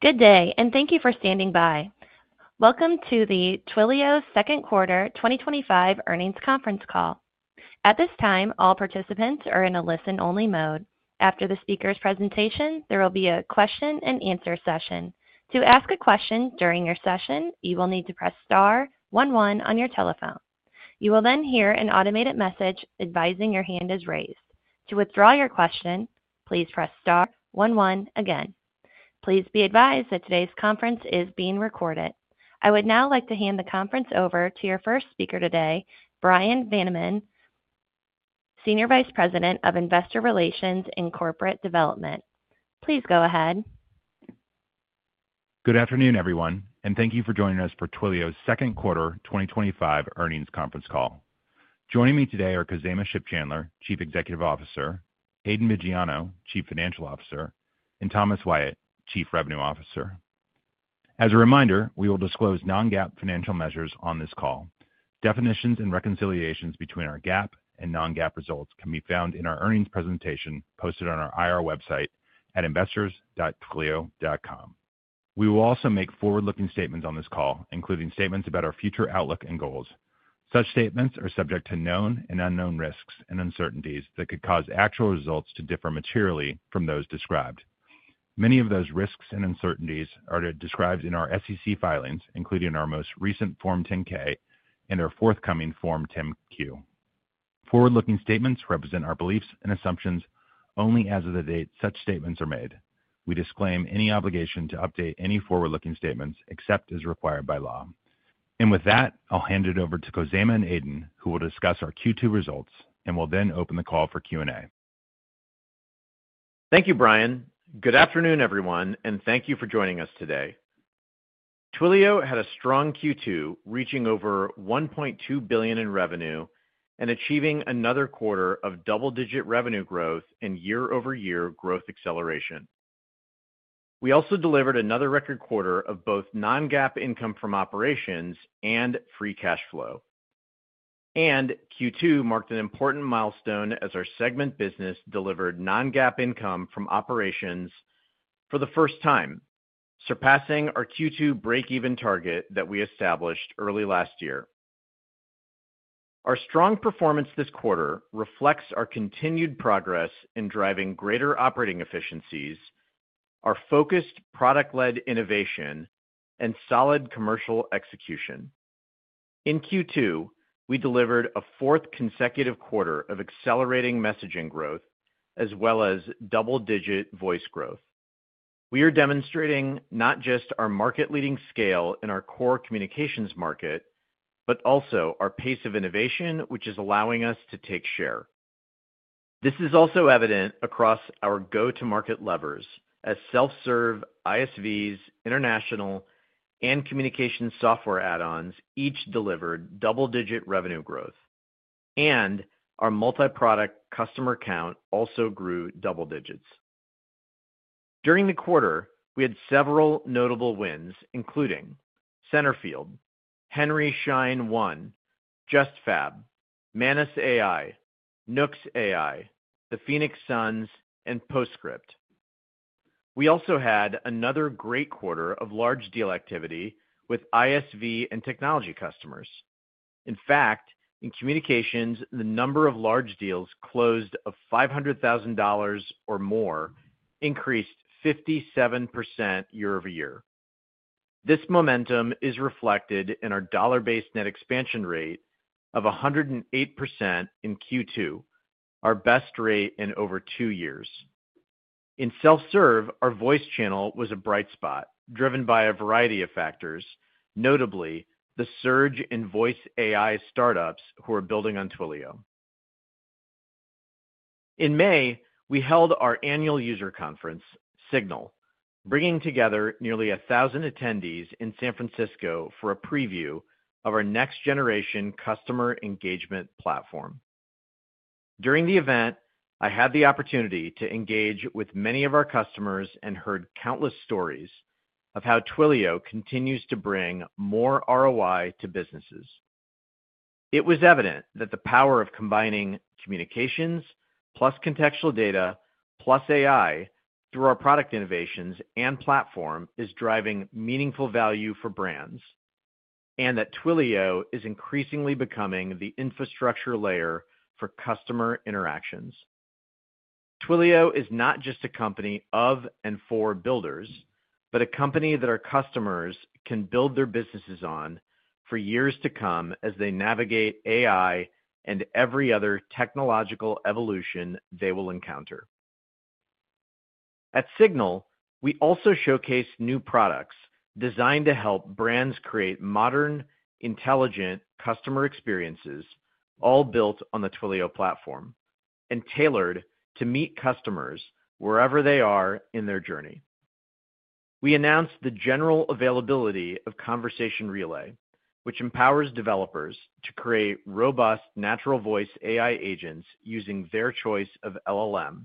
Good day, and thank you for standing by. Welcome to the Twilio Second Quarter 2025 Earnings Conference Call. At this time, all participants are in a listen-only mode. After the speaker's presentation, there will be a question and answer session. To ask a question during your session, you will need to press star one one on your telephone. You will then hear an automated message advising your hand is raised. To withdraw your question, please press star one one again. Please be advised that today's conference is being recorded. I would now like to hand the conference over to your first speaker today, Bryan Vanaman, Senior Vice President of Investor Relations and Corporate Development. Please go ahead. Good afternoon, everyone, and thank you for joining us for Twilio's Second Quarter 2025 Earnings Conference Call. Joining me today are Khozema Shipchandler, Chief Executive Officer, Aidan Viggiano, Chief Financial Officer, and Thomas Wyatt, Chief Revenue Officer. As a reminder, we will disclose non-GAAP financial measures on this call. Definitions and reconciliations between our GAAP and non-GAAP results can be found in our earnings presentation posted on our IR website at investors.twilio.com. We will also make forward-looking statements on this call, including statements about our future outlook and goals. Such statements are subject to known and unknown risks and uncertainties that could cause actual results to differ materially from those described. Many of those risks and uncertainties are described in our SEC filings, including our most recent Form 10-K and our forthcoming Form 10-Q. Forward-looking statements represent our beliefs and assumptions only as of the date such statements are made. We disclaim any obligation to update any forward-looking statements except as required by law. With that, I'll hand it over to Khozema and Aidan, who will discuss our Q2 results and will then open the call for Q&A. Thank you, Brian. Good afternoon, everyone, and thank you for joining us today. Twilio had a strong Q2, reaching over $1.2 billion in revenue and achieving another quarter of double-digit revenue growth and year-over-year growth acceleration. We also delivered another record quarter of both non-GAAP income from operations and free cash flow. Q2 marked an important milestone as our Segment business delivered non-GAAP income from operations for the first time, surpassing our Q2 break-even target that we established early last year. Our strong performance this quarter reflects our continued progress in driving greater operating efficiencies, our focused product-led innovation, and solid commercial execution. In Q2, we delivered a fourth consecutive quarter of accelerating messaging growth, as well as double-digit voice growth. We are demonstrating not just our market-leading scale in our core communications market, but also our pace of innovation, which is allowing us to take share. This is also evident across our go-to-market levers, as self-serve ISVs, international, and communications software add-ons each delivered double-digit revenue growth. Our multi-product customer count also grew double digits. During the quarter, we had several notable wins, including Centerfield, Henry Schein One, JustFab, Manus AI, Nooks AI, the Phoenix Suns, and Postscript. We also had another great quarter of large deal activity with ISV and technology customers. In fact, in communications, the number of large deals closed of $500,000 or more increased 57% year-over-year. This momentum is reflected in our dollar-based net expansion rate of 108% in Q2, our best rate in over two years. In self-serve, our voice channel was a bright spot, driven by a variety of factors, notably the surge in voice AI startups who are building on Twilio. In May, we held our annual user conference, Signal, bringing together nearly a thousand attendees in San Francisco for a preview of our next-generation customer engagement platform. During the event, I had the opportunity to engage with many of our customers and heard countless stories of how Twilio continues to bring more ROI to businesses. It was evident that the power of combining communications plus contextual data plus AI through our product innovations and platform is driving meaningful value for brands, and that Twilio is increasingly becoming the infrastructure layer for customer interactions. Twilio is not just a company of and for builders, but a company that our customers can build their businesses on for years to come as they navigate AI and every other technological evolution they will encounter. At Signal, we also showcase new products designed to help brands create modern, intelligent customer experiences, all built on the Twilio platform and tailored to meet customers wherever they are in their journey. We announced the general availability of Conversation Relay, which empowers developers to create robust natural voice AI agents using their choice of LLM.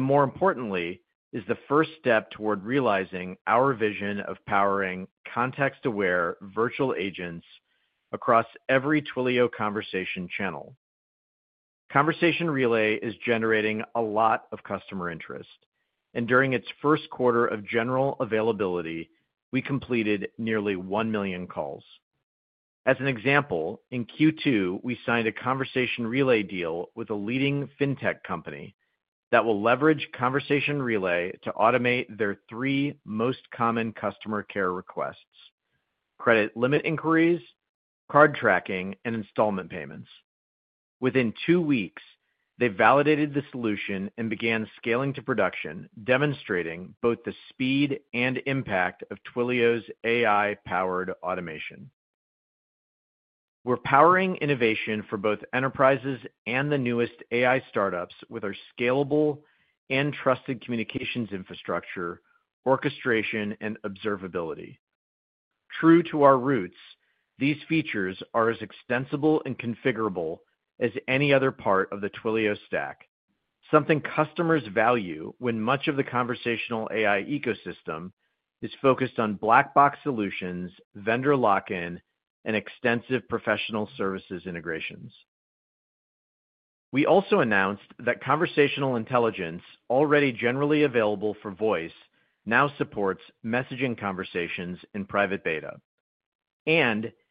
More importantly, it is the first step toward realizing our vision of powering context-aware virtual agents across every Twilio conversation channel. Conversation Relay is generating a lot of customer interest, and during its first quarter of general availability, we completed nearly 1 million calls. As an example, in Q2, we signed a Conversation Relay deal with a leading fintech company that will leverage Conversation Relay to automate their three most common customer care requests: credit limit inquiries, card tracking, and installment payments. Within two weeks, they validated the solution and began scaling to production, demonstrating both the speed and impact of Twilio's AI-powered automation. We're powering innovation for both enterprises and the newest AI startups with our scalable and trusted communications infrastructure, orchestration, and observability. True to our roots, these features are as extensible and configurable as any other part of the Twilio stack, something customers value when much of the conversational AI ecosystem is focused on black-box solutions, vendor lock-in, and extensive professional services integrations. We also announced that Conversational Intelligence, already generally available for voice, now supports messaging conversations in private beta.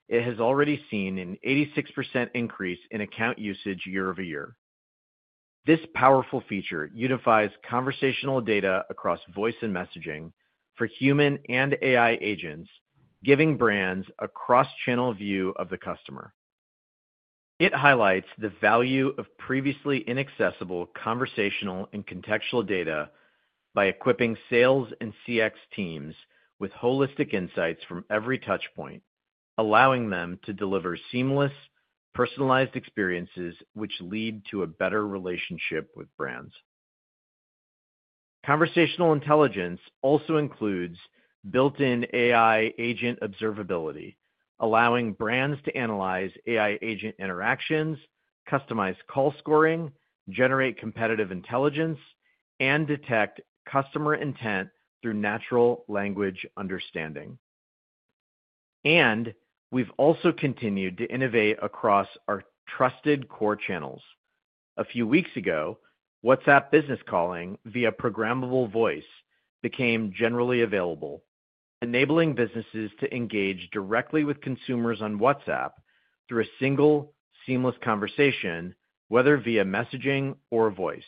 It has already seen an 86% increase in account usage year-over-year. This powerful feature unifies conversational data across voice and messaging for human and AI agents, giving brands a cross-channel view of the customer. It highlights the value of previously inaccessible conversational and contextual data by equipping sales and CX teams with holistic insights from every touchpoint, allowing them to deliver seamless, personalized experiences which lead to a better relationship with brands. Conversational Intelligence also includes built-in AI agent observability, allowing brands to analyze AI agent interactions, customize call scoring, generate competitive intelligence, and detect customer intent through natural language understanding. We've also continued to innovate across our trusted core channels. A few weeks ago, WhatsApp Business Calling via Programmable Voice became generally available, enabling businesses to engage directly with consumers on WhatsApp through a single, seamless conversation, whether via messaging or voice.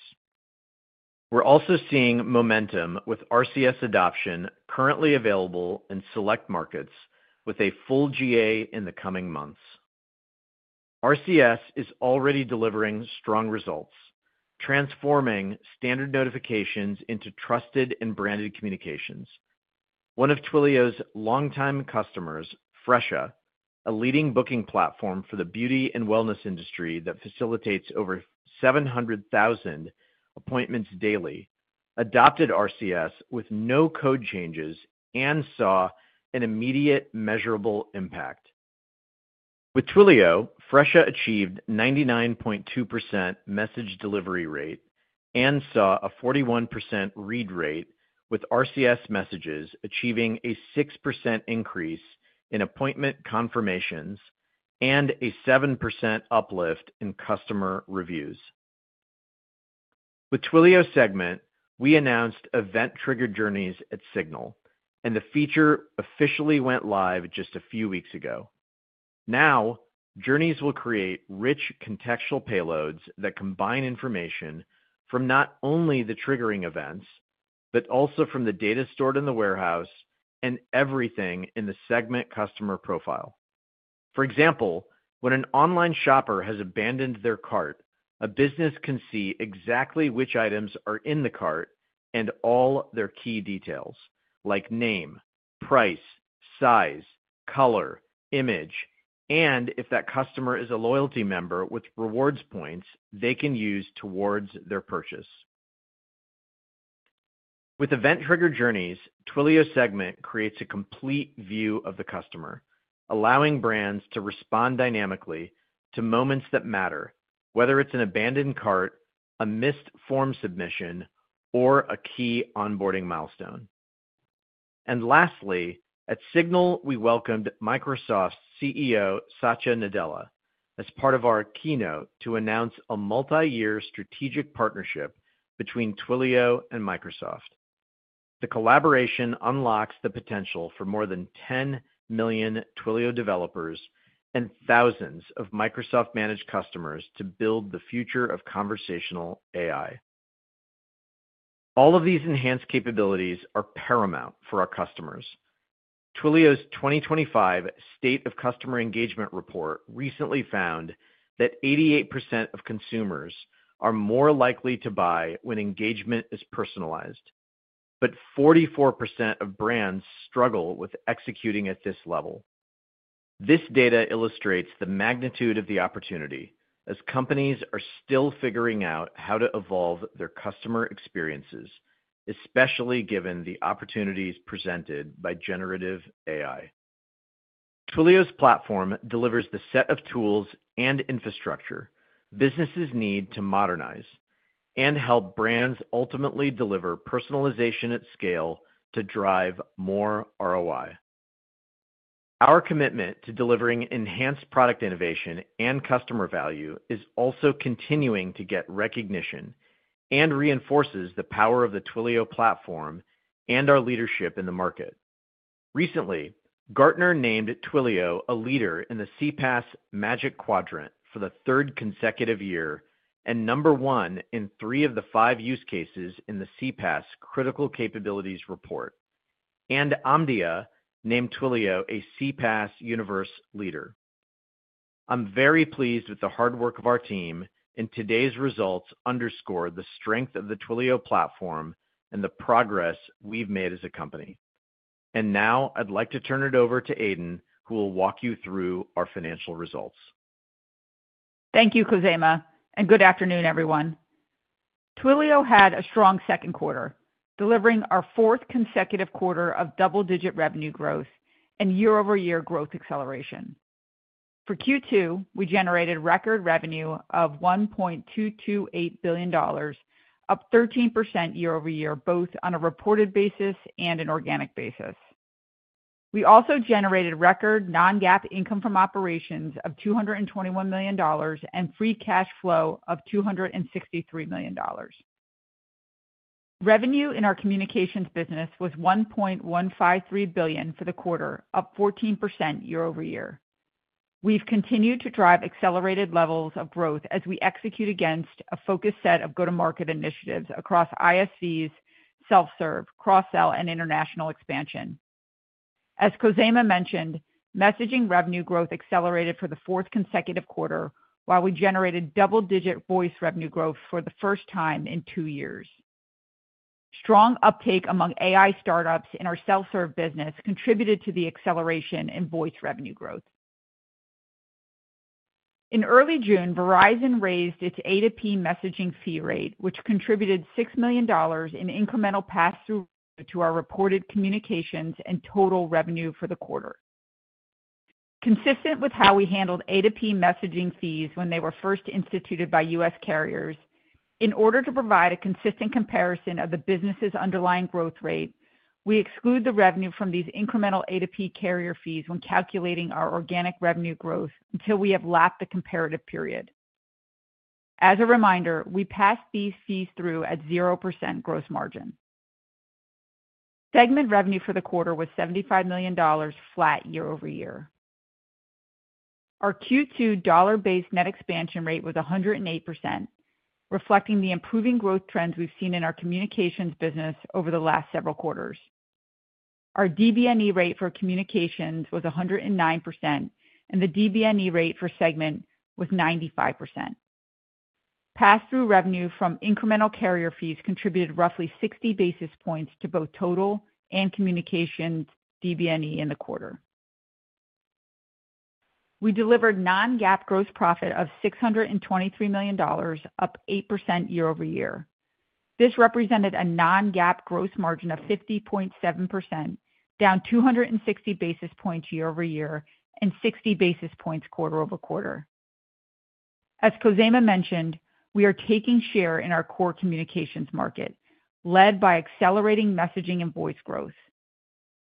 We're also seeing momentum with RCS adoption currently available in select markets, with a full GA in the coming months. RCS is already delivering strong results, transforming standard notifications into trusted and branded communications. One of Twilio's longtime customers, Fresha, a leading booking platform for the beauty and wellness industry that facilitates over 700,000 appointments daily, adopted RCS with no code changes and saw an immediate, measurable impact. With Twilio, Fresha achieved a 99.2% message delivery rate and saw a 41% read rate, with RCS messages achieving a 6% increase in appointment confirmations and a 7% uplift in customer reviews. With Twilio's Segment, we announced event-triggered journeys at Signal, and the feature officially went live just a few weeks ago. Now, journeys will create rich contextual payloads that combine information from not only the triggering events, but also from the data stored in the warehouse and everything in the Segment customer profile. For example, when an online shopper has abandoned their cart, a business can see exactly which items are in the cart and all their key details, like name, price, size, color, image, and if that customer is a loyalty member with rewards points they can use towards their purchase. With event-triggered journeys, Twilio's Segment creates a complete view of the customer, allowing brands to respond dynamically to moments that matter, whether it's an abandoned cart, a missed form submission, or a key onboarding milestone. At Signal, we welcomed Microsoft's CEO, Satya Nadella, as part of our keynote to announce a multi-year strategic partnership between Twilio and Microsoft. The collaboration unlocks the potential for more than 10 million Twilio developers and thousands of Microsoft-managed customers to build the future of conversational AI. All of these enhanced capabilities are paramount for our customers. Twilio's 2025 State of Customer Engagement report recently found that 88% of consumers are more likely to buy when engagement is personalized, but 44% of brands struggle with executing at this level. This data illustrates the magnitude of the opportunity as companies are still figuring out how to evolve their customer experiences, especially given the opportunities presented by generative AI. Twilio's platform delivers the set of tools and infrastructure businesses need to modernize and help brands ultimately deliver personalization at scale to drive more ROI. Our commitment to delivering enhanced product innovation and customer value is also continuing to get recognition and reinforces the power of the Twilio platform and our leadership in the market. Recently, Gartner named Twilio a leader in the CPaaS Magic Quadrant for the third consecutive year and number one in three of the five use cases in the CPaaS Critical Capabilities Report. Omdia named Twilio a CPaaS Universe leader. I'm very pleased with the hard work of our team, and today's results underscore the strength of the Twilio platform and the progress we've made as a company. I'd like to turn it over to Aidan, who will walk you through our financial results. Thank you, Khozema, and good afternoon, everyone. Twilio had a strong second quarter, delivering our fourth consecutive quarter of double-digit revenue growth and year-over-year growth acceleration. For Q2, we generated record revenue of $1.228 billion, up 13% year-over-year, both on a reported basis and an organic basis. We also generated record non-GAAP income from operations of $221 million and free cash flow of $263 million. Revenue in our communications business was $1.153 billion for the quarter, up 14% year-over-year. We've continued to drive accelerated levels of growth as we execute against a focused set of go-to-market initiatives across ISVs, self-serve, cross-sell, and international expansion. As Khozema mentioned, messaging revenue growth accelerated for the fourth consecutive quarter, while we generated double-digit voice revenue growth for the first time in two years. Strong uptake among AI startups in our self-serve business contributed to the acceleration in voice revenue growth. In early June, Verizon raised its A2P messaging fee rate, which contributed $6 million in incremental pass-through to our reported communications and total revenue for the quarter. Consistent with how we handled A2P messaging fees when they were first instituted by U.S. carriers, in order to provide a consistent comparison of the business's underlying growth rate, we exclude the revenue from these incremental A2P carrier fees when calculating our organic revenue growth until we have lapped the comparative period. As a reminder, we passed these fees through at 0% gross margin. Segment revenue for the quarter was $75 million flat year-over-year. Our Q2 dollar-based net expansion rate was 108%, reflecting the improving growth trends we've seen in our communications business over the last several quarters. Our DBNE rate for communications was 109%, and the DBNE rate for Segment was 95%. Pass-through revenue from incremental carrier fees contributed roughly 60 basis points to both total and communications DBNE in the quarter. We delivered non-GAAP gross profit of $623 million, up 8% year-over-year. This represented a non-GAAP gross margin of 50.7%, down 260 basis points year-over-year and 60 basis points quarter-over-quarter. As Khozema mentioned, we are taking share in our core communications market, led by accelerating messaging and voice growth.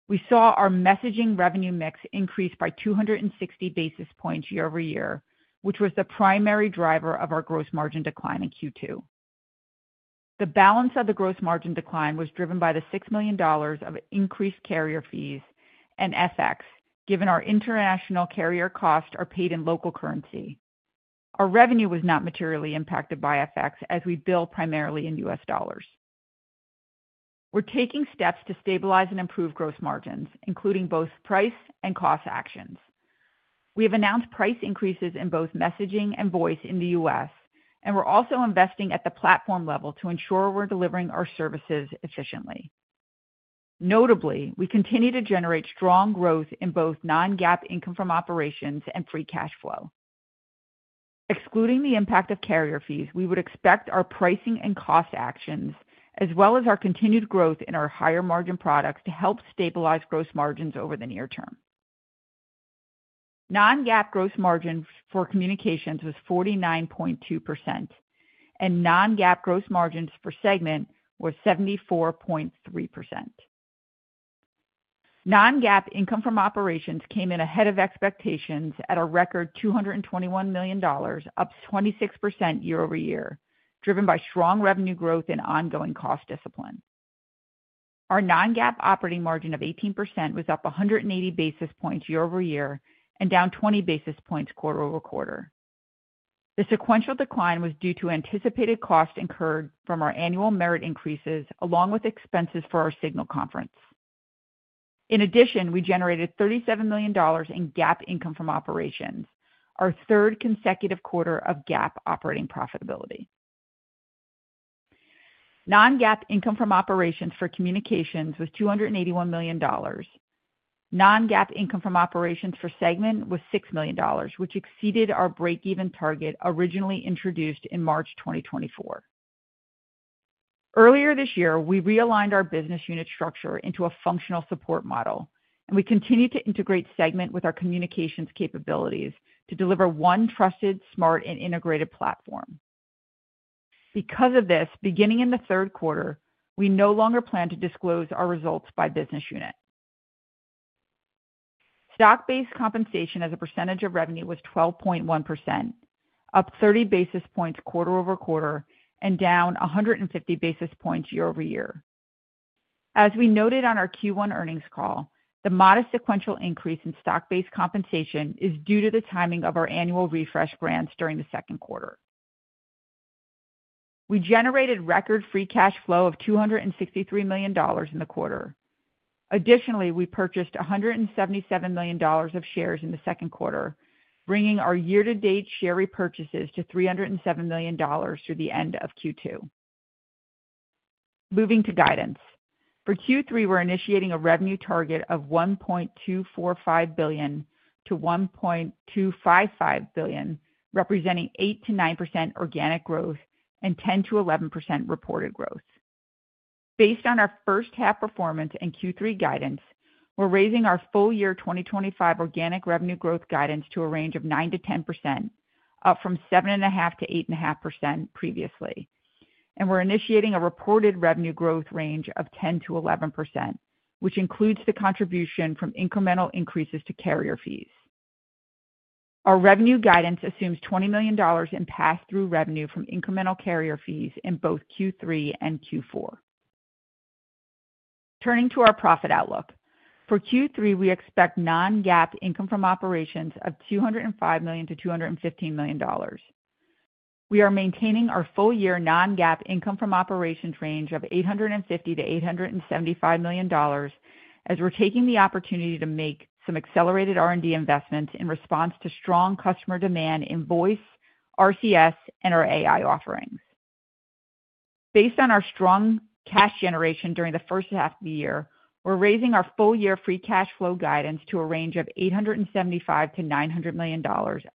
We saw our messaging revenue mix increase by 260 basis points year-over-year, which was the primary driver of our gross margin decline in Q2. The balance of the gross margin decline was driven by the $6 million of increased carrier fees and FX, given our international carrier costs are paid in local currency. Our revenue was not materially impacted by FX, as we bill primarily in U.S. dollars. We're taking steps to stabilize and improve gross margins, including both price and cost actions. We have announced price increases in both messaging and voice in the U.S., and we're also investing at the platform level to ensure we're delivering our services efficiently. Notably, we continue to generate strong growth in both non-GAAP income from operations and free cash flow. Excluding the impact of carrier fees, we would expect our pricing and cost actions, as well as our continued growth in our higher margin products, to help stabilize gross margins over the near term. Non-GAAP gross margin for communications was 49.2%, and non-GAAP gross margins for Segment were 74.3%. Non-GAAP income from operations came in ahead of expectations at a record $221 million, up 26% year-over-year, driven by strong revenue growth and ongoing cost discipline. Our non-GAAP operating margin of 18% was up 180 basis points year-over-year and down 20 basis points quarter-over-quarter. The sequential decline was due to anticipated costs incurred from our annual merit increases, along with expenses for our Signal conference. In addition, we generated $37 million in GAAP income from operations, our third consecutive quarter of GAAP operating profitability. Non-GAAP income from operations for communications was $281 million. Non-GAAP income from operations for Segment was $6 million, which exceeded our break-even target originally introduced in March 2024. Earlier this year, we realigned our business unit structure into a functional support model, and we continue to integrate Segment with our communications capabilities to deliver one trusted, smart, and integrated platform. Because of this, beginning in the third quarter, we no longer plan to disclose our results by business unit. Stock-based compensation as a percentage of revenue was 12.1%, up 30 basis points quarter-over-quarter and down 150 basis points year-over-year. As we noted on our Q1 earnings call, the modest sequential increase in stock-based compensation is due to the timing of our annual refresh grants during the second quarter. We generated record free cash flow of $263 million in the quarter. Additionally, we purchased $177 million of shares in the second quarter, bringing our year-to-date share repurchases to $307 million through the end of Q2. Moving to guidance. For Q3, we're initiating a revenue target of $1.245 billion-$1.255 billion, representing 8%-9% organic growth and 10%-11% reported growth. Based on our first half performance and Q3 guidance, we're raising our full-year 2025 organic revenue growth guidance to a range of 9%-10%, up from 7.5%-8.5% previously. We're initiating a reported revenue growth range of 10%-11%, which includes the contribution from incremental increases to carrier fees. Our revenue guidance assumes $20 million in pass-through revenue from incremental carrier fees in both Q3 and Q4. Turning to our profit outlook. For Q3, we expect non-GAAP income from operations of $205 million-$215 million. We are maintaining our full-year non-GAAP income from operations range of $850 million-$875 million, as we're taking the opportunity to make some accelerated R&D investments in response to strong customer demand in voice, RCS, and our AI offerings. Based on our strong cash generation during the first half of the year, we're raising our full-year free cash flow guidance to a range of $875 million-$900 million,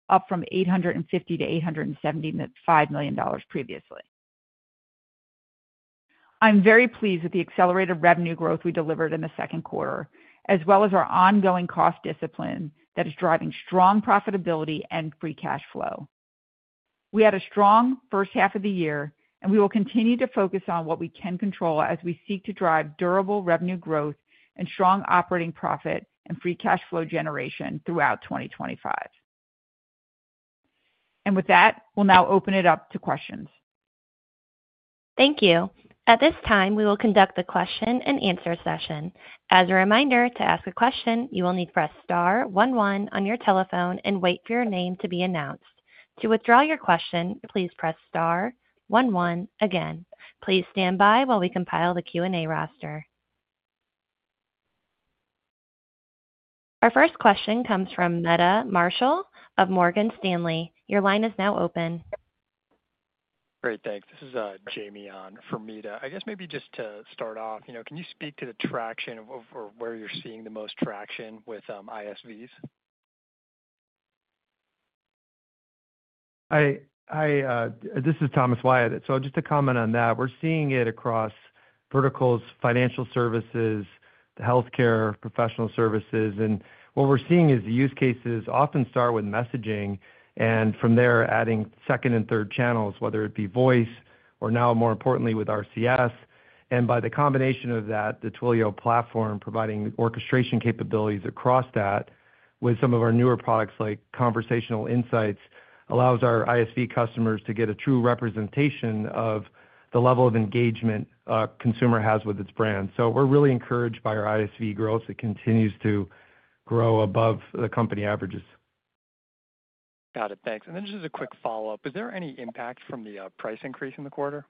up from $850 million-$875 million previously. I'm very pleased with the accelerated revenue growth we delivered in the second quarter, as well as our ongoing cost discipline that is driving strong profitability and free cash flow. We had a strong first half of the year, and we will continue to focus on what we can control as we seek to drive durable revenue growth and strong operating profit and free cash flow generation throughout 2025. With that, we'll now open it up to questions. Thank you. At this time, we will conduct the question and answer session. As a reminder, to ask a question, you will need to press star one one on your telephone and wait for your name to be announced. To withdraw your question, please press star one one again. Please stand by while we compile the Q&A roster. Our first question comes from Meta Marshall of Morgan Stanley. Your line is now open. Great, thanks. This is Jamie on for Meta. I guess maybe just to start off, can you speak to the traction or where you're seeing the most traction with ISVs? Hi, this is Thomas Wyatt. Just to comment on that, we're seeing it across verticals, financial services, healthcare, professional services. What we're seeing is the use cases often start with messaging and from there adding second and third channels, whether it be voice or now more importantly with RCS. By the combination of that, the Twilio platform providing orchestration capabilities across that with some of our newer products like Conversational Intelligence allows our ISV customers to get a true representation of the level of engagement a consumer has with its brand. We're really encouraged by our ISV growth. It continues to grow above the company averages. Got it, thanks. Just as a quick follow-up, is there any impact from the price increase in the quarter?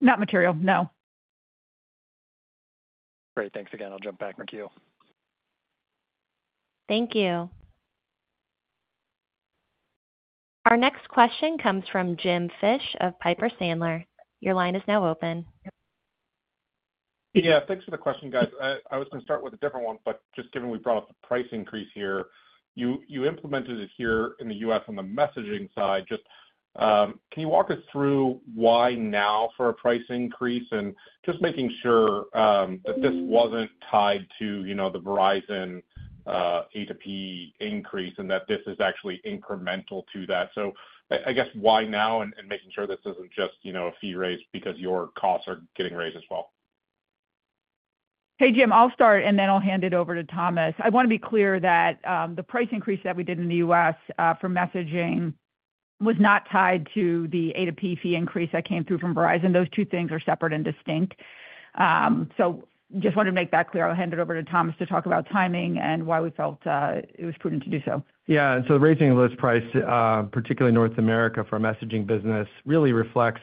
Not material, no. Great, thanks again. I'll jump back in queue. Thank you. Our next question comes from Jim Fish of Piper Sandler. Your line is now open. Yeah, thanks for the question, guys. I was going to start with a different one, but just given we brought up the price increase here, you implemented it here in the U.S. on the messaging side. Can you walk us through why now for a price increase and just making sure that this wasn't tied to, you know, the Verizon A2P increase and that this is actually incremental to that? I guess why now and making sure this isn't just, you know, a fee raised because your costs are getting raised as well? Hey, Jim, I'll start and then I'll hand it over to Thomas. I want to be clear that the price increase that we did in the U.S. for messaging was not tied to the A2P fee increase that came through from Verizon. Those two things are separate and distinct. I just wanted to make that clear. I'll hand it over to Thomas to talk about timing and why we felt it was prudent to do so. Yeah, raising the list price, particularly in North America for our messaging business, really reflects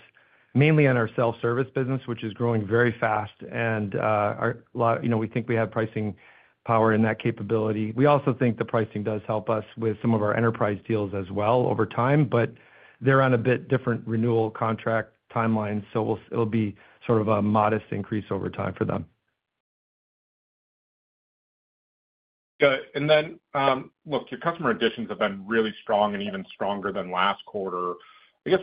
mainly on our self-service business, which is growing very fast. We think we have pricing power in that capability. We also think the pricing does help us with some of our enterprise deals as well over time, but they're on a bit different renewal contract timeline, so it'll be sort of a modest increase over time for them. Got it. Your customer additions have been really strong and even stronger than last quarter. I guess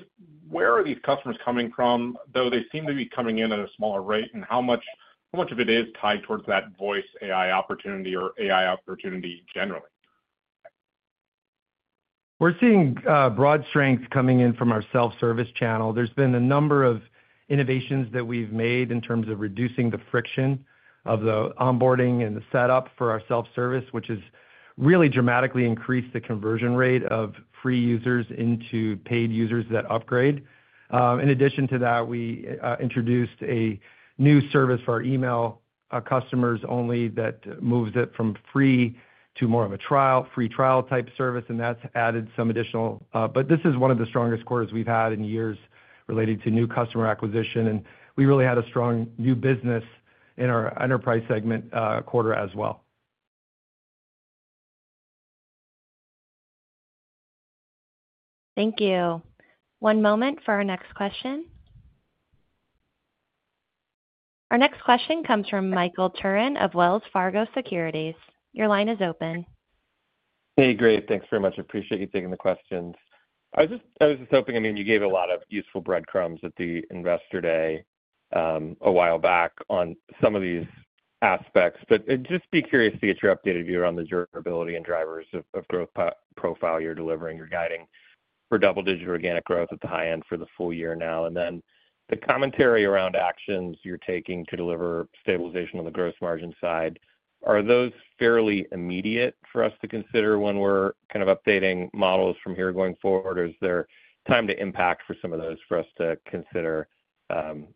where are these customers coming from, though they seem to be coming in at a smaller rate? How much of it is tied towards that voice AI opportunity or AI opportunity generally? We're seeing broad strength coming in from our self-service channel. There's been a number of innovations that we've made in terms of reducing the friction of the onboarding and the setup for our self-service, which has really dramatically increased the conversion rate of free users into paid users that upgrade. In addition to that, we introduced a new service for our email customers only that moves it from free to more of a free trial type service, and that's added some additional. This is one of the strongest quarters we've had in years related to new customer acquisition, and we really had a strong new business in our enterprise segment quarter as well. Thank you. One moment for our next question. Our next question comes from Michael Turrin of Wells Fargo Securities. Your line is open. Hey, great. Thanks very much. I appreciate you taking the questions. I was just hoping, I mean, you gave a lot of useful breadcrumbs at the Investor Day a while back on some of these aspects, but I'd just be curious to get your updated view around the durability and drivers of growth profile you're delivering or guiding for double-digit organic growth at the high end for the full year now. The commentary around actions you're taking to deliver stabilization on the gross margin side, are those fairly immediate for us to consider when we're kind of updating models from here going forward, or is there time to impact for some of those for us to consider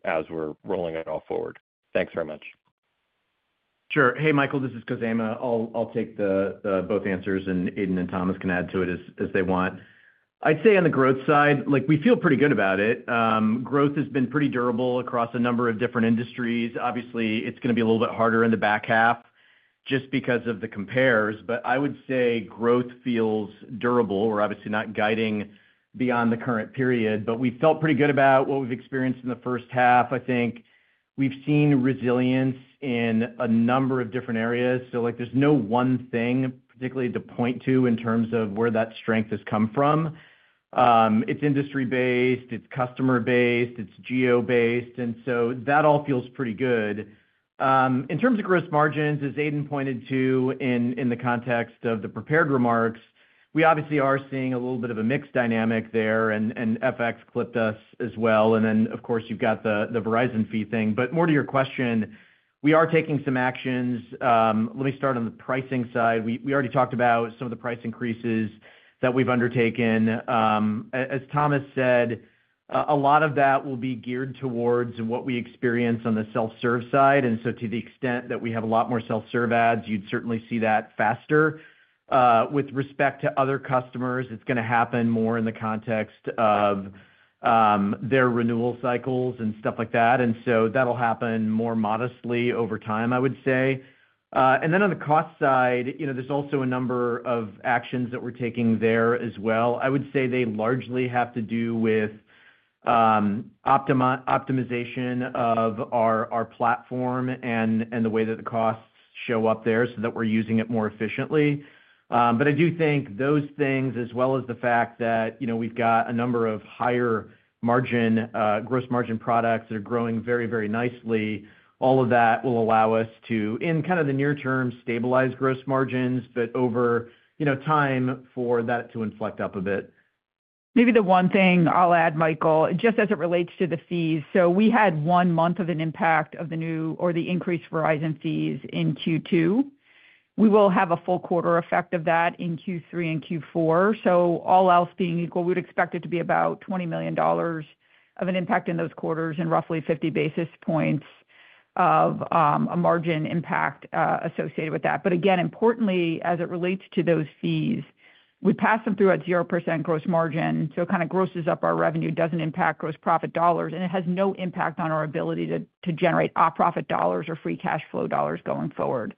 as we're rolling it all forward? Thanks very much. Sure. Hey, Michael, this is Khozema. I'll take both answers, and Aidan and Thomas can add to it as they want. I'd say on the growth side, we feel pretty good about it. Growth has been pretty durable across a number of different industries. Obviously, it's going to be a little bit harder in the back half just because of the compares, but I would say growth feels durable. We're obviously not guiding beyond the current period, but we felt pretty good about what we've experienced in the first half. I think we've seen resilience in a number of different areas. There's no one thing particularly to point to in terms of where that strength has come from. It's industry-based, it's customer-based, it's geo-based, and that all feels pretty good. In terms of gross margins, as Aidan pointed to in the context of the prepared remarks, we are seeing a little bit of a mixed dynamic there, and FX clipped us as well. Of course, you've got the Verizon fee thing. More to your question, we are taking some actions. Let me start on the pricing side. We already talked about some of the price increases that we've undertaken. As Thomas said, a lot of that will be geared towards what we experience on the self-serve side. To the extent that we have a lot more self-serve ads, you'd certainly see that faster. With respect to other customers, it's going to happen more in the context of their renewal cycles and stuff like that. That'll happen more modestly over time, I would say. On the cost side, there's also a number of actions that we're taking there as well. I would say they largely have to do with optimization of our platform and the way that the costs show up there so that we're using it more efficiently. I do think those things, as well as the fact that we've got a number of higher gross margin products that are growing very, very nicely, all of that will allow us to, in kind of the near term, stabilize gross margins, but over time for that to inflect up a bit. Maybe the one thing I'll add, Michael, just as it relates to the fees. We had one month of an impact of the new or the increased Verizon fees in Q2. We will have a full quarter effect of that in Q3 and Q4. All else being equal, we would expect it to be about $20 million of an impact in those quarters and roughly 50 basis points of a margin impact associated with that. Again, importantly, as it relates to those fees, we pass them through at 0% gross margin. It kind of grosses up our revenue, doesn't impact gross profit dollars, and it has no impact on our ability to generate profit dollars or free cash flow dollars going forward.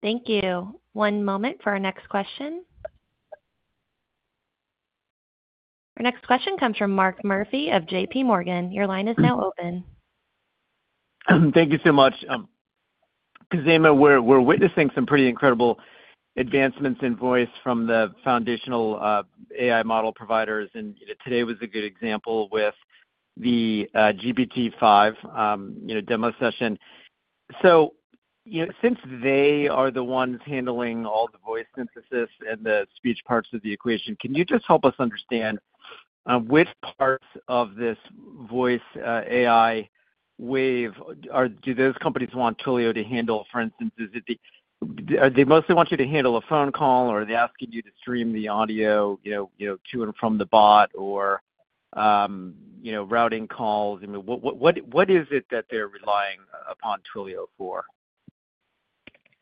Thank you. One moment for our next question. Our next question comes from Mark Murphy of JPMorgan. Your line is now open. Thank you so much. Khozema, we're witnessing some pretty incredible advancements in voice from the foundational AI model providers. Today was a good example with the GPT-5 demo session. Since they are the ones handling all the voice synthesis and the speech parts of the equation, can you just help us understand which parts of this voice AI wave do those companies want Twilio to handle? For instance, do they mostly want you to handle a phone call, or are they asking you to stream the audio to and from the bot, or routing calls? What is it that they're relying upon Twilio for?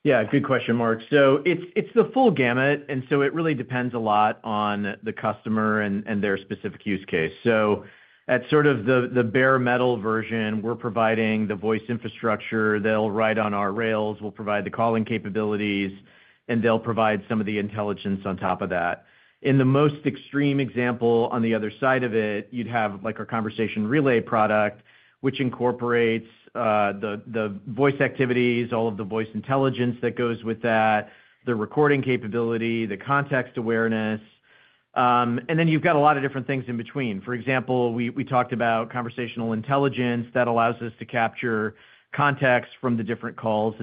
Good question, Mark. It's the full gamut, and it really depends a lot on the customer and their specific use case. At sort of the bare metal version, we're providing the voice infrastructure. They'll write on our rails, we'll provide the calling capabilities, and they'll provide some of the intelligence on top of that. In the most extreme example on the other side of it, you'd have our Conversation Relay product, which incorporates the voice activities, all of the voice intelligence that goes with that, the recording capability, the context awareness. Then you've got a lot of different things in between. For example, we talked about Conversational Intelligence that allows us to capture context from the different calls.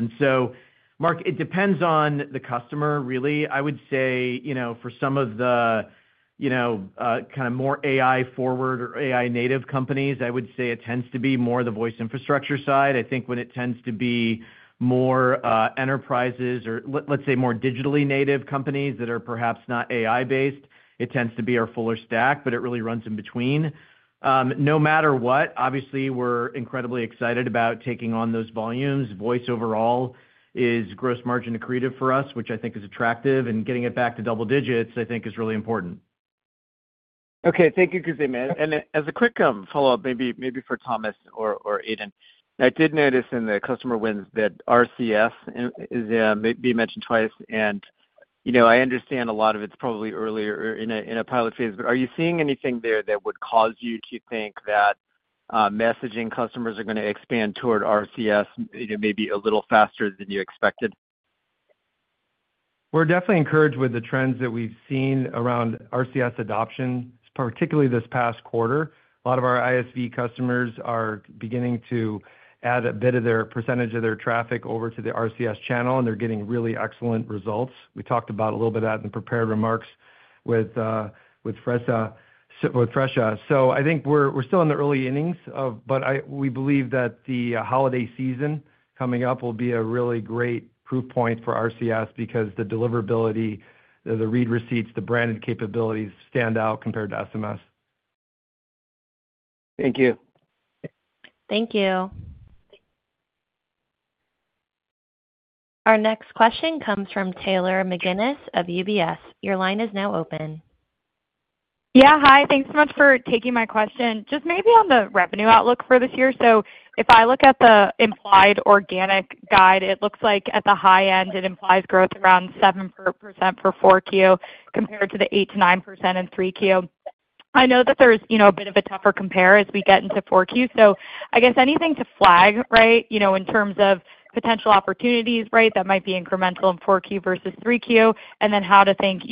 Mark, it depends on the customer, really. I would say for some of the more AI-forward or AI-native companies, it tends to be more the voice infrastructure side. I think when it tends to be more enterprises or, let's say, more digitally native companies that are perhaps not AI-based, it tends to be our fuller stack, but it really runs in between. No matter what, obviously, we're incredibly excited about taking on those volumes. Voice overall is gross margin accretive for us, which I think is attractive, and getting it back to double digits, I think, is really important. Thank you, Khozema. As a quick follow-up, maybe for Thomas or Aidan, I did notice in the customer wins that RCS is being mentioned twice, and you know, I understand a lot of it's probably earlier in a pilot phase, but are you seeing anything there that would cause you to think that messaging customers are going to expand toward RCS maybe a little faster than you expected? We're definitely encouraged with the trends that we've seen around RCS adoption, particularly this past quarter. A lot of our ISV customers are beginning to add a bit of their percentage of their traffic over to the RCS channel, and they're getting really excellent results. We talked about a little bit of that in the prepared remarks with Fresha. I think we're still in the early innings, but we believe that the holiday season coming up will be a really great proof point for RCS because the deliverability, the read receipts, the branded capabilities stand out compared to SMS. Thank you. Thank you. Our next question comes from Taylor McGuinness of UBS. Your line is now open. Yeah, hi, thanks so much for taking my question. Just maybe on the revenue outlook for this year. If I look at the implied organic guide, it looks like at the high end, it implies growth around 7% for 4Q compared to the 8%-9% in 3Q. I know that there's a bit of a tougher compare as we get into 4Q. I guess anything to flag, right, in terms of potential opportunities that might be incremental in 4Q versus 3Q, and then how to think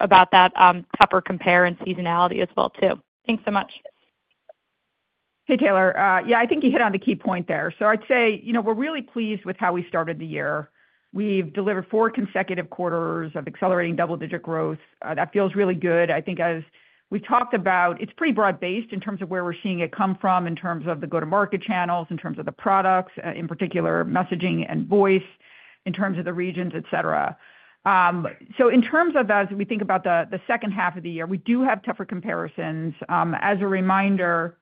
about that tougher compare and seasonality as well too. Thanks so much. Hey, Taylor. Yeah, I think you hit on the key point there. I'd say we're really pleased with how we started the year. We've delivered four consecutive quarters of accelerating double-digit growth. That feels really good. I think as we've talked about, it's pretty broad-based in terms of where we're seeing it come from, in terms of the go-to-market channels, in terms of the products, in particular, messaging and voice, in terms of the regions, et cetera. As we think about the second half of the year, we do have tougher comparisons. As a reminder,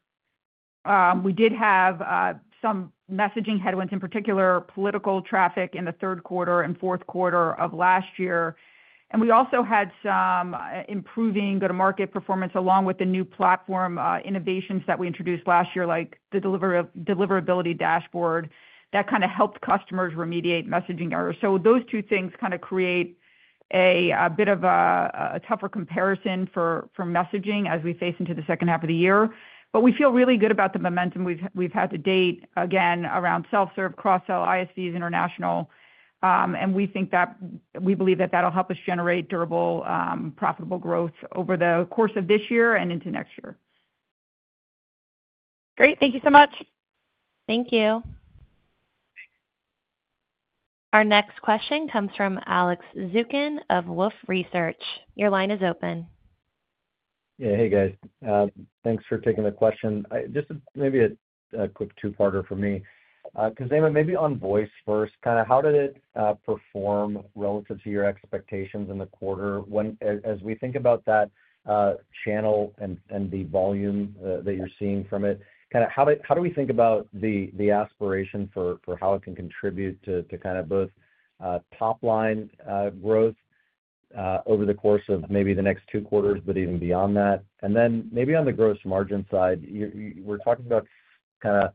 we did have some messaging headwinds, in particular, political traffic in the third quarter and fourth quarter of last year. We also had some improving go-to-market performance along with the new platform innovations that we introduced last year, like the deliverability dashboard that helped customers remediate messaging errors. Those two things create a bit of a tougher comparison for messaging as we face into the second half of the year. We feel really good about the momentum we've had to date, again, around self-serve, cross-sell ISVs, international. We think that we believe that that'll help us generate durable, profitable growth over the course of this year and into next year. Great, thank you so much. Thank you. Our next question comes from Alex Zukin of Wolfe Research. Your line is open. Yeah, hey guys, thanks for taking the question. Just maybe a quick two-parter for me. Khozema, maybe on voice first, kind of how did it perform relative to your expectations in the quarter? As we think about that channel and the volume that you're seeing from it, kind of how do we think about the aspiration for how it can contribute to kind of both top-line growth over the course of maybe the next two quarters, but even beyond that? Then maybe on the gross margin side, we're talking about kind of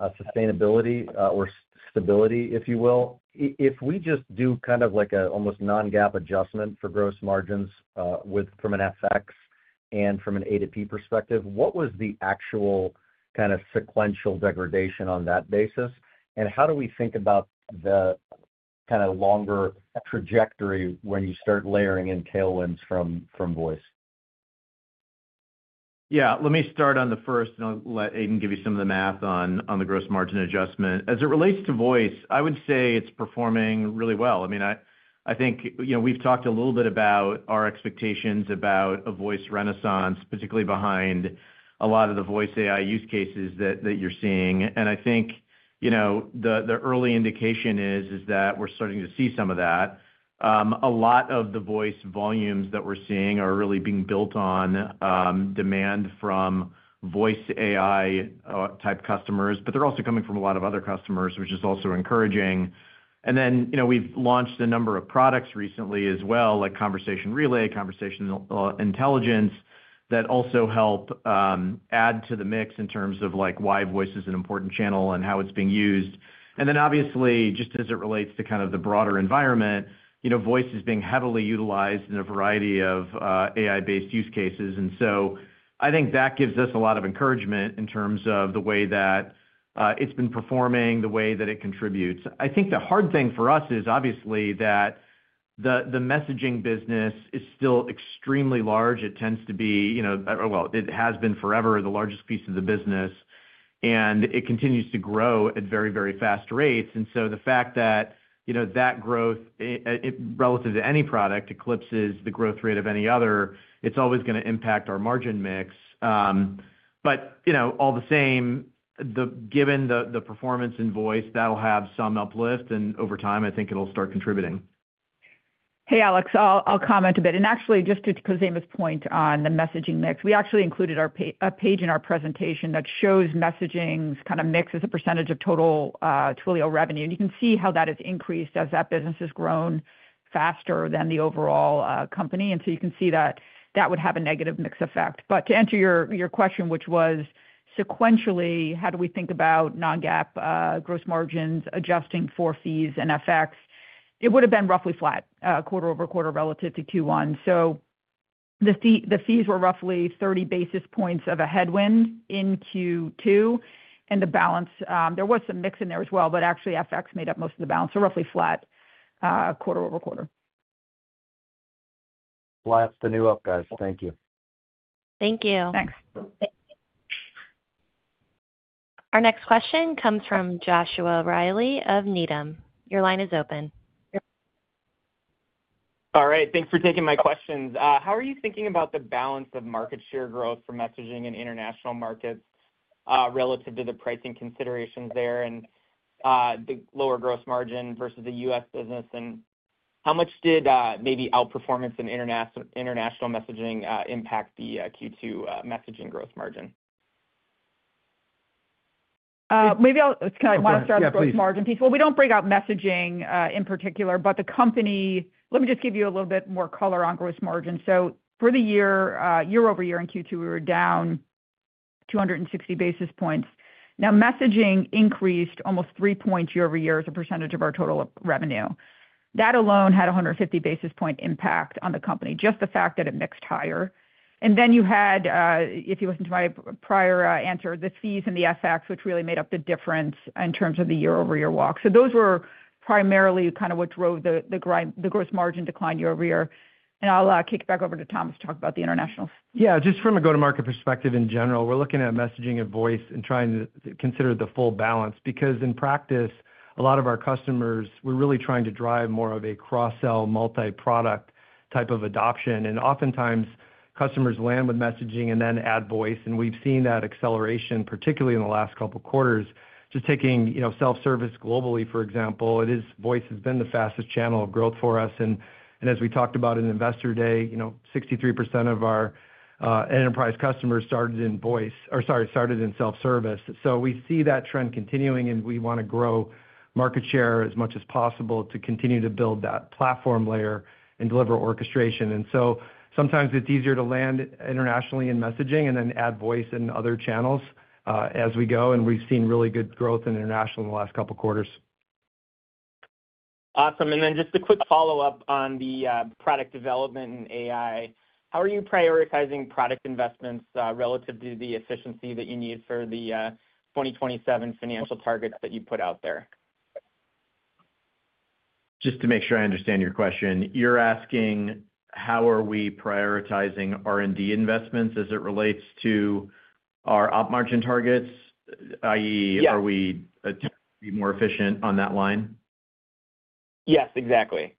sustainability or stability, if you will. If we just do kind of like an almost non-GAAP adjustment for gross margins from an FX and from an A2P perspective, what was the actual kind of sequential degradation on that basis? How do we think about the kind of longer trajectory when you start layering in tailwinds from voice? Let me start on the first, and I'll let Aidan give you some of the math on the gross margin adjustment. As it relates to voice, I would say it's performing really well. I think we've talked a little bit about our expectations about a voice renaissance, particularly behind a lot of the voice AI use cases that you're seeing. I think the early indication is that we're starting to see some of that. A lot of the voice volumes that we're seeing are really being built on demand from voice AI type customers, but they're also coming from a lot of other customers, which is also encouraging. We've launched a number of products recently as well, like Conversation Relay, Conversational Intelligence, that also help add to the mix in terms of why voice is an important channel and how it's being used. Obviously, just as it relates to the broader environment, voice is being heavily utilized in a variety of AI-based use cases. I think that gives us a lot of encouragement in terms of the way that it's been performing, the way that it contributes. The hard thing for us is obviously that the messaging business is still extremely large. It tends to be, it has been forever the largest piece of the business, and it continues to grow at very, very fast rates. The fact that growth, relative to any product, eclipses the growth rate of any other, it's always going to impact our margin mix. All the same, given the performance in voice, that'll have some uplift, and over time, I think it'll start contributing. Hey, Alex, I'll comment a bit. Actually, just to Khozema's point on the messaging mix, we included a page in our presentation that shows messaging's kind of mix as a percentage of total Twilio revenue. You can see how that has increased as that business has grown faster than the overall company. You can see that would have a negative mix effect. To answer your question, which was sequentially, how do we think about non-GAAP gross margins adjusting for fees and FX, it would have been roughly flat quarter-over-quarter relative to Q1. The fees were roughly 30 basis points of a headwind in Q2, and the balance, there was some mix in there as well, but actually FX made up most of the balance, so roughly flat quarter-over-quarter. Flat's the new up, guys. Thank you. Thank you. Thanks. Our next question comes from Joshua Riley of Needham. Your line is open. All right, thanks for taking my questions. How are you thinking about the balance of market share growth for messaging in international markets relative to the pricing considerations there and the lower gross margin versus the U.S. business? How much did maybe outperformance in international messaging impact the Q2 messaging gross margin? Maybe I kind of want to start with the gross margin piece. We don't break out messaging in particular, but the company, let me just give you a little bit more color on gross margin. For the year, year-over-year in Q2, we were down 260 basis points. Messaging increased almost 3% year-over-year as a percentage of our total revenue. That alone had a 150 basis point impact on the company, just the fact that it mixed higher. You had, if you listen to my prior answer, the fees and the FX, which really made up the difference in terms of the year-over-year walk. Those were primarily what drove the gross margin decline year-over-year. I'll kick back over to Thomas to talk about the internationals. Yeah, just from a go-to-market perspective in general, we're looking at messaging and voice and trying to consider the full balance because in practice, a lot of our customers, we're really trying to drive more of a cross-sell, multi-product type of adoption. Oftentimes, customers land with messaging and then add voice. We've seen that acceleration, particularly in the last couple of quarters, just taking self-service globally, for example. Voice has been the fastest channel of growth for us. As we talked about in Investor Day, 63% of our enterprise customers started in voice or, sorry, started in self-service. We see that trend continuing, and we want to grow market share as much as possible to continue to build that platform layer and deliver orchestration. Sometimes it's easier to land internationally in messaging and then add voice in other channels as we go. We've seen really good growth in international in the last couple of quarters. Awesome. Just a quick follow-up on the product development and AI. How are you prioritizing product investments relative to the efficiency that you need for the 2027 financial targets that you put out there? Just to make sure I understand your question, you're asking how are we prioritizing R&D investments as it relates to our op margin targets, i.e., are we attempting to be more efficient on that line? Yes, exactly.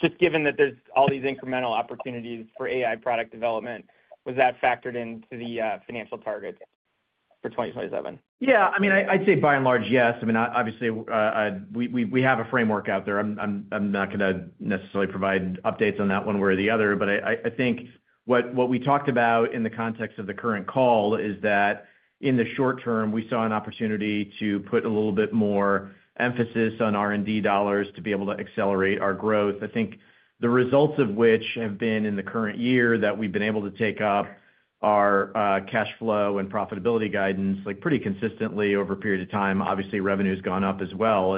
Just given that there's all these incremental opportunities for AI product development, was that factored into the financial target for 2027? Yeah, I mean, I'd say by and large, yes. Obviously, we have a framework out there. I'm not going to necessarily provide updates on that one way or the other, but I think what we talked about in the context of the current call is that in the short term, we saw an opportunity to put a little bit more emphasis on R&D dollars to be able to accelerate our growth. I think the results of which have been in the current year that we've been able to take up our cash flow and profitability guidance pretty consistently over a period of time. Obviously, revenue has gone up as well.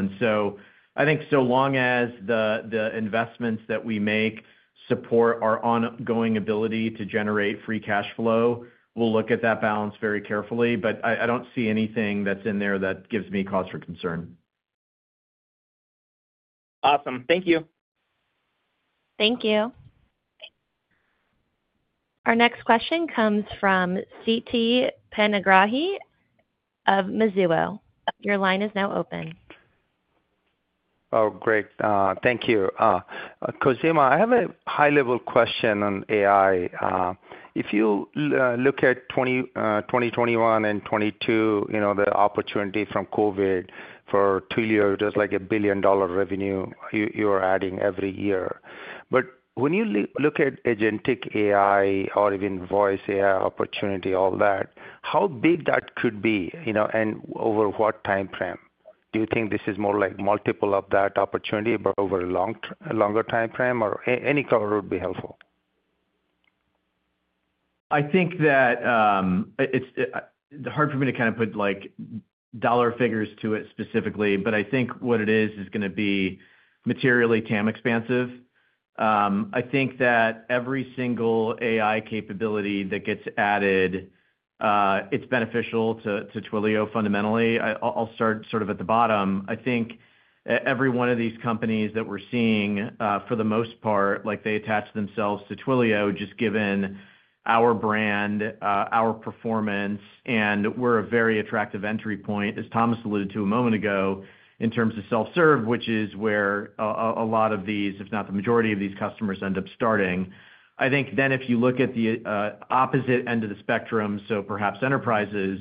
I think so long as the investments that we make support our ongoing ability to generate free cash flow, we'll look at that balance very carefully. I don't see anything that's in there that gives me cause for concern. Awesome. Thank you. Thank you. Our next question comes from Siti Panigrahi of Mizuho. Your line is now open. Oh, great. Thank you. Khozema, I have a high-level question on AI. If you look at 2021 and 2022, you know, the opportunity from COVID for Twilio, just like a billion-dollar revenue you are adding every year. When you look at agentic AI or even voice AI opportunity, all that, how big that could be, you know, and over what timeframe? Do you think this is more like multiple of that opportunity over a longer timeframe, or any color would be helpful? I think that it's hard for me to kind of put dollar figures to it specifically, but I think what it is is going to be materially TAM expansive. I think that every single AI capability that gets added, it's beneficial to Twilio fundamentally. I'll start at the bottom. I think every one of these companies that we're seeing, for the most part, they attach themselves to Twilio just given our brand, our performance, and we're a very attractive entry point, as Thomas alluded to a moment ago, in terms of self-serve, which is where a lot of these, if not the majority of these customers, end up starting. I think if you look at the opposite end of the spectrum, so perhaps enterprises,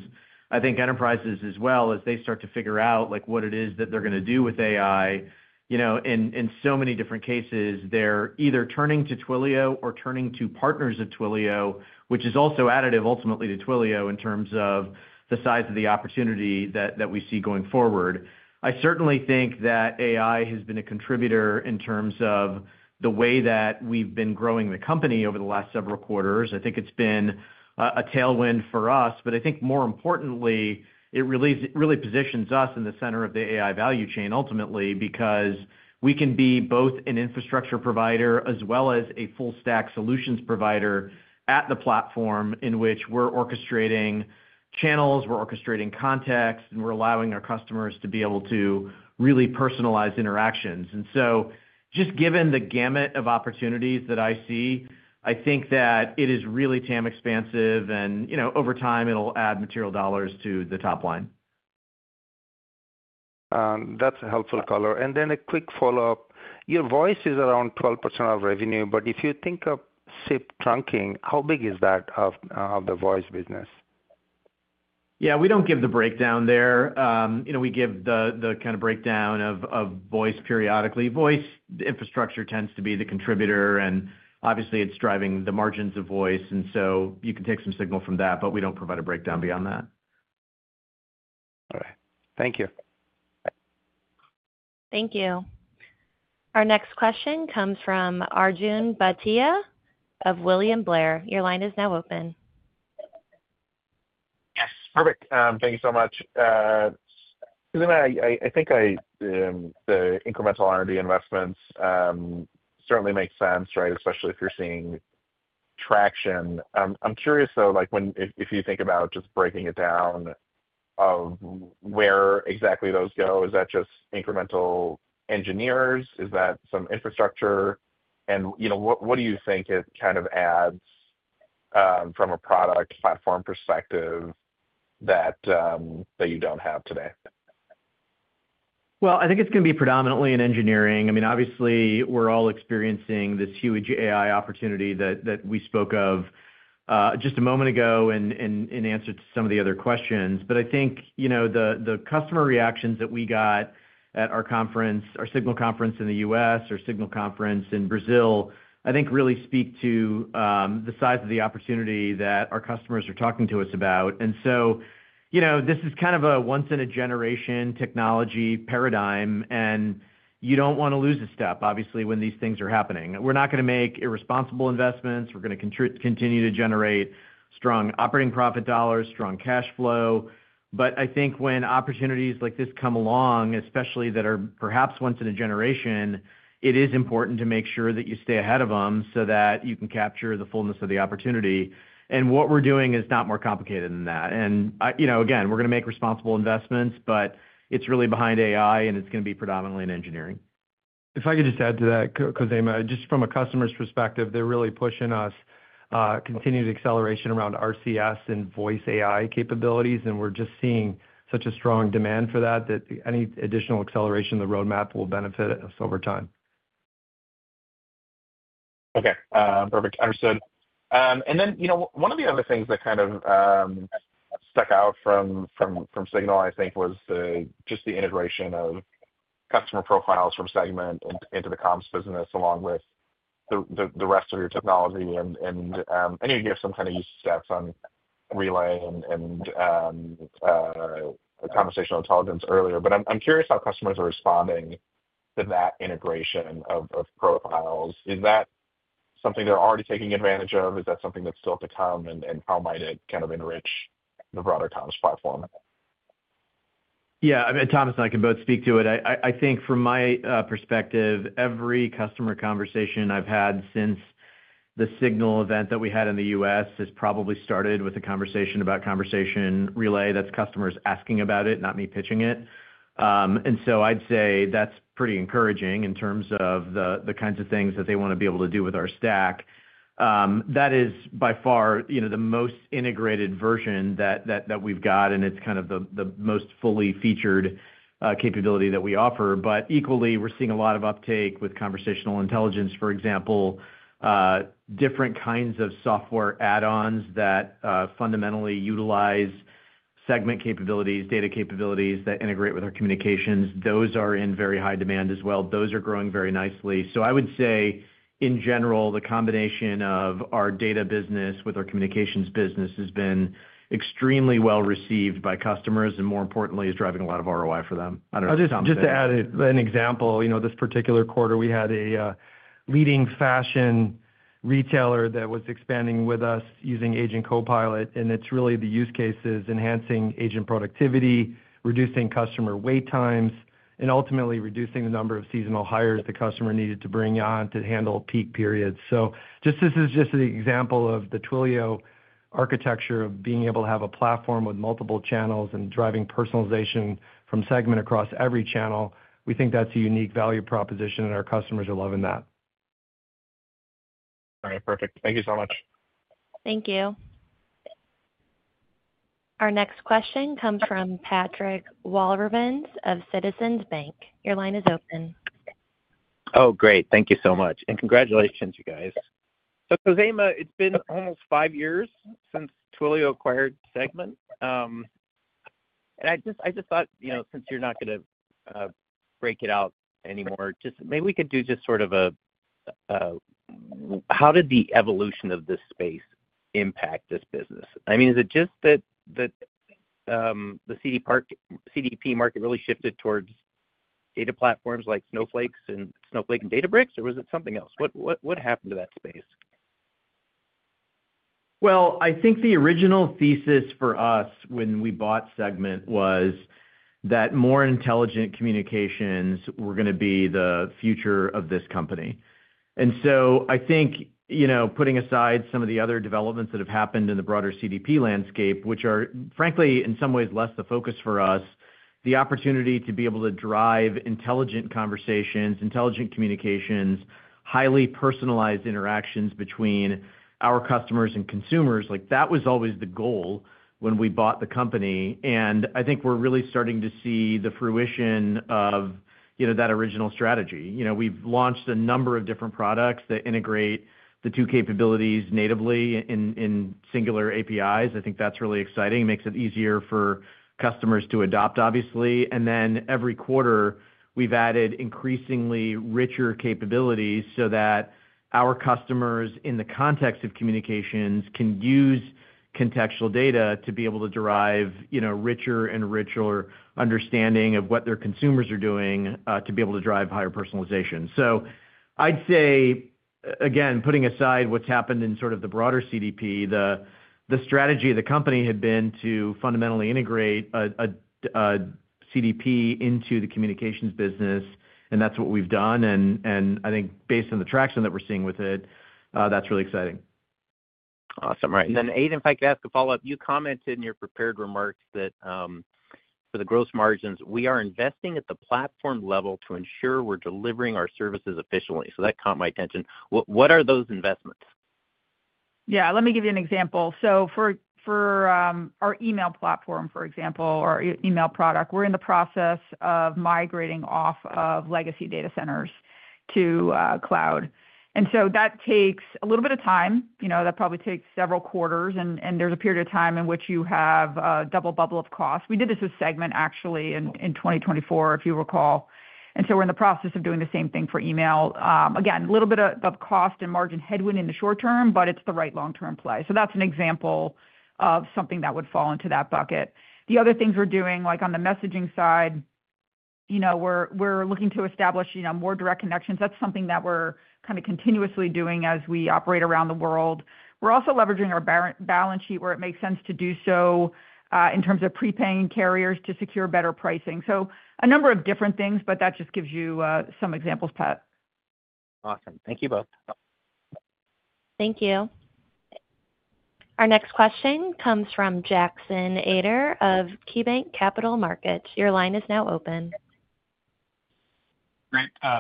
I think enterprises as well, as they start to figure out what it is that they're going to do with AI, in so many different cases, they're either turning to Twilio or turning to partners of Twilio, which is also additive ultimately to Twilio in terms of the size of the opportunity that we see going forward. I certainly think that AI has been a contributor in terms of the way that we've been growing the company over the last several quarters. I think it's been a tailwind for us. More importantly, it really positions us in the center of the AI value chain ultimately because we can be both an infrastructure provider as well as a full-stack solutions provider at the platform in which we're orchestrating channels, we're orchestrating context, and we're allowing our customers to be able to really personalize interactions. Just given the gamut of opportunities that I see, I think that it is really TAM expansive, and over time, it'll add material dollars to the top line. That's a helpful color. A quick follow-up, your voice is around 12% of revenue. If you think of SIP trunking, how big is that of the voice business? Yeah, we don't give the breakdown there. You know, we give the kind of breakdown of voice periodically. Voice infrastructure tends to be the contributor, and obviously, it's driving the margins of voice, and so you can take some signal from that, but we don't provide a breakdown beyond that. All right. Thank you. Thank you. Our next question comes from Arjun Bhatia of William Blair. Your line is now open. Yes, perfect. Thank you so much. Khozema, I think the incremental R&D investments certainly make sense, right, especially if you're seeing traction. I'm curious, though, like when you think about just breaking it down, where exactly those go? Is that just incremental engineers? Is that some infrastructure? What do you think it kind of adds from a product platform perspective that you don't have today? I think it's going to be predominantly in engineering. Obviously, we're all experiencing this huge AI opportunity that we spoke of just a moment ago in answer to some of the other questions. I think the customer reactions that we got at our Signal conference in the U.S., our Signal conference in Brazil, really speak to the size of the opportunity that our customers are talking to us about. This is kind of a once-in-a-generation technology paradigm, and you don't want to lose a step, obviously, when these things are happening. We're not going to make irresponsible investments. We're going to continue to generate strong operating profit dollars, strong cash flow. I think when opportunities like this come along, especially that are perhaps once in a generation, it is important to make sure that you stay ahead of them so that you can capture the fullness of the opportunity. What we're doing is not more complicated than that. Again, we're going to make responsible investments, but it's really behind AI, and it's going to be predominantly in engineering. If I could just add to that, Khozema, just from a customer's perspective, they're really pushing us continued acceleration around RCS and voice AI capabilities, and we're just seeing such a strong demand for that that any additional acceleration in the roadmap will benefit us over time. Okay, perfect. Understood. One of the other things that kind of stuck out from Signal, I think, was just the integration of customer profiles from Segment into the comms business along with the rest of your technology. I know you gave some kind of use steps on relaying and Conversational Intelligence earlier, but I'm curious how customers are responding to that integration of profiles. Is that something they're already taking advantage of? Is that something that's still up to time, and how might it kind of enrich the broader comms platform? Yeah, I mean, Thomas and I can both speak to it. I think from my perspective, every customer conversation I've had since the Signal event that we had in the U.S. has probably started with a conversation about Conversation Relay. That's customers asking about it, not me pitching it. I'd say that's pretty encouraging in terms of the kinds of things that they want to be able to do with our stack. That is by far the most integrated version that we've got, and it's kind of the most fully featured capability that we offer. Equally, we're seeing a lot of uptake with Conversational Intelligence, for example, different kinds of software add-ons that fundamentally utilize Segment capabilities, data capabilities that integrate with our communications. Those are in very high demand as well. Those are growing very nicely. I would say, in general, the combination of our data business with our communications business has been extremely well received by customers and, more importantly, is driving a lot of ROI for them. I'll just add an example. You know, this particular quarter, we had a leading fashion retailer that was expanding with us using Agent Copilot, and it's really the use cases enhancing agent productivity, reducing customer wait times, and ultimately reducing the number of seasonal hires the customer needed to bring on to handle peak periods. This is just an example of the Twilio architecture of being able to have a platform with multiple channels and driving personalization from Segment across every channel. We think that's a unique value proposition, and our customers are loving that. All right, perfect. Thank you so much. Thank you. Our next question comes from Patrick Walravans of Citizens Bank. Your line is open. Great. Thank you so much. Congratulations, you guys. Khozema, it's been almost five years since Twilio acquired Segment. I just thought, since you're not going to break it out anymore, maybe we could do just sort of a, how did the evolution of this space impact this business? Is it just that the CDP market really shifted towards data platforms like Snowflake and Databricks, or was it something else? What happened to that space? I think the original thesis for us when we bought Segment was that more intelligent communications were going to be the future of this company. I think, you know, putting aside some of the other developments that have happened in the broader CDP landscape, which are, frankly, in some ways, less the focus for us, the opportunity to be able to drive intelligent conversations, intelligent communications, highly personalized interactions between our customers and consumers, like that was always the goal when we bought the company. I think we're really starting to see the fruition of, you know, that original strategy. We've launched a number of different products that integrate the two capabilities natively in singular APIs. I think that's really exciting. It makes it easier for customers to adopt, obviously. Every quarter, we've added increasingly richer capabilities so that our customers in the context of communications can use contextual data to be able to derive, you know, richer and richer understanding of what their consumers are doing to be able to drive higher personalization. I'd say, again, putting aside what's happened in sort of the broader CDP, the strategy of the company had been to fundamentally integrate a CDP into the communications business, and that's what we've done. I think based on the traction that we're seeing with it, that's really exciting. Awesome. Right. Aidan, if I could ask a follow-up, you commented in your prepared remarks that for the gross margins, we are investing at the platform level to ensure we're delivering our services efficiently. That caught my attention. What are those investments? Let me give you an example. For our email platform, for example, or email product, we're in the process of migrating off of legacy data centers to cloud. That takes a little bit of time. That probably takes several quarters, and there's a period of time in which you have a double bubble of cost. We did this with Segment, actually, in 2024, if you recall. We're in the process of doing the same thing for email. Again, a little bit of cost and margin headwind in the short term, but it's the right long-term play. That's an example of something that would fall into that bucket. The other things we're doing, like on the messaging side, we're looking to establish more direct connections. That's something that we're kind of continuously doing as we operate around the world. We're also leveraging our balance sheet where it makes sense to do so in terms of prepaying carriers to secure better pricing. A number of different things, but that just gives you some examples, Pat. Awesome. Thank you both. Thank you. Our next question comes from Jackson Ader of KeyBanc Capital Markets. Your line is now open.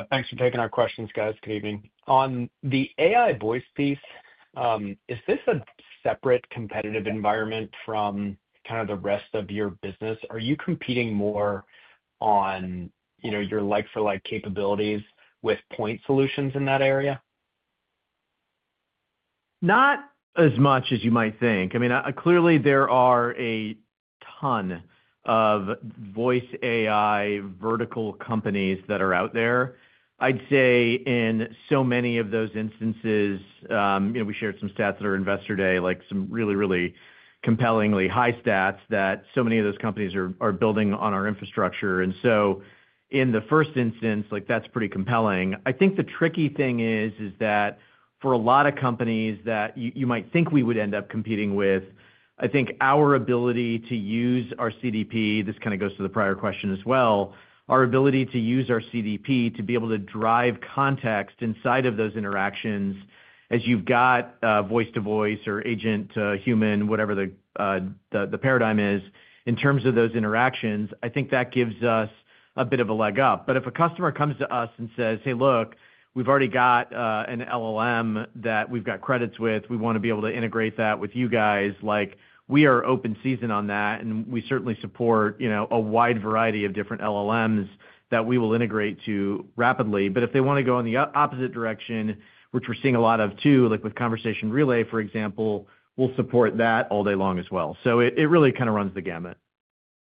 Thanks for taking our questions, guys. Good evening. On the AI voice piece, is this a separate competitive environment from the rest of your business? Are you competing more on your like-for-like capabilities with point solutions in that area? Not as much as you might think. I mean, clearly, there are a ton of voice AI vertical companies that are out there. I'd say in so many of those instances, we shared some stats at our Investor Day, like some really, really compellingly high stats that so many of those companies are building on our infrastructure. In the first instance, that's pretty compelling. I think the tricky thing is that for a lot of companies that you might think we would end up competing with, our ability to use our CDP, this kind of goes to the prior question as well, our ability to use our CDP to be able to drive context inside of those interactions, as you've got voice-to-voice or agent-to-human, whatever the paradigm is, in terms of those interactions, I think that gives us a bit of a leg up. If a customer comes to us and says, "Hey, look, we've already got an LLM that we've got credits with. We want to be able to integrate that with you guys," we are open season on that, and we certainly support a wide variety of different LLMs that we will integrate to rapidly. If they want to go in the opposite direction, which we're seeing a lot of too, like with Conversation Relay, for example, we'll support that all day long as well. It really kind of runs the gamut.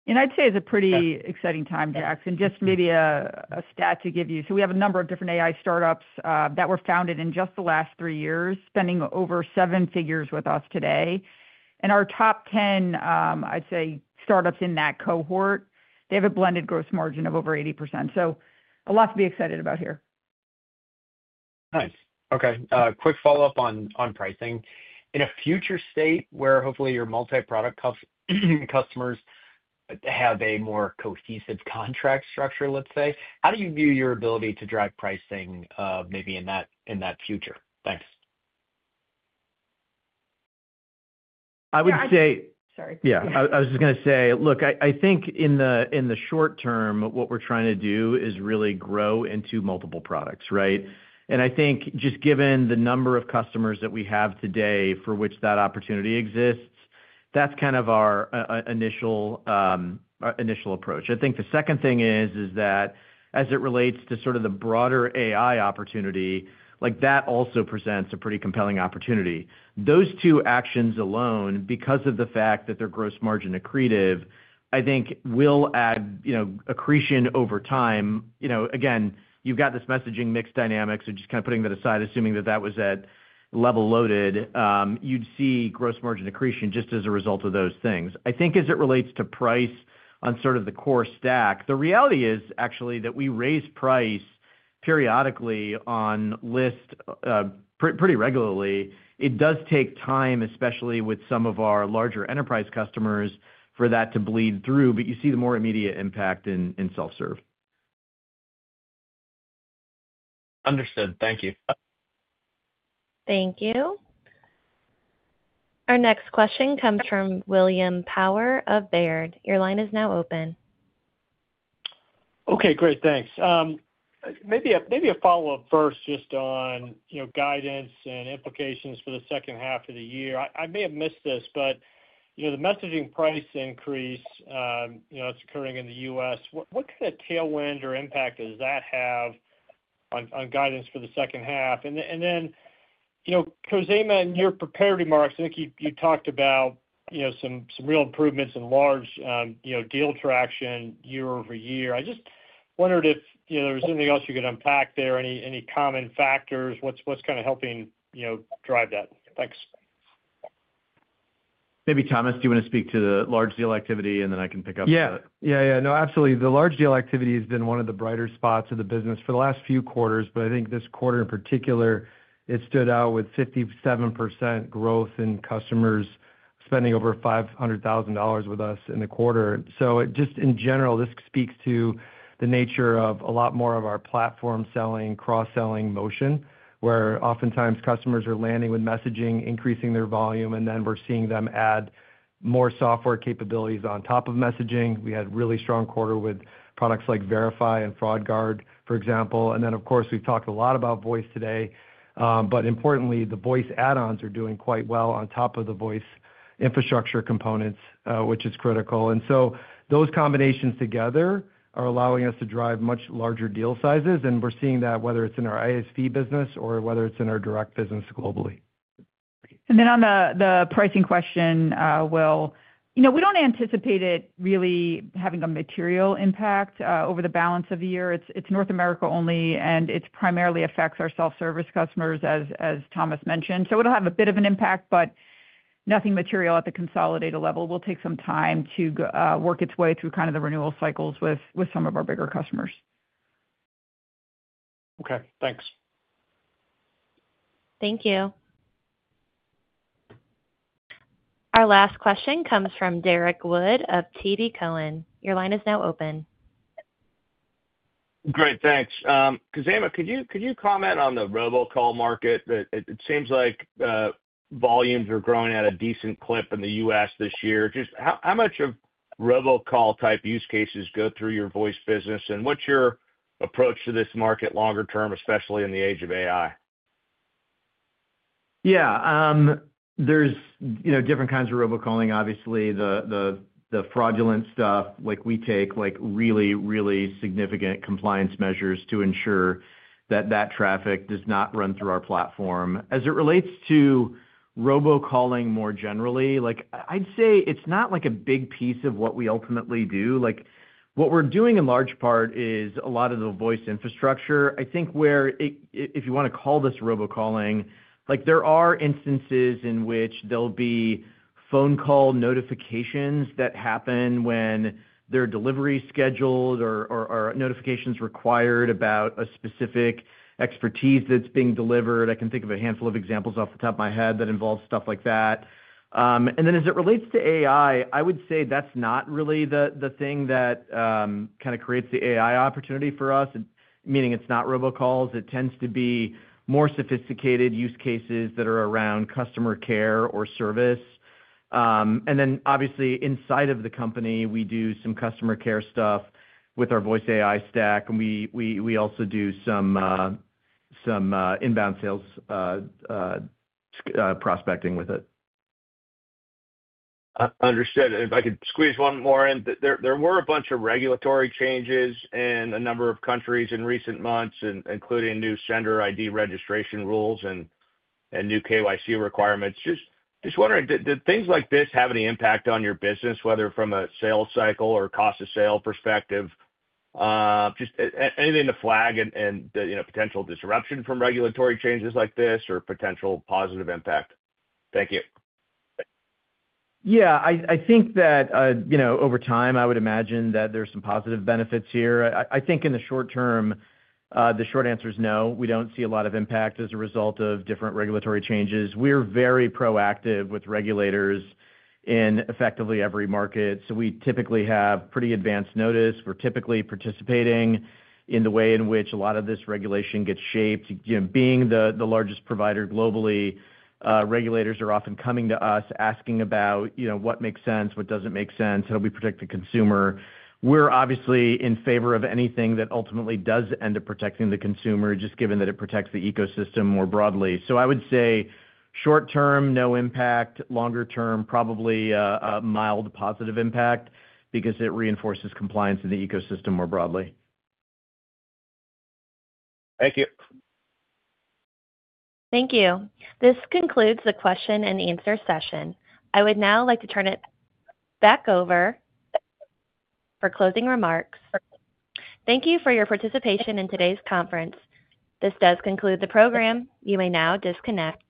It's a pretty exciting time, Jackson. Maybe a stat to give you: we have a number of different AI startups that were founded in just the last three years, spending over $1 million with us today. Our top 10 startups in that cohort have a blended gross margin of over 80%. There's a lot to be excited about here. Nice. Okay, quick follow-up on pricing. In a future state where hopefully your multi-product customers have a more cohesive contract structure, let's say, how do you view your ability to drive pricing maybe in that future? Thanks. I would say, I think in the short term, what we're trying to do is really grow into multiple products, right? I think just given the number of customers that we have today for which that opportunity exists, that's kind of our initial approach. The second thing is that as it relates to sort of the broader AI opportunity, that also presents a pretty compelling opportunity. Those two actions alone, because of the fact that they're gross margin accretive, I think will add accretion over time. You've got this messaging mix dynamics, which is kind of putting that aside, assuming that that was at level loaded, you'd see gross margin accretion just as a result of those things. As it relates to price on sort of the core stack, the reality is actually that we raise price periodically on list pretty regularly. It does take time, especially with some of our larger enterprise customers, for that to bleed through, but you see the more immediate impact in self-serve. Understood. Thank you. Thank you. Our next question comes from William Power of Baird. Your line is now open. Okay, great. Thanks. Maybe a follow-up first just on, you know, guidance and implications for the second half of the year. I may have missed this, but, you know, the messaging price increase, you know, it's occurring in the U.S. What kind of tailwind or impact does that have on guidance for the second half? You know, Khozema, in your prepared remarks, I think you talked about, you know, some real improvements in large, you know, deal traction year-over-year. I just wondered if, you know, there was anything else you could unpack there, any common factors, what's kind of helping, you know, drive that? Thanks. Maybe Thomas, do you want to speak to the large deal activity, and then I can pick up? Absolutely. The large deal activity has been one of the brighter spots of the business for the last few quarters, but I think this quarter in particular, it stood out with 57% growth in customers spending over $500,000 with us in the quarter. Just in general, this speaks to the nature of a lot more of our platform selling, cross-selling motion, where oftentimes customers are landing with messaging, increasing their volume, and then we're seeing them add more software capabilities on top of messaging. We had a really strong quarter with products like Verify and FraudGuard, for example. Of course, we've talked a lot about voice today. Importantly, the voice add-ons are doing quite well on top of the voice infrastructure components, which is critical. Those combinations together are allowing us to drive much larger deal sizes, and we're seeing that whether it's in our ISV business or whether it's in our direct business globally. On the pricing question, we don't anticipate it really having a material impact over the balance of the year. It's North America only, and it primarily affects our self-service customers, as Thomas mentioned. It will have a bit of an impact, but nothing material at the consolidated level. It will take some time to work its way through the renewal cycles with some of our bigger customers. Okay, thanks. Thank you. Our last question comes from Derrick Wood of TD Cowen. Your line is now open. Great, thanks. Khozema, could you comment on the robo-call market? It seems like volumes are growing at a decent clip in the U.S. this year. Just how much of robo-call type use cases go through your voice business, and what's your approach to this market longer term, especially in the age of AI? Yeah, there are different kinds of robo-calling, obviously. The fraudulent stuff, we take really, really significant compliance measures to ensure that traffic does not run through our platform. As it relates to robo-calling more generally, I'd say it's not a big piece of what we ultimately do. What we're doing in large part is a lot of the voice infrastructure. If you want to call this robo-calling, there are instances in which there will be phone call notifications that happen when there are deliveries scheduled or notifications required about a specific expertise that's being delivered. I can think of a handful of examples off the top of my head that involve stuff like that. As it relates to AI, I would say that's not really the thing that creates the AI opportunity for us, meaning it's not robo-calls. It tends to be more sophisticated use cases that are around customer care or service. Obviously, inside of the company, we do some customer care stuff with our voice AI stack, and we also do some inbound sales prospecting with it. Understood. If I could squeeze one more in, there were a bunch of regulatory changes in a number of countries in recent months, including new sender ID registration rules and new KYC requirements. Just wondering, did things like this have any impact on your business, whether from a sales cycle or cost of sale perspective? Just anything to flag and potential disruption from regulatory changes like this or potential positive impact? Thank you. I think that, you know, over time, I would imagine that there's some positive benefits here. I think in the short term, the short answer is no. We don't see a lot of impact as a result of different regulatory changes. We're very proactive with regulators in effectively every market. We typically have pretty advanced notice. We're typically participating in the way in which a lot of this regulation gets shaped. Being the largest provider globally, regulators are often coming to us asking about, you know, what makes sense, what doesn't make sense, how do we protect the consumer. We're obviously in favor of anything that ultimately does end up protecting the consumer, just given that it protects the ecosystem more broadly. I would say short term, no impact. Longer term, probably a mild positive impact because it reinforces compliance in the ecosystem more broadly. Thank you. Thank you. This concludes the question and answer session. I would now like to turn it back over for closing remarks. Thank you for your participation in today's conference. This does conclude the program. You may now disconnect.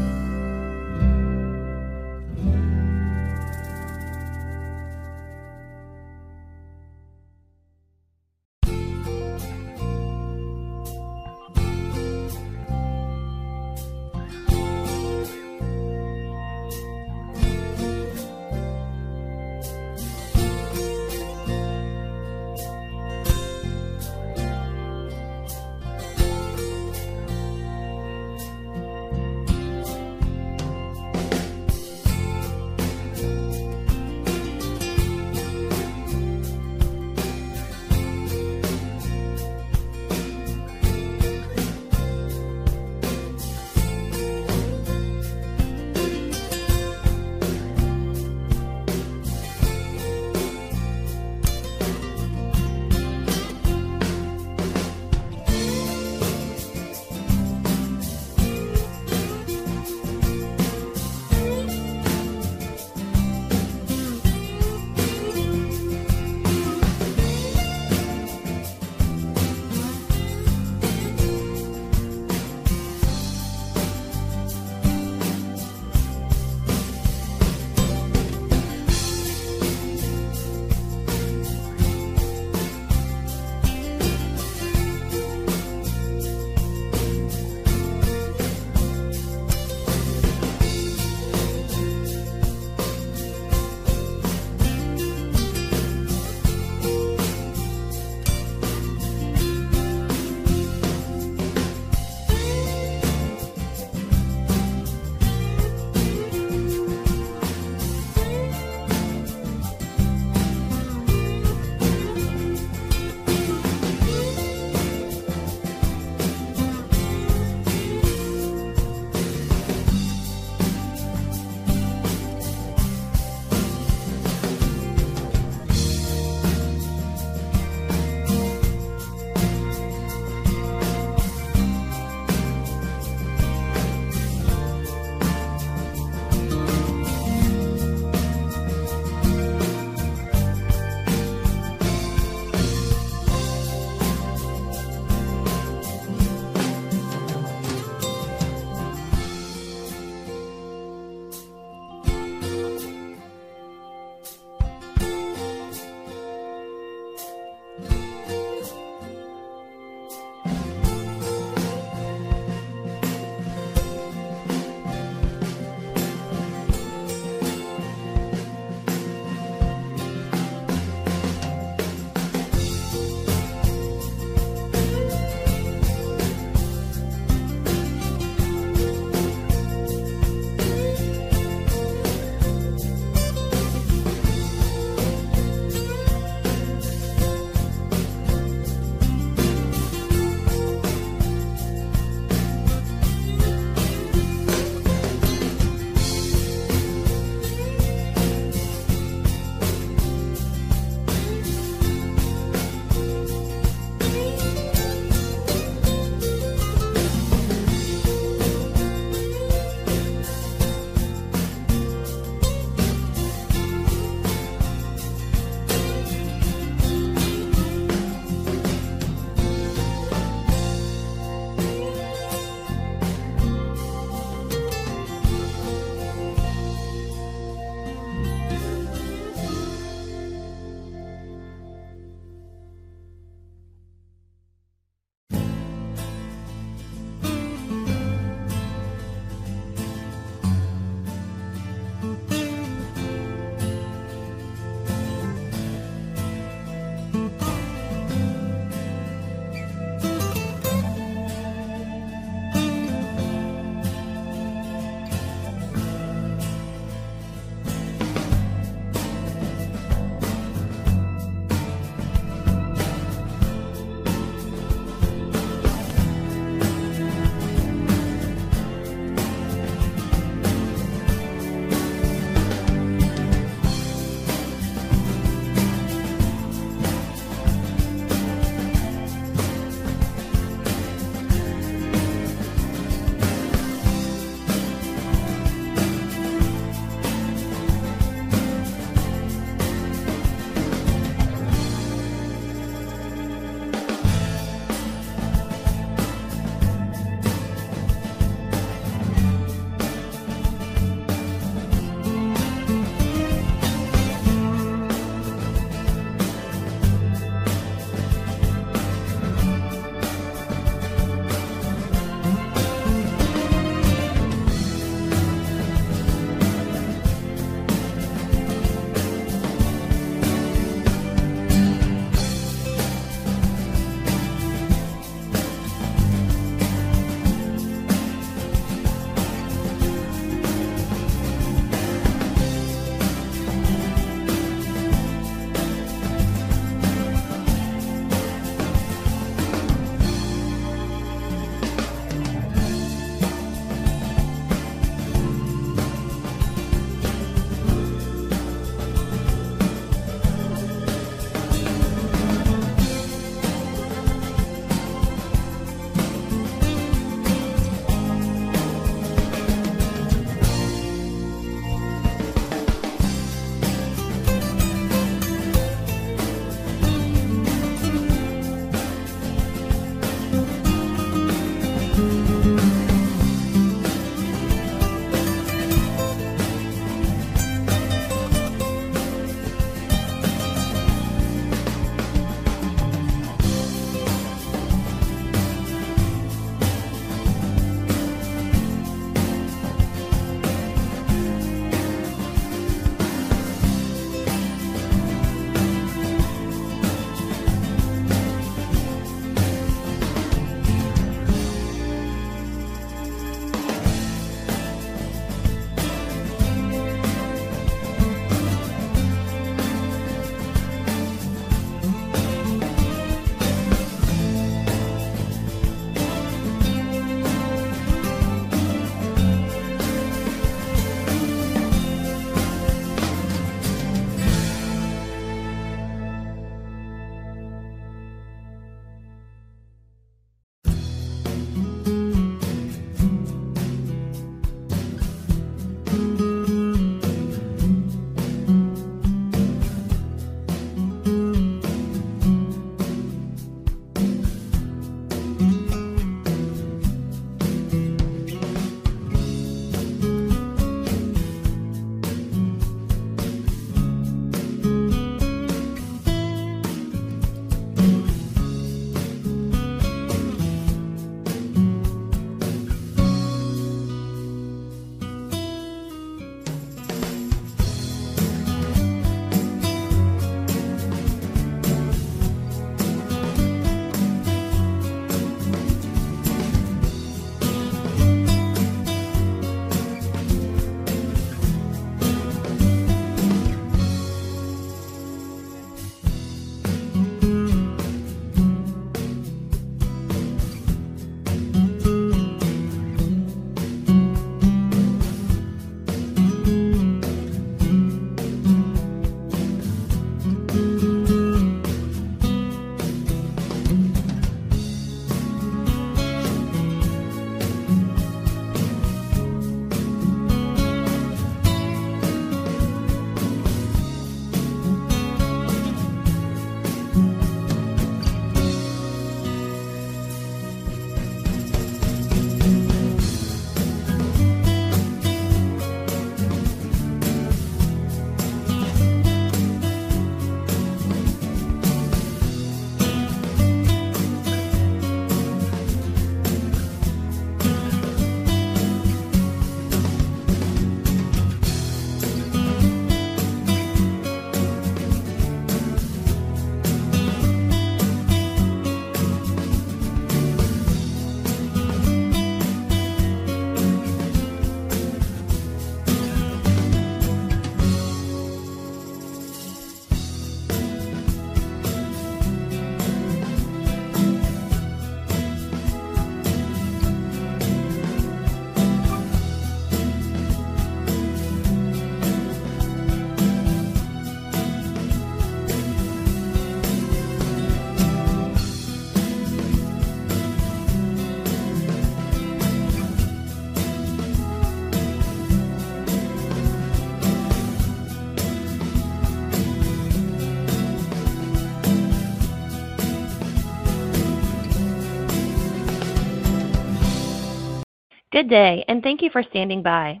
Good Day, and thank you for standing by.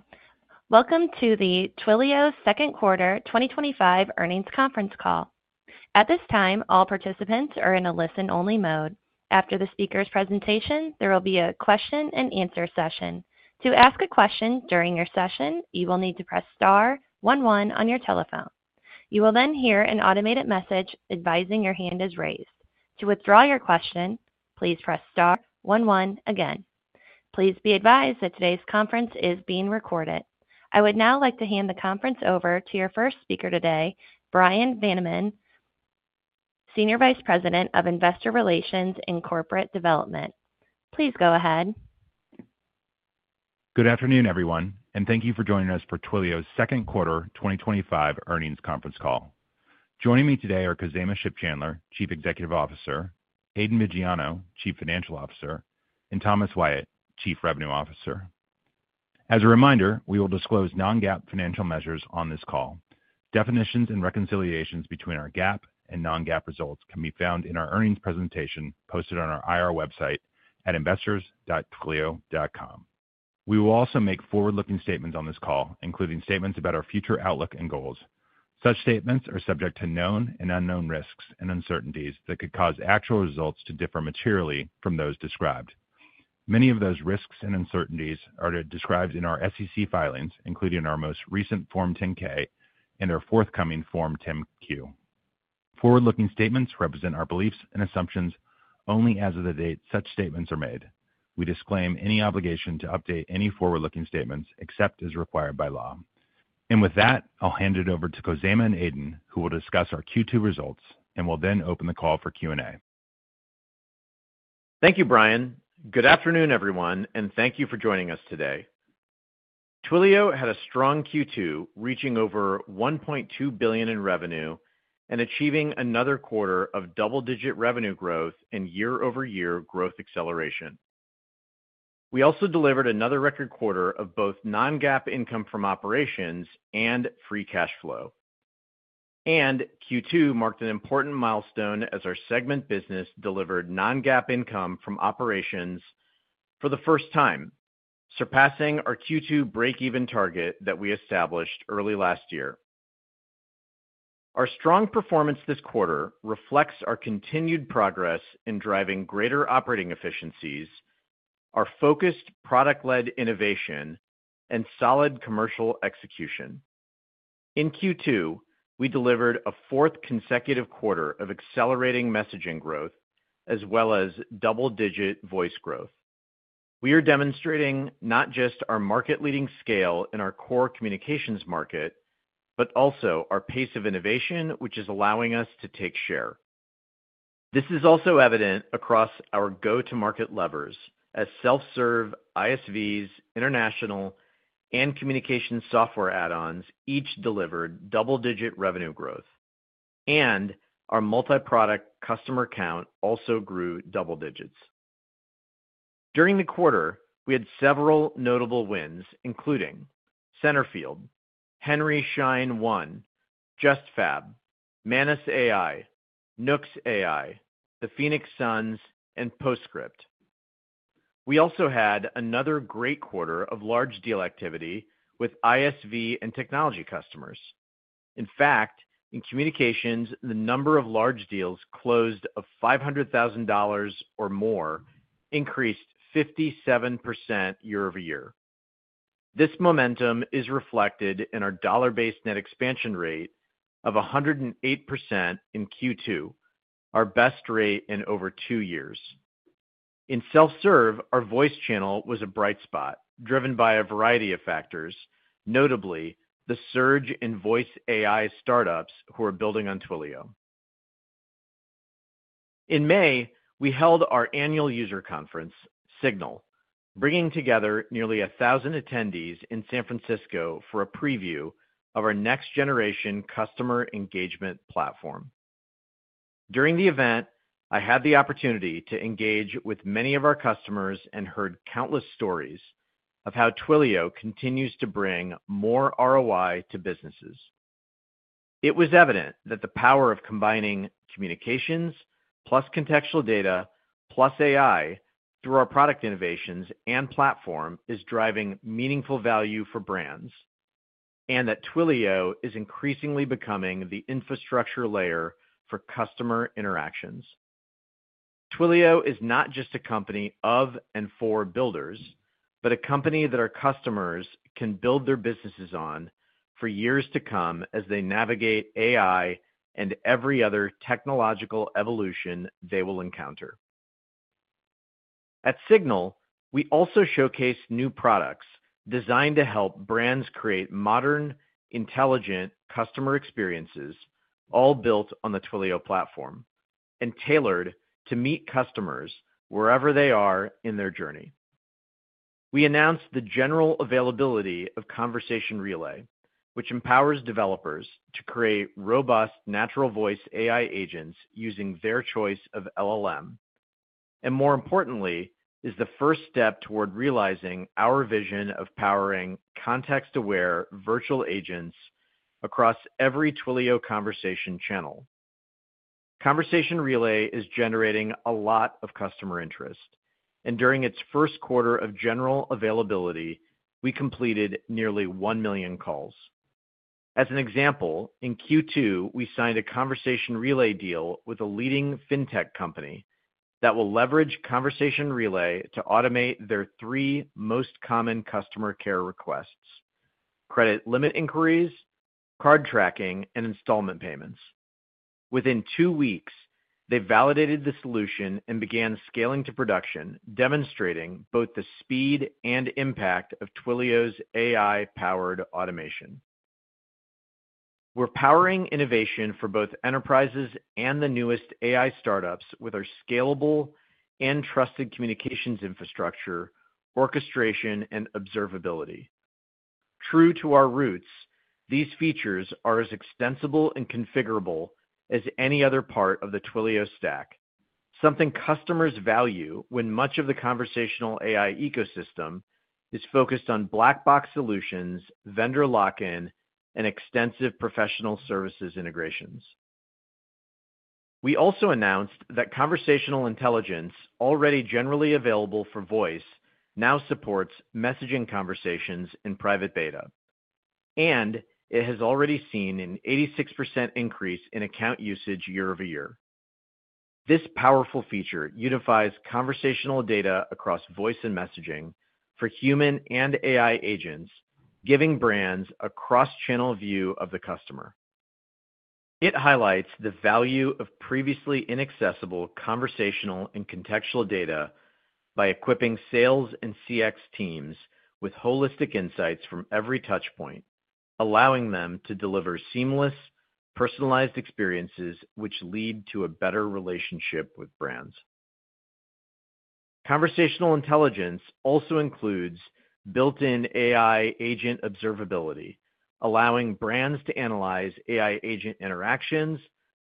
Welcome to the Twilio Second Quarter 2025 Earnings Conference Call. At this time, all participants are in a listen-only mode. After the speaker's presentation, there will be a question and answer session. To ask a question during your session, you will need to press star one one on your telephone. You will then hear an automated message advising your hand is raised. To withdraw your question, please press star one one again. Please be advised that today's conference is being recorded. I would now like to hand the conference over to your first speaker today, Bryan Vanaman, Senior Vice President of Investor Relations and Corporate Development. Please go ahead. Good afternoon, everyone, and thank you for joining us for Twilio's second quarter 2025 earnings conference call. Joining me today are Khozema Shipchandler, Chief Executive Officer, Aidan Viggiano, Chief Financial Officer, and Thomas Wyatt, Chief Revenue Officer. As a reminder, we will disclose non-GAAP financial measures on this call. Definitions and reconciliations between our GAAP and non-GAAP results can be found in our earnings presentation posted on our IR website at investors.twilio.com. We will also make forward-looking statements on this call, including statements about our future outlook and goals. Such statements are subject to known and unknown risks and uncertainties that could cause actual results to differ materially from those described. Many of those risks and uncertainties are described in our SEC filings, including our most recent Form 10-K and our forthcoming Form 10-Q. Forward-looking statements represent our beliefs and assumptions only as of the date such statements are made. We disclaim any obligation to update any forward-looking statements except as required by law. With that, I'll hand it over to Khozema and Aidan, who will discuss our Q2 results and will then open the call for Q&A. Thank you, Brian. Good afternoon, everyone, and thank you for joining us today. Twilio had a strong Q2, reaching over $1.2 billion in revenue and achieving another quarter of double-digit revenue growth and year-over-year growth acceleration. We also delivered another record quarter of both non-GAAP income from operations and free cash flow. Q2 marked an important milestone as our Segment business delivered non-GAAP income from operations for the first time, surpassing our Q2 break-even target that we established early last year. Our strong performance this quarter reflects our continued progress in driving greater operating efficiencies, our focused product-led innovation, and solid commercial execution. In Q2, we delivered a fourth consecutive quarter of accelerating messaging growth as well as double-digit voice growth. We are demonstrating not just our market-leading scale in our core communications market, but also our pace of innovation, which is allowing us to take share. This is also evident across our go-to-market levers as self-serve ISVs, international, and communication software add-ons each delivered double-digit revenue growth. Our multi-product customer count also grew double digits. During the quarter, we had several notable wins, including Centerfield, Henry Schein One, JustFab, Manus AI, Nooks AI, the Phoenix Suns, and Postscript. We also had another great quarter of large deal activity with ISV and technology customers. In fact, in communications, the number of large deals closed of $500,000 or more increased 57% year-over-year. This momentum is reflected in our dollar-based net expansion rate of 108% in Q2, our best rate in over two years. In self-serve, our voice channel was a bright spot, driven by a variety of factors, notably the surge in voice AI startups who are building on Twilio. In May, we held our annual user conference, Signal, bringing together nearly 1,000 attendees in San Francisco for a preview of our next-generation customer engagement platform. During the event, I had the opportunity to engage with many of our customers and heard countless stories of how Twilio continues to bring more ROI to businesses. It was evident that the power of combining communications plus contextual data plus AI through our product innovations and platform is driving meaningful value for brands, and that Twilio is increasingly becoming the infrastructure layer for customer interactions. Twilio is not just a company of and for builders, but a company that our customers can build their businesses on for years to come as they navigate AI and every other technological evolution they will encounter. At Signal, we also showcased new products designed to help brands create modern, intelligent customer experiences, all built on the Twilio platform and tailored to meet customers wherever they are in their journey. We announced the general availability of Conversation Relay, which empowers developers to create robust natural voice AI agents using their choice of LLM. More importantly, it is the first step toward realizing our vision of powering context-aware virtual agents across every Twilio conversation channel. Conversation Relay is generating a lot of customer interest, and during its first quarter of general availability, we completed nearly 1 million calls. As an example, in Q2, we signed a Conversation Relay deal with a leading fintech company that will leverage Conversation Relay to automate their three most common customer care requests: credit limit inquiries, card tracking, and installment payments. Within two weeks, they validated the solution and began scaling to production, demonstrating both the speed and impact of Twilio's AI-powered automation. We're powering innovation for both enterprises and the newest AI startups with our scalable and trusted communications infrastructure, orchestration, and observability. True to our roots, these features are as extensible and configurable as any other part of the Twilio stack, something customers value when much of the conversational AI ecosystem is focused on black-box solutions, vendor lock-in, and extensive professional services integrations. We also announced that Conversational Intelligence, already generally available for voice, now supports messaging conversations in private beta. It has already seen an 86% increase in account usage year-over-year. This powerful feature unifies conversational data across voice and messaging for human and AI agents, giving brands a cross-channel view of the customer. It highlights the value of previously inaccessible conversational and contextual data by equipping sales and CX teams with holistic insights from every touchpoint, allowing them to deliver seamless, personalized experiences which lead to a better relationship with brands. Conversational Intelligence also includes built-in AI agent observability, allowing brands to analyze AI agent interactions,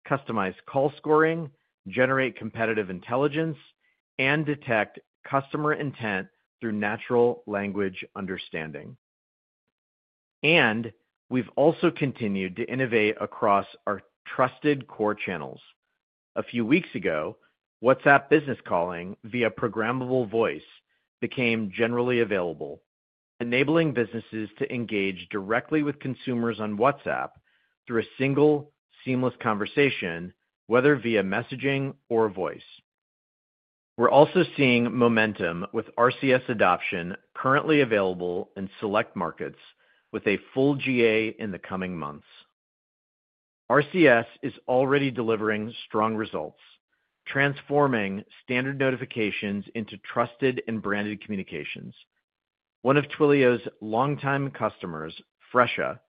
customize call scoring, generate competitive intelligence, and detect customer intent through natural language understanding. We've also continued to innovate across our trusted core channels. A few weeks ago, WhatsApp Business Calling via Programmable Voice became generally available, enabling businesses to engage directly with consumers on WhatsApp through a single, seamless conversation, whether via messaging or voice. We're also seeing momentum with RCS adoption currently available in select markets, with a full GA in the coming months. RCS is already delivering strong results, transforming standard notifications into trusted and branded communications. One of Twilio's longtime customers, Fresha,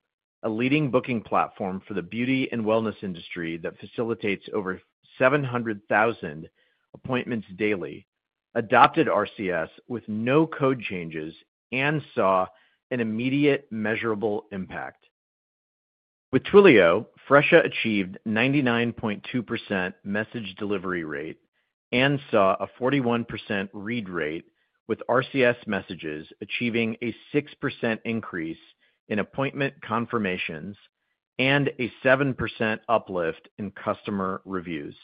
a leading booking platform for the beauty and wellness industry that facilitates over 700,000 appointments daily, adopted RCS with no code changes and saw an immediate, measurable impact. With Twilio, Fresha achieved a 99.2% message delivery rate and saw a 41% read rate, with RCS messages achieving a 6% increase in appointment confirmations and a 7% uplift in customer reviews.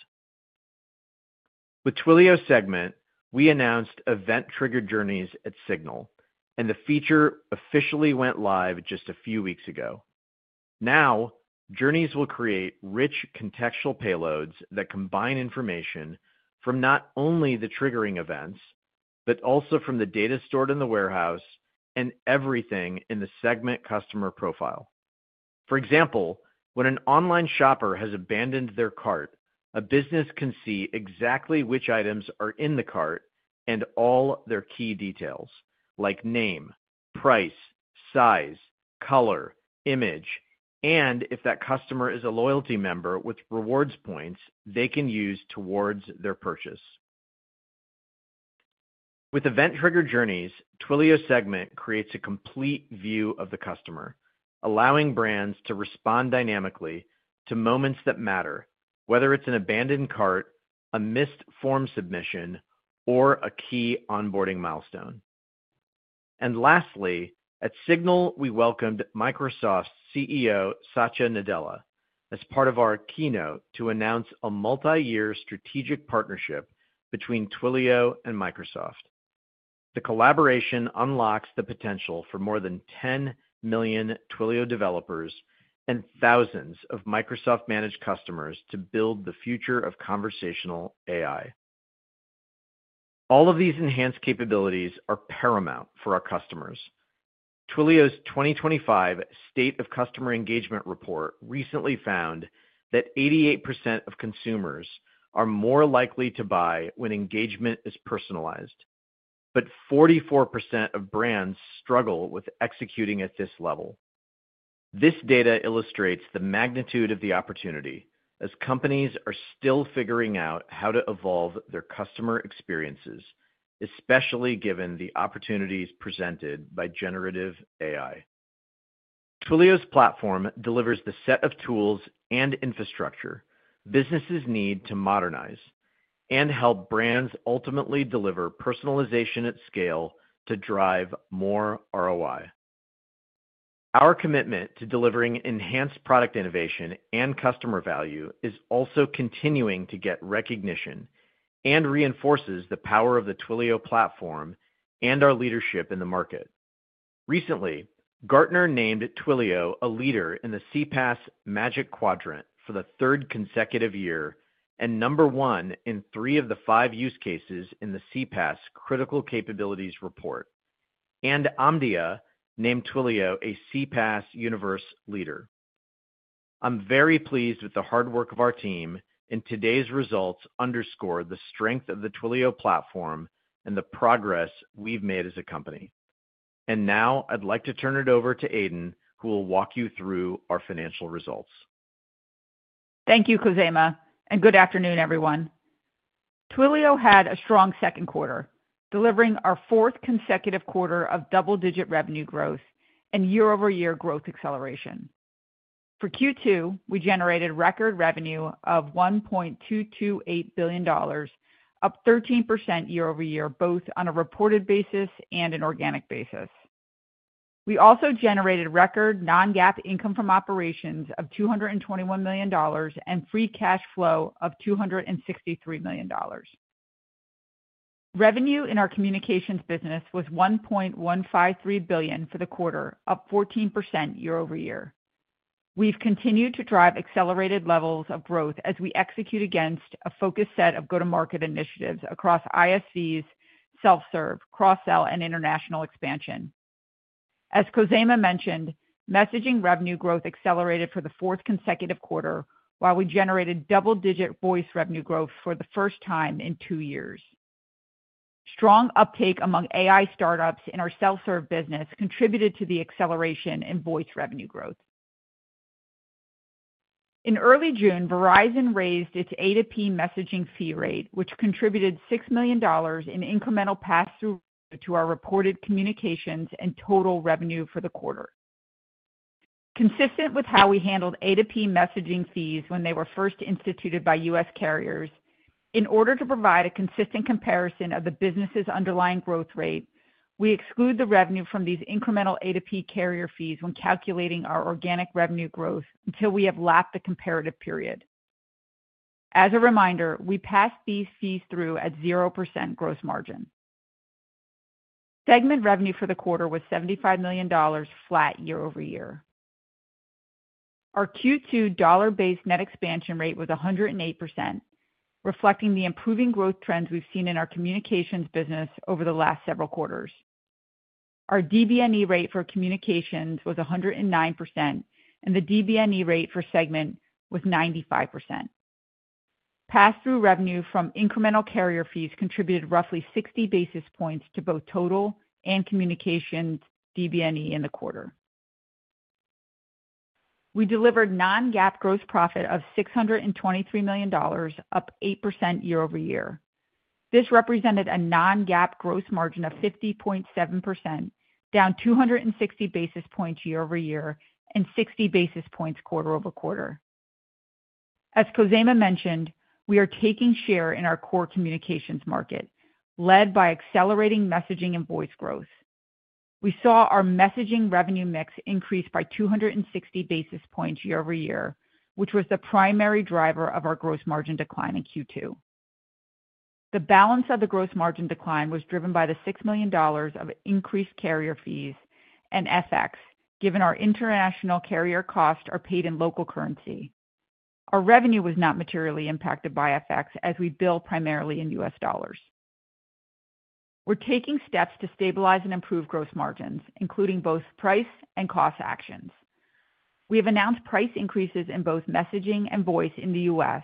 With Twilio Segment, we announced event-triggered journeys at Signal, and the feature officially went live just a few weeks ago. Now, journeys will create rich contextual payloads that combine information from not only the triggering events, but also from the data stored in the warehouse and everything in the Segment customer profile. For example, when an online shopper has abandoned their cart, a business can see exactly which items are in the cart and all their key details, like name, price, size, color, image, and if that customer is a loyalty member with rewards points they can use towards their purchase. With event-triggered journeys, Twilio Segment creates a complete view of the customer, allowing brands to respond dynamically to moments that matter, whether it's an abandoned cart, a missed form submission, or a key onboarding milestone. At Signal, we welcomed Microsoft CEO Satya Nadella as part of our keynote to announce a multi-year strategic partnership between Twilio and Microsoft. The collaboration unlocks the potential for more than 10 million Twilio developers and thousands of Microsoft-managed customers to build the future of conversational AI. All of these enhanced capabilities are paramount for our customers. Twilio's 2025 State of Customer Engagement report recently found that 88% of consumers are more likely to buy when engagement is personalized, but 44% of brands struggle with executing at this level. This data illustrates the magnitude of the opportunity as companies are still figuring out how to evolve their customer experiences, especially given the opportunities presented by generative AI. Twilio's platform delivers the set of tools and infrastructure businesses need to modernize and help brands ultimately deliver personalization at scale to drive more ROI. Our commitment to delivering enhanced product innovation and customer value is also continuing to get recognition and reinforces the power of the Twilio platform and our leadership in the market. Recently, Gartner named Twilio a leader in the CPaaS Magic Quadrant for the third consecutive year and number one in three of the five use cases in the CPaaS Critical Capabilities report. Omdia named Twilio a CPaaS universe leader. I'm very pleased with the hard work of our team, and today's results underscore the strength of the Twilio platform and the progress we've made as a company. I'd like to turn it over to Aidan, who will walk you through our financial results. Thank you, Khozema, and good afternoon, everyone. Twilio had a strong second quarter, delivering our fourth consecutive quarter of double-digit revenue growth and year-over-year growth acceleration. For Q2, we generated record revenue of $1.228 billion, up 13% year-over-year, both on a reported basis and an organic basis. We also generated record non-GAAP income from operations of $221 million and free cash flow of $263 million. Revenue in our communications business was $1.153 billion for the quarter, up 14% year-over-year. We've continued to drive accelerated levels of growth as we execute against a focused set of go-to-market initiatives across ISVs, self-serve, cross-sell, and international expansion. As Khozema mentioned, messaging revenue growth accelerated for the fourth consecutive quarter, while we generated double-digit voice revenue growth for the first time in two years. Strong uptake among AI startups in our self-serve business contributed to the acceleration in voice revenue growth. In early June, Verizon raised its A2P messaging fee rate, which contributed $6 million in incremental pass-through to our reported communications and total revenue for the quarter. Consistent with how we handled A2P messaging fees when they were first instituted by U.S. carriers, in order to provide a consistent comparison of the business's underlying growth rate, we exclude the revenue from these incremental A2P carrier fees when calculating our organic revenue growth until we have lapped the comparative period. As a reminder, we pass these fees through at 0% gross margin. Segment revenue for the quarter was $75 million, flat year-over-year. Our Q2 dollar-based net expansion rate was 108%, reflecting the improving growth trends we've seen in our communications business over the last several quarters. Our DBNE rate for communications was 109%, and the DBNE rate for Segment was 95%. Pass-through revenue from incremental carrier fees contributed roughly 60 basis points to both total and communications DBNE in the quarter. We delivered non-GAAP gross profit of $623 million, up 8% year-over-year. This represented a non-GAAP gross margin of 50.7%, down 260 basis points year-over-year and 60 basis points quarter-over-quarter. As Khozema mentioned, we are taking share in our core communications market, led by accelerating messaging and voice growth. We saw our messaging revenue mix increase by 260 basis points year-over-year, which was the primary driver of our gross margin decline in Q2. The balance of the gross margin decline was driven by the $6 million of increased carrier fees and FX, given our international carrier costs are paid in local currency. Our revenue was not materially impacted by FX, as we bill primarily in U.S. dollars. We're taking steps to stabilize and improve gross margins, including both price and cost actions. We have announced price increases in both messaging and voice in the U.S.,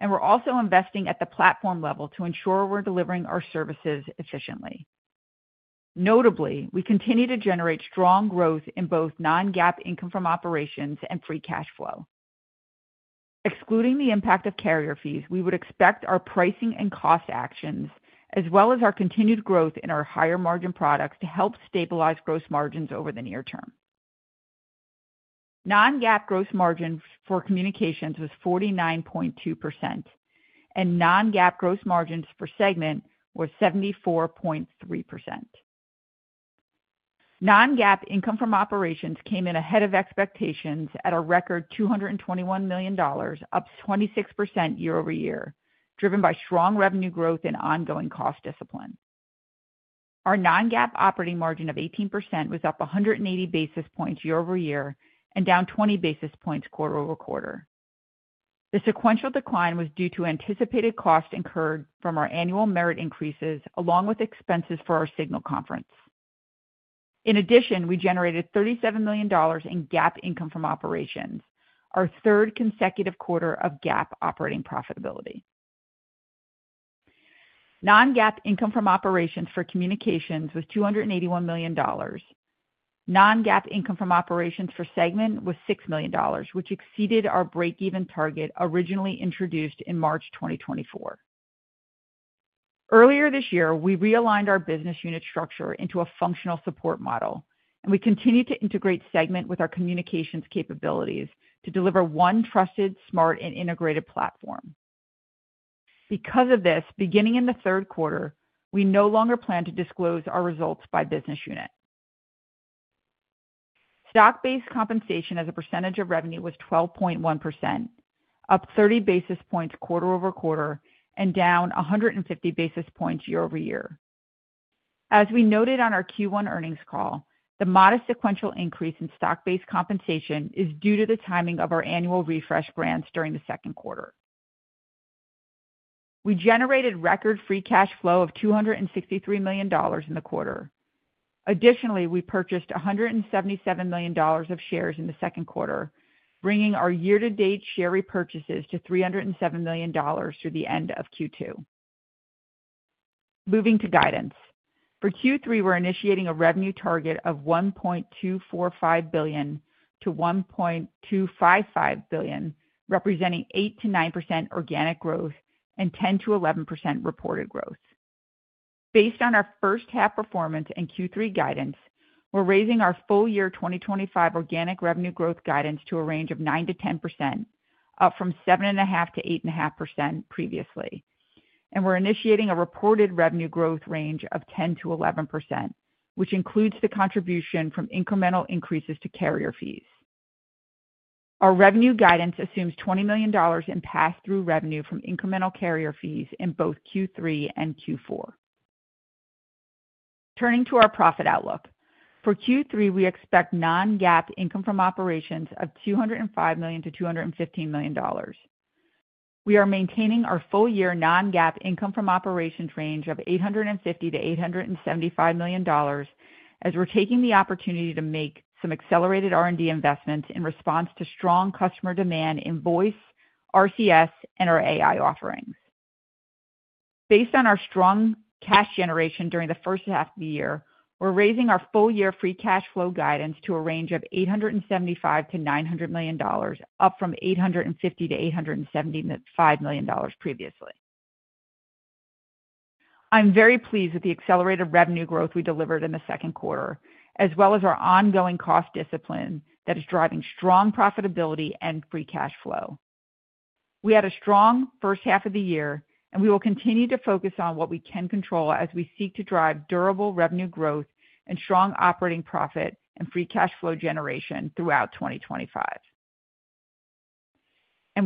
and we're also investing at the platform level to ensure we're delivering our services efficiently. Notably, we continue to generate strong growth in both non-GAAP income from operations and free cash flow. Excluding the impact of carrier fees, we would expect our pricing and cost actions, as well as our continued growth in our higher margin products, to help stabilize gross margins over the near term. Non-GAAP gross margin for communications was 49.2%, and non-GAAP gross margins for Segment were 74.3%. Non-GAAP income from operations came in ahead of expectations at a record $221 million, up 26% year-over-year, driven by strong revenue growth and ongoing cost discipline. Our non-GAAP operating margin of 18% was up 180 basis points year-over-year and down 20 basis points quarter-over-quarter. The sequential decline was due to anticipated costs incurred from our annual merit increases, along with expenses for our Signal conference. In addition, we generated $37 million in GAAP income from operations, our third consecutive quarter of GAAP operating profitability. Non-GAAP income from operations for communications was $281 million. Non-GAAP income from operations for Segment was $6 million, which exceeded our break-even target originally introduced in March 2024. Earlier this year, we realigned our business unit structure into a functional support model, and we continue to integrate Segment with our communications capabilities to deliver one trusted, smart, and integrated platform. Because of this, beginning in the third quarter, we no longer plan to disclose our results by business unit. Stock-based compensation as a percentage of revenue was 12.1%, up 30 basis points quarter-over-quarter and down 150 basis points year-over-year. As we noted on our Q1 earnings call, the modest sequential increase in stock-based compensation is due to the timing of our annual refresh grants during the second quarter. We generated record free cash flow of $263 million in the quarter. Additionally, we purchased $177 million of shares in the second quarter, bringing our year-to-date share repurchases to $307 million through the end of Q2. Moving to guidance. For Q3, we're initiating a revenue target of $1.245 billion-$1.255 billion, representing 8%-9% organic growth and 10%-11% reported growth. Based on our first half performance and Q3 guidance, we're raising our full-year 2025 organic revenue growth guidance to a range of 9%-10%, up from 7.5%-8.5% previously. We're initiating a reported revenue growth range of 10% -11%, which includes the contribution from incremental increases to carrier fees. Our revenue guidance assumes $20 million in pass-through revenue from incremental carrier fees in both Q3 and Q4. Turning to our profit outlook. For Q3, we expect non-GAAP income from operations of $205 million-$215 million. We are maintaining our full-year non-GAAP income from operations range of $850 million-$875 million, as we're taking the opportunity to make some accelerated R&D investments in response to strong customer demand in voice, RCS, and our AI offerings. Based on our strong cash generation during the first half of the year, we're raising our full-year free cash flow guidance to a range of $875 million-$900 million, up from $850 million-$875 million previously. I'm very pleased with the accelerated revenue growth we delivered in the second quarter, as well as our ongoing cost discipline that is driving strong profitability and free cash flow. We had a strong first half of the year, and we will continue to focus on what we can control as we seek to drive durable revenue growth and strong operating profit and free cash flow generation throughout 2025.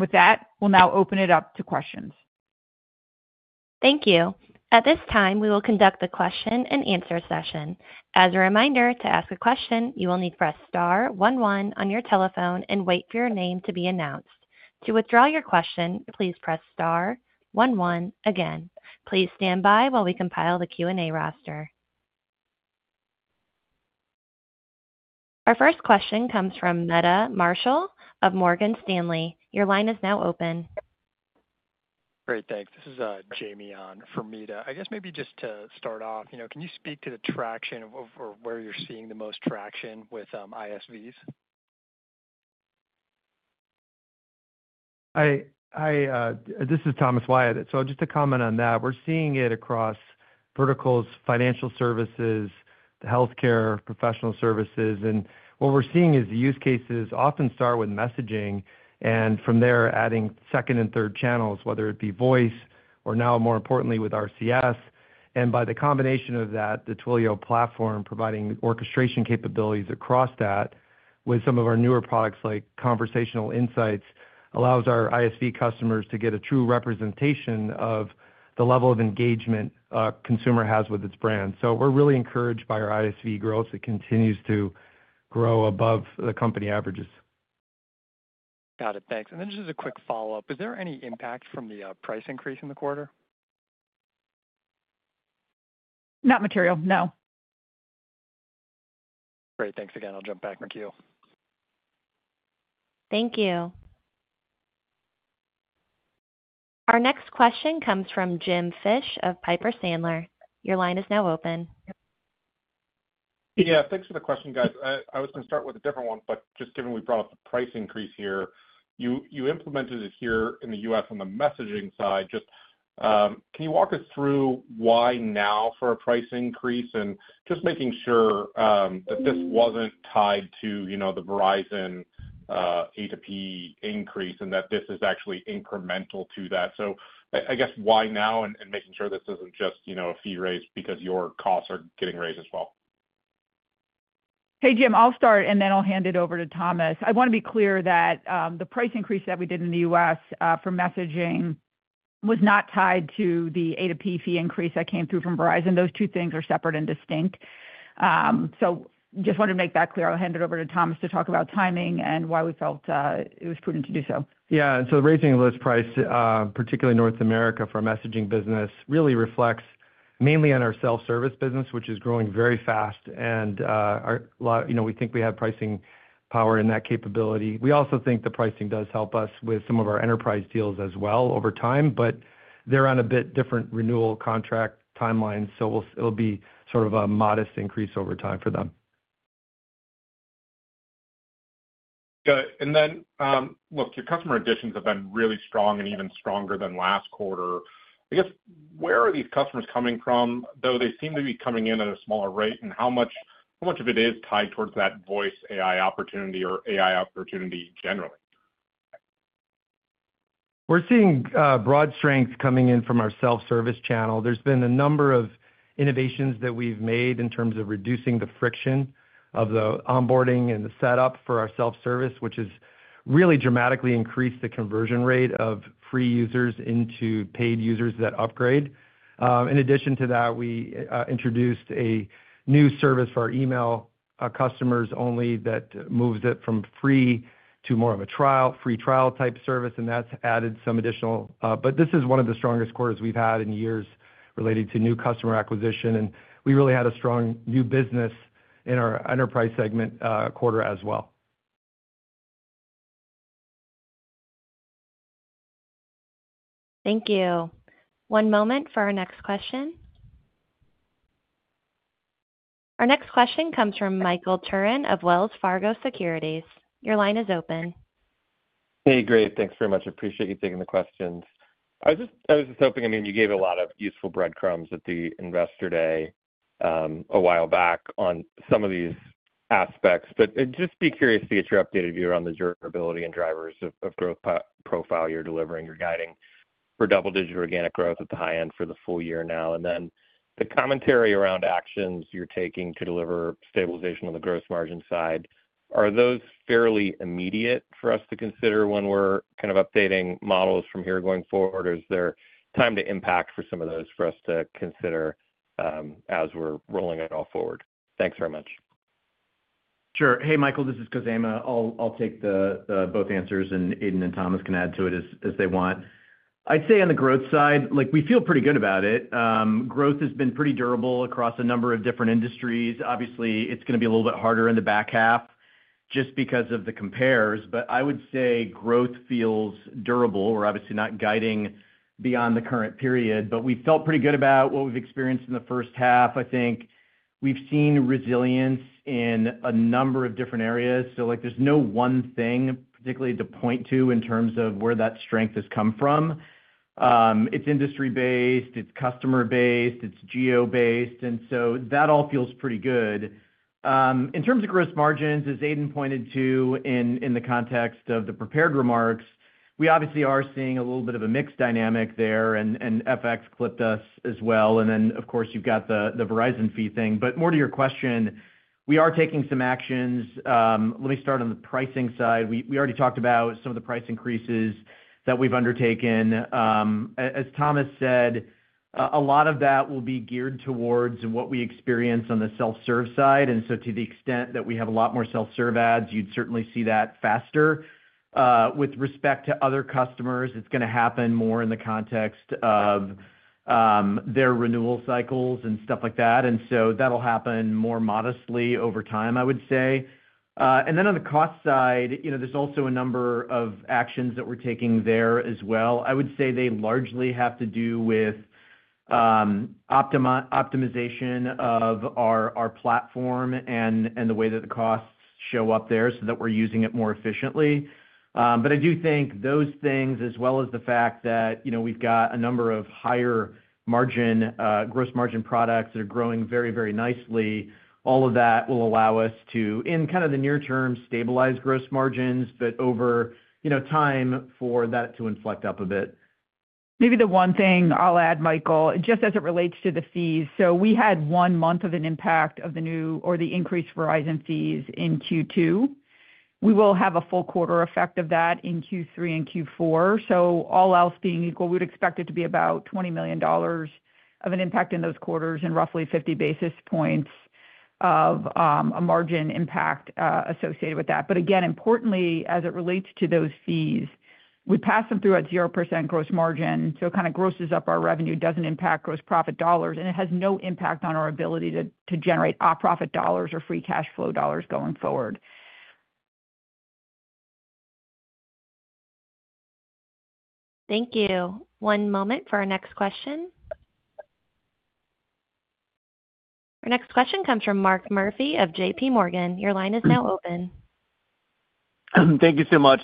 With that, we'll now open it up to questions. Thank you. At this time, we will conduct the question and answer session. As a reminder, to ask a question, you will need to press star one one on your telephone and wait for your name to be announced. To withdraw your question, please press star one one again. Please stand by while we compile the Q&A roster. Our first question comes from Meta Marshall of Morgan Stanley. Your line is now open. Great, thanks. This is Jamie on for Meta. I guess maybe just to start off, can you speak to the traction or where you're seeing the most traction with ISVs? Hi, this is Thomas Wyatt. Just to comment on that, we're seeing it across verticals, financial services, healthcare, professional services. What we're seeing is the use cases often start with messaging and from there adding second and third channels, whether it be voice or now more importantly with RCS. By the combination of that, the Twilio platform providing orchestration capabilities across that with some of our newer products like Conversational Intelligence allows our ISV customers to get a true representation of the level of engagement a consumer has with its brand. We're really encouraged by our ISV growth. It continues to grow above the company averages. Got it, thanks. Just as a quick follow-up, is there any impact from the price increase in the quarter? Not material, no. Great, thanks again. I'll jump back in the queue. Thank you. Our next question comes from Jim Fish of Piper Sandler. Your line is now open. Yeah, thanks for the question, guys. I was going to start with a different one, but just given we brought up the price increase here, you implemented it here in the U.S. on the messaging side. Can you walk us through why now for a price increase and just making sure that this wasn't tied to, you know, the Verizon A2P increase and that this is actually incremental to that? I guess why now and making sure this isn't just, you know, a fee raise because your costs are getting raised as well? Hey, Jim, I'll start and then I'll hand it over to Thomas. I want to be clear that the price increase that we did in the U.S. for messaging was not tied to the A2P fee increase that came through from Verizon. Those two things are separate and distinct. I just wanted to make that clear. I'll hand it over to Thomas to talk about timing and why we felt it was prudent to do so. Yeah, the raising list price, particularly in North America for our messaging business, really reflects mainly on our self-service business, which is growing very fast. We think we have pricing power in that capability. We also think the pricing does help us with some of our enterprise deals as well over time, but they're on a bit different renewal contract timeline, so it'll be sort of a modest increase over time for them. Good. Your customer additions have been really strong and even stronger than last quarter. I guess where are these customers coming from, though they seem to be coming in at a smaller rate? How much of it is tied towards that voice AI opportunity or AI opportunity generally? We're seeing broad strength coming in from our self-service channel. There's been a number of innovations that we've made in terms of reducing the friction of the onboarding and the setup for our self-service, which has really dramatically increased the conversion rate of free users into paid users that upgrade. In addition to that, we introduced a new service for our email customers only that moves it from free to more of a trial, free trial type service, and that's added some additional. This is one of the strongest quarters we've had in years related to new customer acquisition, and we really had a strong new business in our enterprise segment quarter as well. Thank you. One moment for our next question. Our next question comes from Michael Turrin of Wells Fargo Securities. Your line is open. Hey, great. Thanks very much. I appreciate you taking the questions. I was just hoping, I mean, you gave a lot of useful breadcrumbs at the Investor Day a while back on some of these aspects, but I'd just be curious to get your updated view around the durability and drivers of growth profile you're delivering or guiding for double-digit organic growth at the high end for the full year now. The commentary around actions you're taking to deliver stabilization on the gross margin side, are those fairly immediate for us to consider when we're kind of updating models from here going forward, or is there time to impact for some of those for us to consider as we're rolling it all forward? Thanks very much. Sure. Hey, Michael, this is Khozema. I'll take both answers, and Aidan and Thomas can add to it as they want. I'd say on the growth side, we feel pretty good about it. Growth has been pretty durable across a number of different industries. Obviously, it's going to be a little bit harder in the back half just because of the compares, but I would say growth feels durable. We're obviously not guiding beyond the current period, but we've felt pretty good about what we've experienced in the first half. I think we've seen resilience in a number of different areas, so there's no one thing particularly to point to in terms of where that strength has come from. It's industry-based, it's customer-based, it's geo-based, and that all feels pretty good. In terms of gross margins, as Aidan pointed to in the context of the prepared remarks, we are seeing a little bit of a mixed dynamic there, and FX clipped us as well. Of course, you've got the Verizon fee thing. More to your question, we are taking some actions. Let me start on the pricing side. We already talked about some of the price increases that we've undertaken. As Thomas said, a lot of that will be geared towards what we experience on the self-serve side. To the extent that we have a lot more self-serve ads, you'd certainly see that faster. With respect to other customers, it's going to happen more in the context of their renewal cycles and stuff like that. That'll happen more modestly over time, I would say. On the cost side, there's also a number of actions that we're taking there as well. I would say they largely have to do with optimization of our platform and the way that the costs show up there so that we're using it more efficiently. I do think those things, as well as the fact that we've got a number of higher gross margin products that are growing very, very nicely, all of that will allow us to, in the near term, stabilize gross margins, but over time for that to inflect up a bit. Maybe the one thing I'll add, Michael, just as it relates to the fees. We had one month of an impact of the new or the increased Verizon fees in Q2. We will have a full quarter effect of that in Q3 and Q4. All else being equal, we would expect it to be about $20 million of an impact in those quarters and roughly 50 basis points of a margin impact associated with that. Again, importantly, as it relates to those fees, we pass them through at 0% gross margin. It kind of grosses up our revenue, doesn't impact gross profit dollars, and it has no impact on our ability to generate profit dollars or free cash flow dollars going forward. Thank you. One moment for our next question. Our next question comes from Mark Murphy of JPMorgan. Your line is now open. Thank you so much.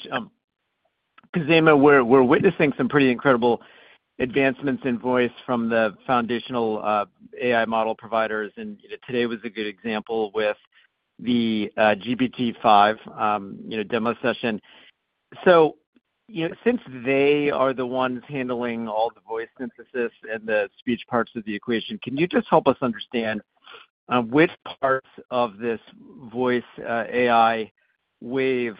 Khozema, we're witnessing some pretty incredible advancements in voice from the foundational AI model providers. Today was a good example with the GPT-5 demo session. Since they are the ones handling all the voice synthesis and the speech parts of the equation, can you just help us understand which parts of this voice AI wave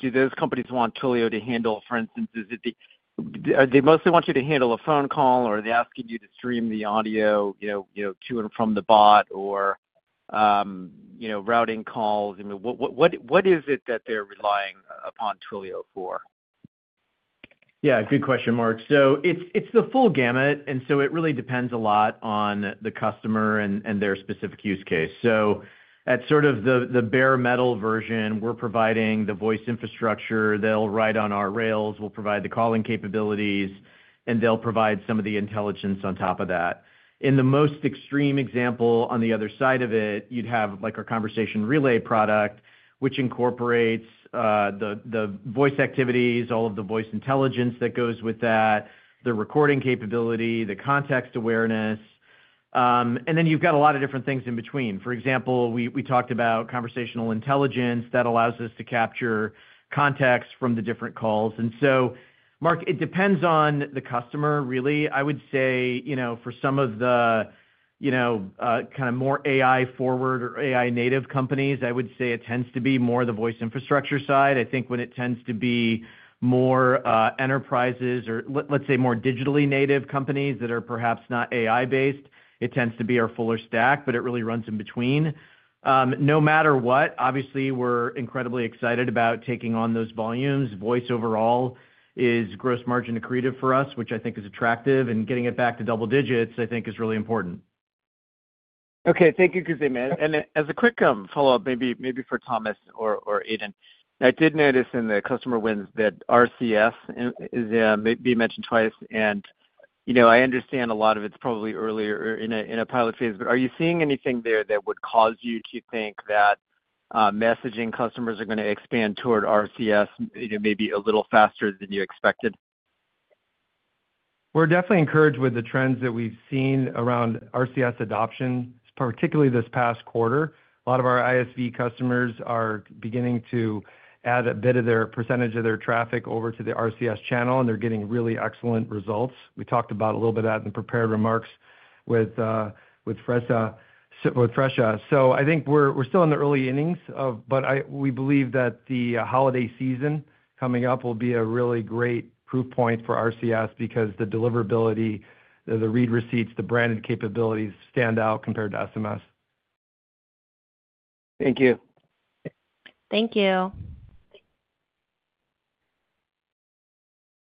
do those companies want Twilio to handle? For instance, do they mostly want you to handle a phone call, or are they asking you to stream the audio to and from the bot, or routing calls? What is it that they're relying upon Twilio for? Good question, Mark. It's the full gamut, and it really depends a lot on the customer and their specific use case. At sort of the bare metal version, we're providing the voice infrastructure. They'll ride on our rails, we'll provide the calling capabilities, and they'll provide some of the intelligence on top of that. In the most extreme example on the other side of it, you'd have our Conversation Relay product, which incorporates the voice activities, all of the voice intelligence that goes with that, the recording capability, the context awareness. Then you've got a lot of different things in between. For example, we talked about Conversational Intelligence that allows us to capture context from the different calls. Mark, it depends on the customer, really. For some of the more AI-forward or AI-native companies, it tends to be more the voice infrastructure side. I think when it tends to be more enterprises or, let's say, more digitally native companies that are perhaps not AI-based, it tends to be our fuller stack, but it really runs in between. No matter what, obviously, we're incredibly excited about taking on those volumes. Voice overall is gross margin accretive for us, which I think is attractive, and getting it back to double digits is really important. Thank you, Khozema. As a quick follow-up, maybe for Thomas or Aidan, I did notice in the customer wins that RCS is being mentioned twice, and I understand a lot of it's probably earlier in a pilot phase, but are you seeing anything there that would cause you to think that messaging customers are going to expand toward RCS maybe a little faster than you expected? We're definitely encouraged with the trends that we've seen around RCS adoption, particularly this past quarter. A lot of our ISV customers are beginning to add a bit of their percentage of their traffic over to the RCS channel, and they're getting really excellent results. We talked about a little bit of that in the prepared remarks with Fresha. I think we're still in the early innings of, but we believe that the holiday season coming up will be a really great proof point for RCS because the deliverability, the read receipts, the branded capabilities stand out compared to SMS. Thank you. Thank you.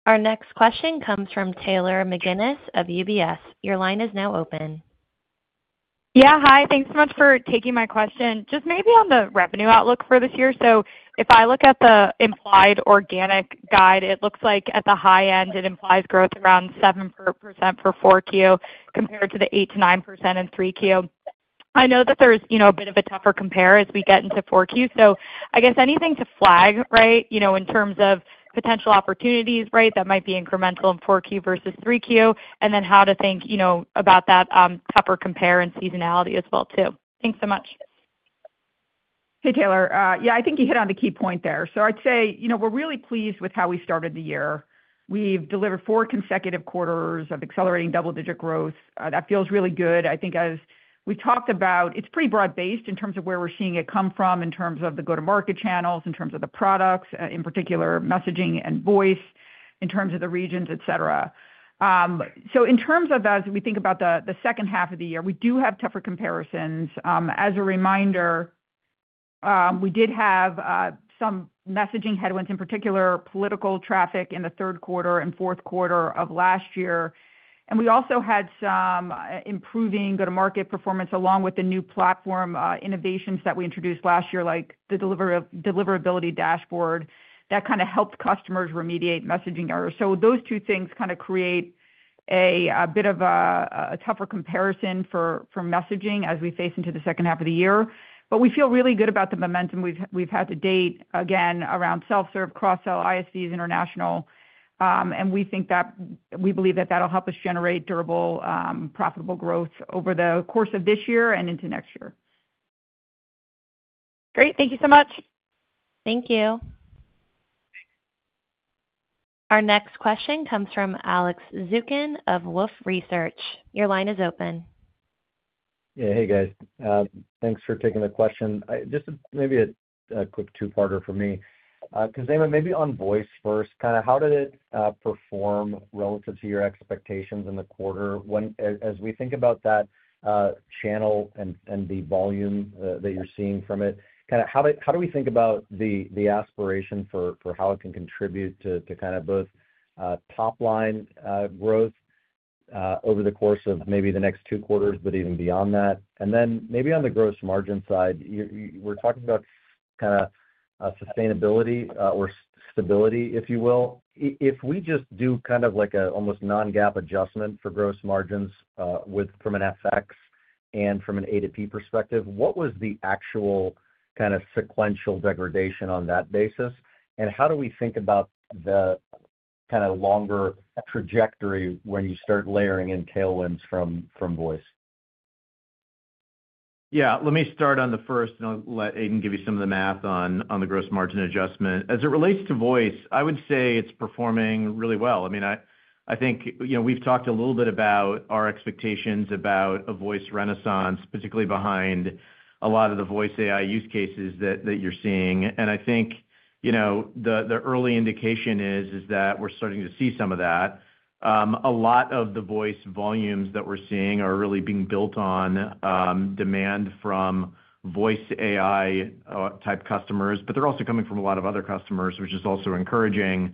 Our next question comes from Taylor McGuinness of UBS. Your line is now open. Yeah, hi. Thanks so much for taking my question. Just maybe on the revenue outlook for this year. If I look at the implied organic guide, it looks like at the high end, it implies growth around 7% for 4Q compared to the 8%-9% in 3Q. I know that there's a bit of a tougher compare as we get into 4Q. I guess anything to flag in terms of potential opportunities that might be incremental in 4Q versus 3Q, and then how to think about that tougher compare and seasonality as well, too. Thanks so much. Hey, Taylor. Yeah, I think you hit on the key point there. I'd say we're really pleased with how we started the year. We've delivered four consecutive quarters of accelerating double-digit growth. That feels really good. I think as we talked about, it's pretty broad-based in terms of where we're seeing it come from, in terms of the go-to-market channels, in terms of the products, in particular, messaging and voice, in terms of the regions, etc. In terms of as we think about the second half of the year, we do have tougher comparisons. As a reminder, we did have some messaging headwinds, in particular, political traffic in the third quarter and fourth quarter of last year. We also had some improving go-to-market performance along with the new platform innovations that we introduced last year, like the deliverability dashboard that kind of helps customers remediate messaging. Those two things kind of create a bit of a tougher comparison for messaging as we face into the second half of the year. We feel really good about the momentum we've had to date, again, around self-serve, cross-sell ISVs internationally. We think that we believe that that'll help us generate durable, profitable growth over the course of this year and into next year. Great. Thank you so much. Thank you. Our next question comes from Alex Zukin of Wolfe Research. Your line is open. Yeah, hey, guys. Thanks for taking the question. Just maybe a quick two-parter for me. Khozema, maybe on voice first, kind of how did it perform relative to your expectations in the quarter? As we think about that channel and the volume that you're seeing from it, kind of how do we think about the aspiration for how it can contribute to kind of both top-line growth over the course of maybe the next two quarters, but even beyond that? Then maybe on the gross margin side, we're talking about kind of sustainability or stability, if you will. If we just do kind of like an almost non-GAAP adjustment for gross margins from an FX and from an A2P perspective, what was the actual kind of sequential degradation on that basis? How do we think about the kind of longer trajectory when you start layering in tailwinds from voice? Let me start on the first, and I'll let Aidan give you some of the math on the gross margin adjustment. As it relates to voice, I would say it's performing really well. I think we've talked a little bit about our expectations about a voice renaissance, particularly behind a lot of the voice AI use cases that you're seeing. I think the early indication is that we're starting to see some of that. A lot of the voice volumes that we're seeing are really being built on demand from voice AI type customers, but they're also coming from a lot of other customers, which is also encouraging.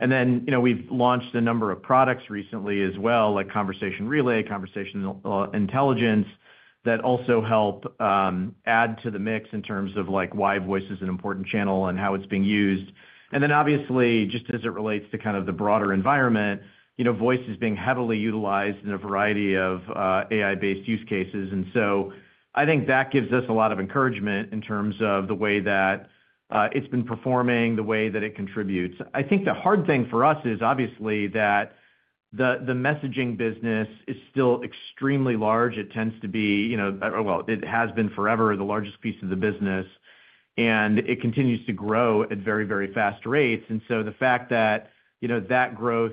We've launched a number of products recently as well, like Conversation Relay and Conversational Intelligence, that also help add to the mix in terms of why voice is an important channel and how it's being used. Obviously, just as it relates to the broader environment, voice is being heavily utilized in a variety of AI-based use cases. I think that gives us a lot of encouragement in terms of the way that it's been performing, the way that it contributes. The hard thing for us is obviously that the messaging business is still extremely large. It tends to be, it has been forever the largest piece of the business, and it continues to grow at very, very fast rates. The fact that growth,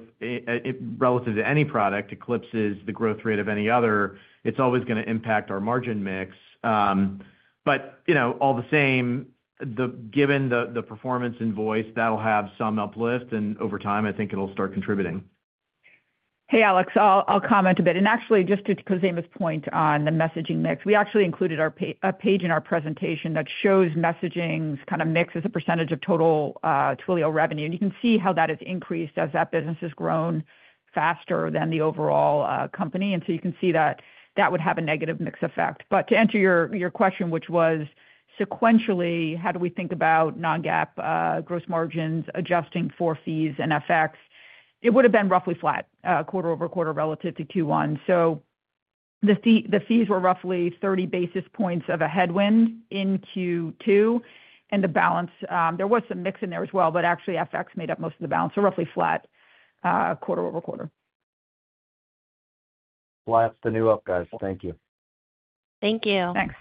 relative to any product, eclipses the growth rate of any other, it's always going to impact our margin mix. All the same, given the performance in voice, that'll have some uplift, and over time, I think it'll start contributing. Hey, Alex. I'll comment a bit. Just to Khozema's point on the messaging mix, we actually included a page in our presentation that shows messaging's kind of mix as a percentage of total Twilio revenue. You can see how that has increased as that business has grown faster than the overall company. You can see that would have a negative mix effect. To answer your question, which was sequentially, how do we think about non-GAAP gross margins adjusting for fees and FX, it would have been roughly flat quarter-over-quarter relative to Q1. The fees were roughly 30 basis points of a headwind in Q2, and the balance, there was some mix in there as well, but actually, FX made up most of the balance, so roughly flat quarter-over-quarter. Flat's the new up, guys. Thank you. Thank you. Thanks.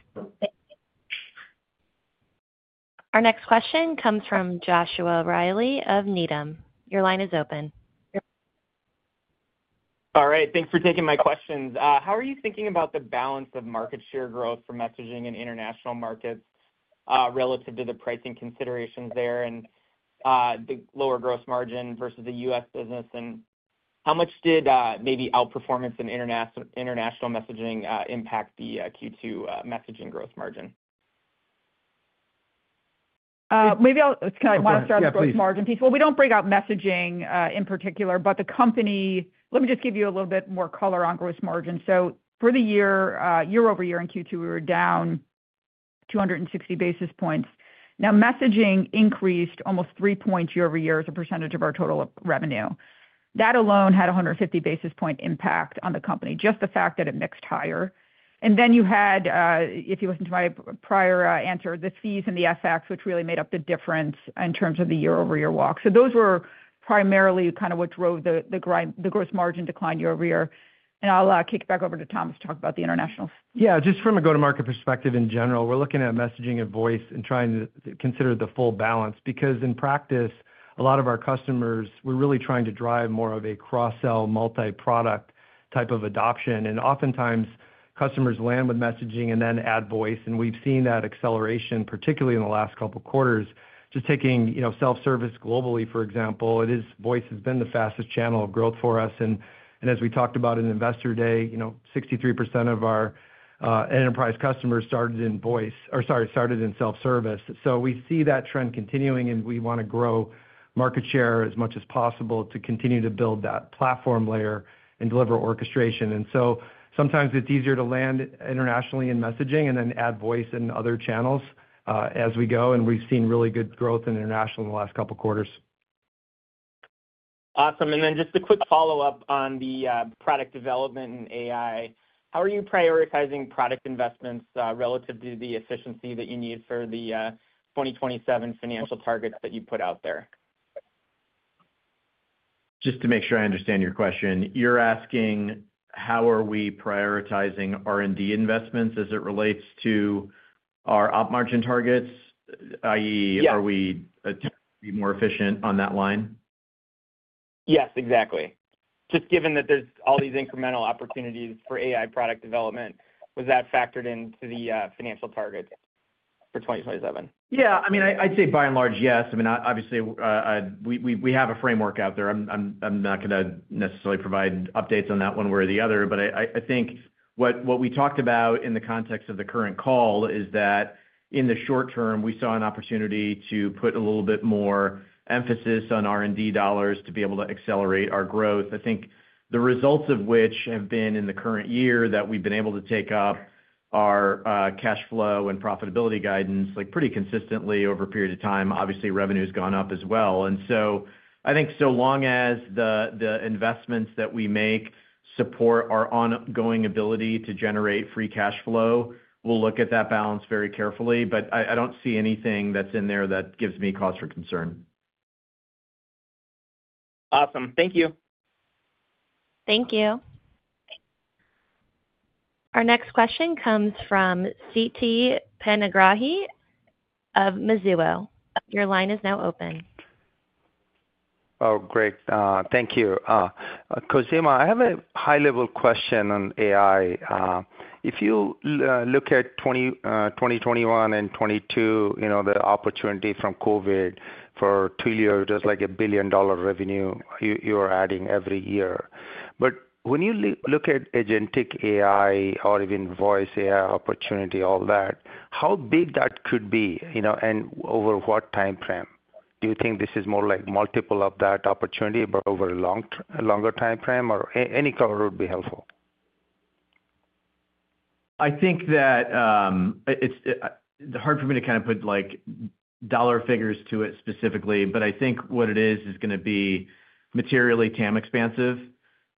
Our next question comes from Joshua Riley of Needham. Your line is open. All right. Thanks for taking my questions. How are you thinking about the balance of market share growth for messaging in international markets relative to the pricing considerations there and the lower gross margin versus the U.S. business? How much did maybe outperformance in international messaging impact the Q2 messaging gross margin? Maybe I kind of want to start with the gross margin piece. We don't bring up messaging in particular, but the company, let me just give you a little bit more color on gross margin. For the year, year-over-year in Q2, we were down 260 basis points. Messaging increased almost 3% year-over-year as a percentage of our total revenue. That alone had a 150 basis point impact on the company, just the fact that it mixed higher. You had, if you listen to my prior answer, the fees and the FX, which really made up the difference in terms of the year-over-year walk. Those were primarily what drove the gross margin decline year-over-year. I'll kick back over to Thomas to talk about the internationals. Just from a go-to-market perspective in general, we're looking at messaging and voice and trying to consider the full balance because in practice, a lot of our customers, we're really trying to drive more of a cross-sell multi-product type of adoption. Oftentimes, customers land with messaging and then add voice. We've seen that acceleration, particularly in the last couple of quarters. Taking self-service globally, for example, voice has been the fastest channel of growth for us. As we talked about in Investor Day, 63% of our enterprise customers started in voice or, sorry, started in self-service. We see that trend continuing, and we want to grow market share as much as possible to continue to build that platform layer and deliver orchestration. Sometimes it's easier to land internationally in messaging and then add voice in other channels as we go. We've seen really good growth in international in the last couple of quarters. Awesome. Just a quick follow-up on the product development and AI. How are you prioritizing product investments relative to the efficiency that you need for the 2027 financial targets that you put out there? Just to make sure I understand your question, you're asking how are we prioritizing R&D investments as it relates to our op margin targets, i.e., are we attempting to be more efficient on that line? Yes, exactly. Just given that there's all these incremental opportunities for AI product development, was that factored into the financial target for 2027? Yeah, I mean, I'd say by and large, yes. Obviously, we have a framework out there. I'm not going to necessarily provide updates on that one way or the other, but I think what we talked about in the context of the current call is that in the short term, we saw an opportunity to put a little bit more emphasis on R&D dollars to be able to accelerate our growth. I think the results of which have been in the current year that we've been able to take up our cash flow and profitability guidance pretty consistently over a period of time. Obviously, revenue has gone up as well. I think so long as the investments that we make support our ongoing ability to generate free cash flow, we'll look at that balance very carefully. I don't see anything that's in there that gives me cause for concern. Awesome. Thank you. Thank you. Our next question comes from Siti Panigrahi of Mizuho. Your line is now open. Oh, great. Thank you. Khozema, I have a high-level question on AI. If you look at 2021 and 2022, you know, the opportunity from COVID for Twilio, just like a billion-dollar revenue you are adding every year. When you look at agentic AI or even voice AI opportunity, all that, how big that could be, you know, and over what timeframe? Do you think this is more like multiple of that opportunity over a longer timeframe, or any color would be helpful? I think that it's hard for me to kind of put dollar figures to it specifically, but I think what it is is going to be materially TAM expansive.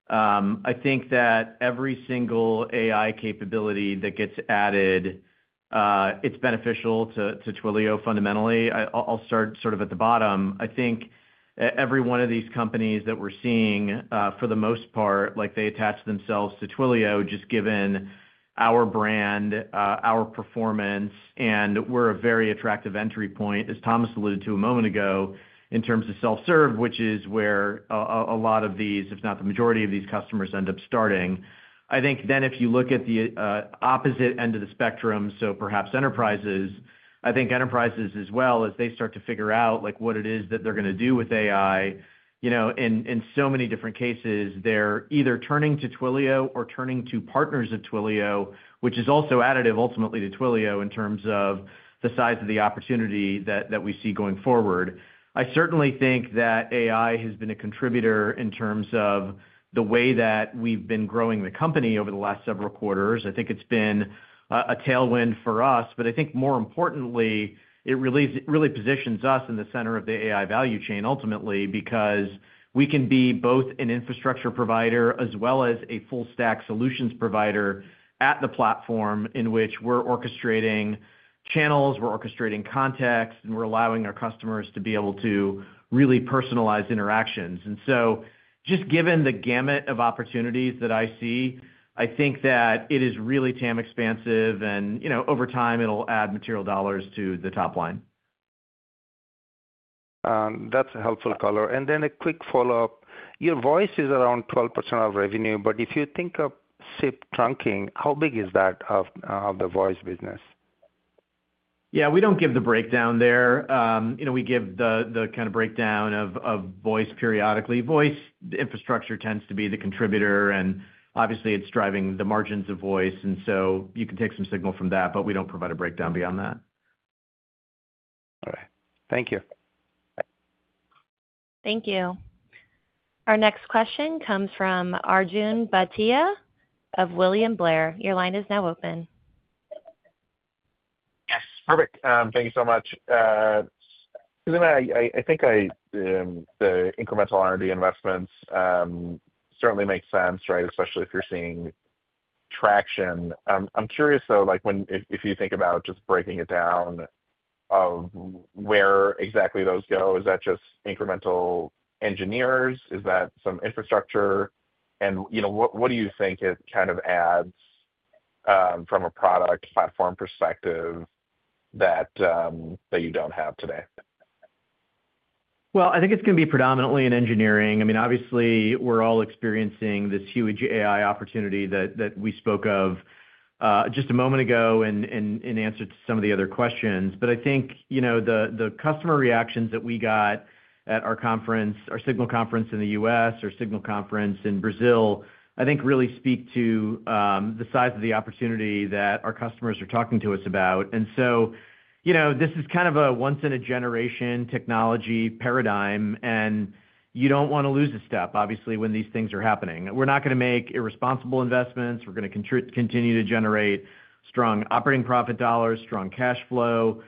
I think that every single AI capability that gets added is beneficial to Twilio fundamentally. I'll start at the bottom. I think every one of these companies that we're seeing, for the most part, attaches themselves to Twilio just given our brand, our performance, and we're a very attractive entry point, as Thomas alluded to a moment ago, in terms of self-serve, which is where a lot of these, if not the majority of these customers, end up starting. If you look at the opposite end of the spectrum, so perhaps enterprises, I think enterprises as well, as they start to figure out what it is that they're going to do with AI, in so many different cases, they're either turning to Twilio or turning to partners of Twilio, which is also additive ultimately to Twilio in terms of the size of the opportunity that we see going forward. I certainly think that AI has been a contributor in terms of the way that we've been growing the company over the last several quarters. It's been a tailwind for us. More importantly, it really positions us in the center of the AI value chain ultimately because we can be both an infrastructure provider as well as a full-stack solutions provider at the platform in which we're orchestrating channels, we're orchestrating context, and we're allowing our customers to be able to really personalize interactions. Just given the gamut of opportunities that I see, I think that it is really TAM expansive, and over time, it'll add material dollars to the top line. That's a helpful color. A quick follow-up, your voice is around 12% of revenue. If you think of SIP trunking, how big is that of the voice business? Yeah, we don't give the breakdown there. You know, we give the kind of breakdown of voice periodically. Voice infrastructure tends to be the contributor, and obviously, it's driving the margins of voice, and you can take some signal from that, but we don't provide a breakdown beyond that. All right. Thank you. Thank you. Our next question comes from Arjun Bhatia of William Blair. Your line is now open. Yes. Perfect. Thank you so much. Khozema, I think the incremental R&D investments certainly make sense, right, especially if you're seeing traction. I'm curious, though, if you think about just breaking it down of where exactly those go, is that just incremental engineers? Is that some infrastructure? What do you think it kind of adds from a product platform perspective that you don't have today? I think it's going to be predominantly in engineering. Obviously, we're all experiencing this huge AI opportunity that we spoke of just a moment ago in answer to some of the other questions. I think the customer reactions that we got at our Signal conference in the U.S., our Signal conference in Brazil, really speak to the size of the opportunity that our customers are talking to us about. This is kind of a once-in-a-generation technology paradigm, and you don't want to lose a step, obviously, when these things are happening. We're not going to make irresponsible investments. We're going to continue to generate strong operating profit dollars, strong cash flow.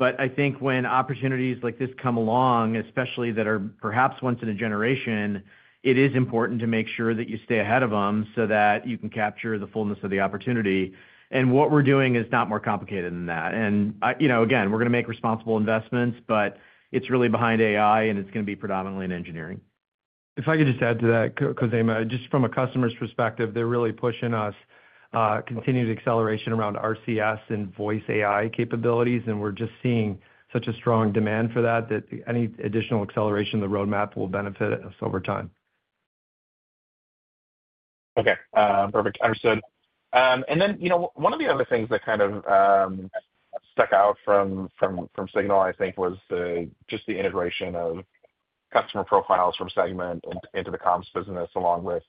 I think when opportunities like this come along, especially that are perhaps once in a generation, it is important to make sure that you stay ahead of them so that you can capture the fullness of the opportunity. What we're doing is not more complicated than that. Again, we're going to make responsible investments, but it's really behind AI, and it's going to be predominantly in engineering. If I could just add to that, Khozema, just from a customer's perspective, they're really pushing us for continued acceleration around RCS and voice AI capabilities, and we're just seeing such a strong demand for that that any additional acceleration in the roadmap will benefit us over time. Okay, perfect. Understood. One of the other things that kind of stuck out from Signal, I think, was just the integration of customer profiles from Segment into the comms business along with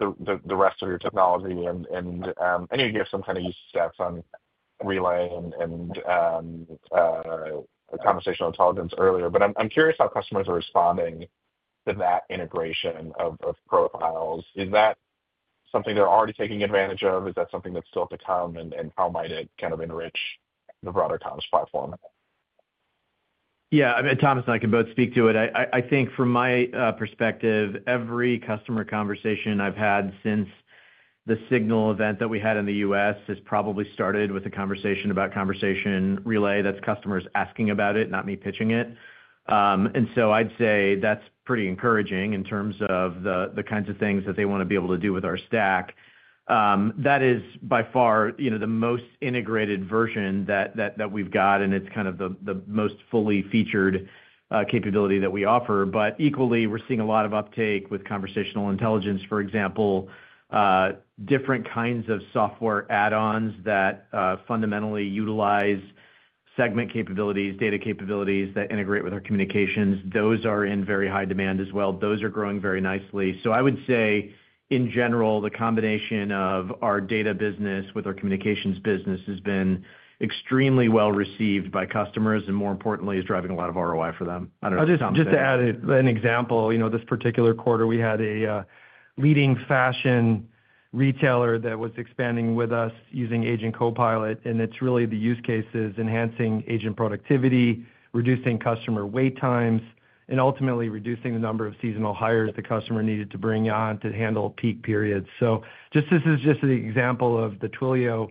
the rest of your technology. I know you gave some kind of use steps on relaying and Conversational Intelligence earlier, but I'm curious how customers are responding to that integration of profiles. Is that something they're already taking advantage of? Is that something that's still to come, and how might it kind of enrich the broader comms platform? Yeah, I mean, Thomas and I can both speak to it. I think from my perspective, every customer conversation I've had since the Signal event that we had in the U.S. has probably started with a conversation about Conversation Relay. That's customers asking about it, not me pitching it. I'd say that's pretty encouraging in terms of the kinds of things that they want to be able to do with our stack. That is by far the most integrated version that we've got, and it's kind of the most fully featured capability that we offer. Equally, we're seeing a lot of uptake with Conversational Intelligence, for example, different kinds of software add-ons that fundamentally utilize Segment capabilities, data capabilities that integrate with our communications. Those are in very high demand as well. Those are growing very nicely. I would say, in general, the combination of our data business with our communications business has been extremely well received by customers and, more importantly, is driving a lot of ROI for them. I'll just add an example. You know, this particular quarter, we had a leading fashion retailer that was expanding with us using Agent Copilot, and it's really the use cases enhancing agent productivity, reducing customer wait times, and ultimately reducing the number of seasonal hires the customer needed to bring on to handle peak periods. This is just an example of the Twilio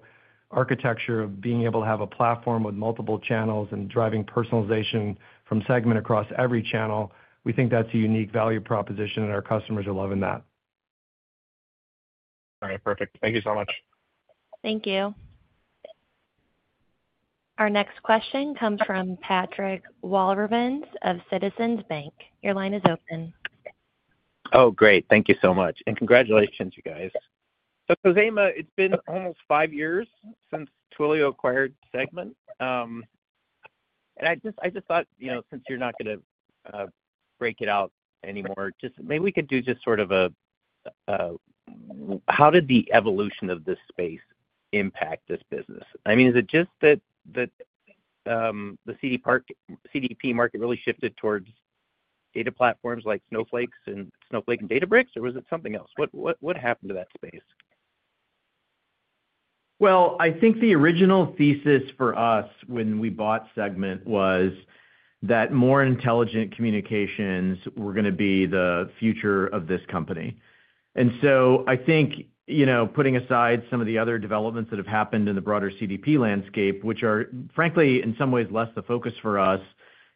architecture of being able to have a platform with multiple channels and driving personalization from Segment across every channel. We think that's a unique value proposition, and our customers are loving that. All right, perfect. Thank you so much. Thank you. Our next question comes from Patrick Walravens of Citizens Bank. Great. Thank you so much. Congratulations, you guys. Khozema, it's been almost five years since Twilio acquired Segment. I just thought, since you're not going to break it out anymore, maybe we could do just sort of a, how did the evolution of this space impact this business? I mean, is it just that the CDP market really shifted towards data platforms like Snowflake and Databricks, or was it something else? What happened to that space? I think the original thesis for us when we bought Segment was that more intelligent communications were going to be the future of this company. I think, putting aside some of the other developments that have happened in the broader CDP landscape, which are frankly, in some ways, less the focus for us,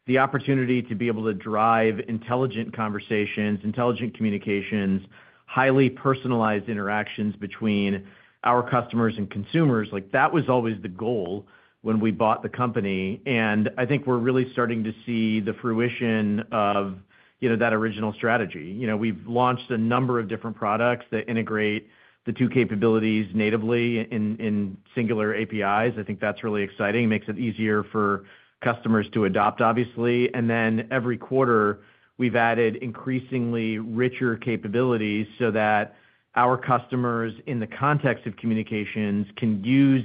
the opportunity to be able to drive intelligent conversations, intelligent communications, highly personalized interactions between our customers and consumers, like that was always the goal when we bought the company. I think we're really starting to see the fruition of that original strategy. We've launched a number of different products that integrate the two capabilities natively in singular APIs. I think that's really exciting. It makes it easier for customers to adopt, obviously. Every quarter, we've added increasingly richer capabilities so that our customers in the context of communications can use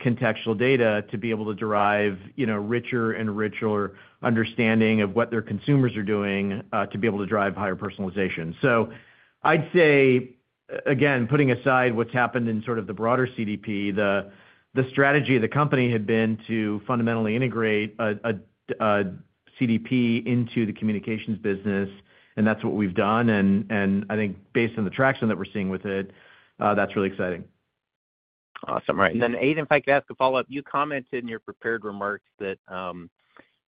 contextual data to be able to derive richer and richer understanding of what their consumers are doing to be able to drive higher personalization. I'd say, again, putting aside what's happened in sort of the broader CDP, the strategy of the company had been to fundamentally integrate a CDP into the communications business. That's what we've done. I think based on the traction that we're seeing with it, that's really exciting. Awesome. Right. Aidan, if I could ask a follow-up, you commented in your prepared remarks that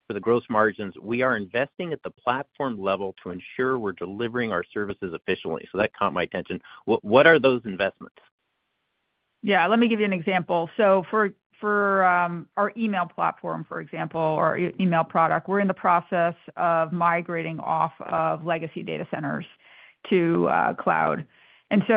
for the gross margins, we are investing at the platform level to ensure we're delivering our services efficiently. That caught my attention. What are those investments? Let me give you an example. For our email platform, for example, or email product, we're in the process of migrating off of legacy data centers to cloud.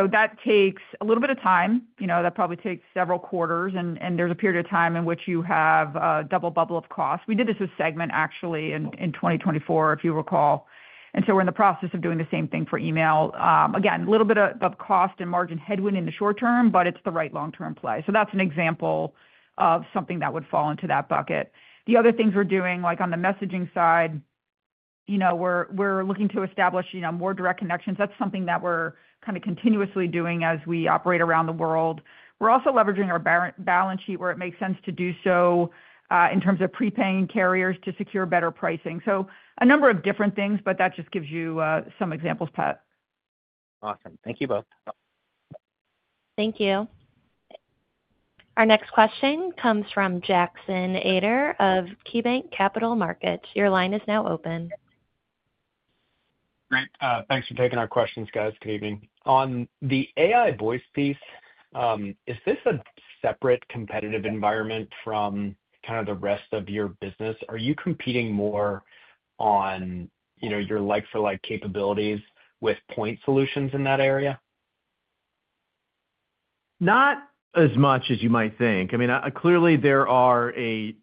That takes a little bit of time. That probably takes several quarters, and there's a period of time in which you have a double bubble of cost. We did this with Segment actually in 2024, if you recall, and we're in the process of doing the same thing for email. Again, a little bit of cost and margin headwind in the short term, but it's the right long-term play. That's an example of something that would fall into that bucket. The other things we're doing, like on the messaging side, we're looking to establish more direct connections. That's something that we're kind of continuously doing as we operate around the world. We're also leveraging our balance sheet where it makes sense to do so in terms of prepaying carriers to secure better pricing. A number of different things, but that just gives you some examples, Pat. Awesome. Thank you both. Thank you. Our next question comes from Jackson Aider of KeyBanc Capital Markets. Your line is now open. Thanks for taking our questions, guys. Good evening. On the AI voice piece, is this a separate competitive environment from kind of the rest of your business? Are you competing more on, you know, your like-for-like capabilities with point solutions in that area? Not as much as you might think. I mean, clearly, there are a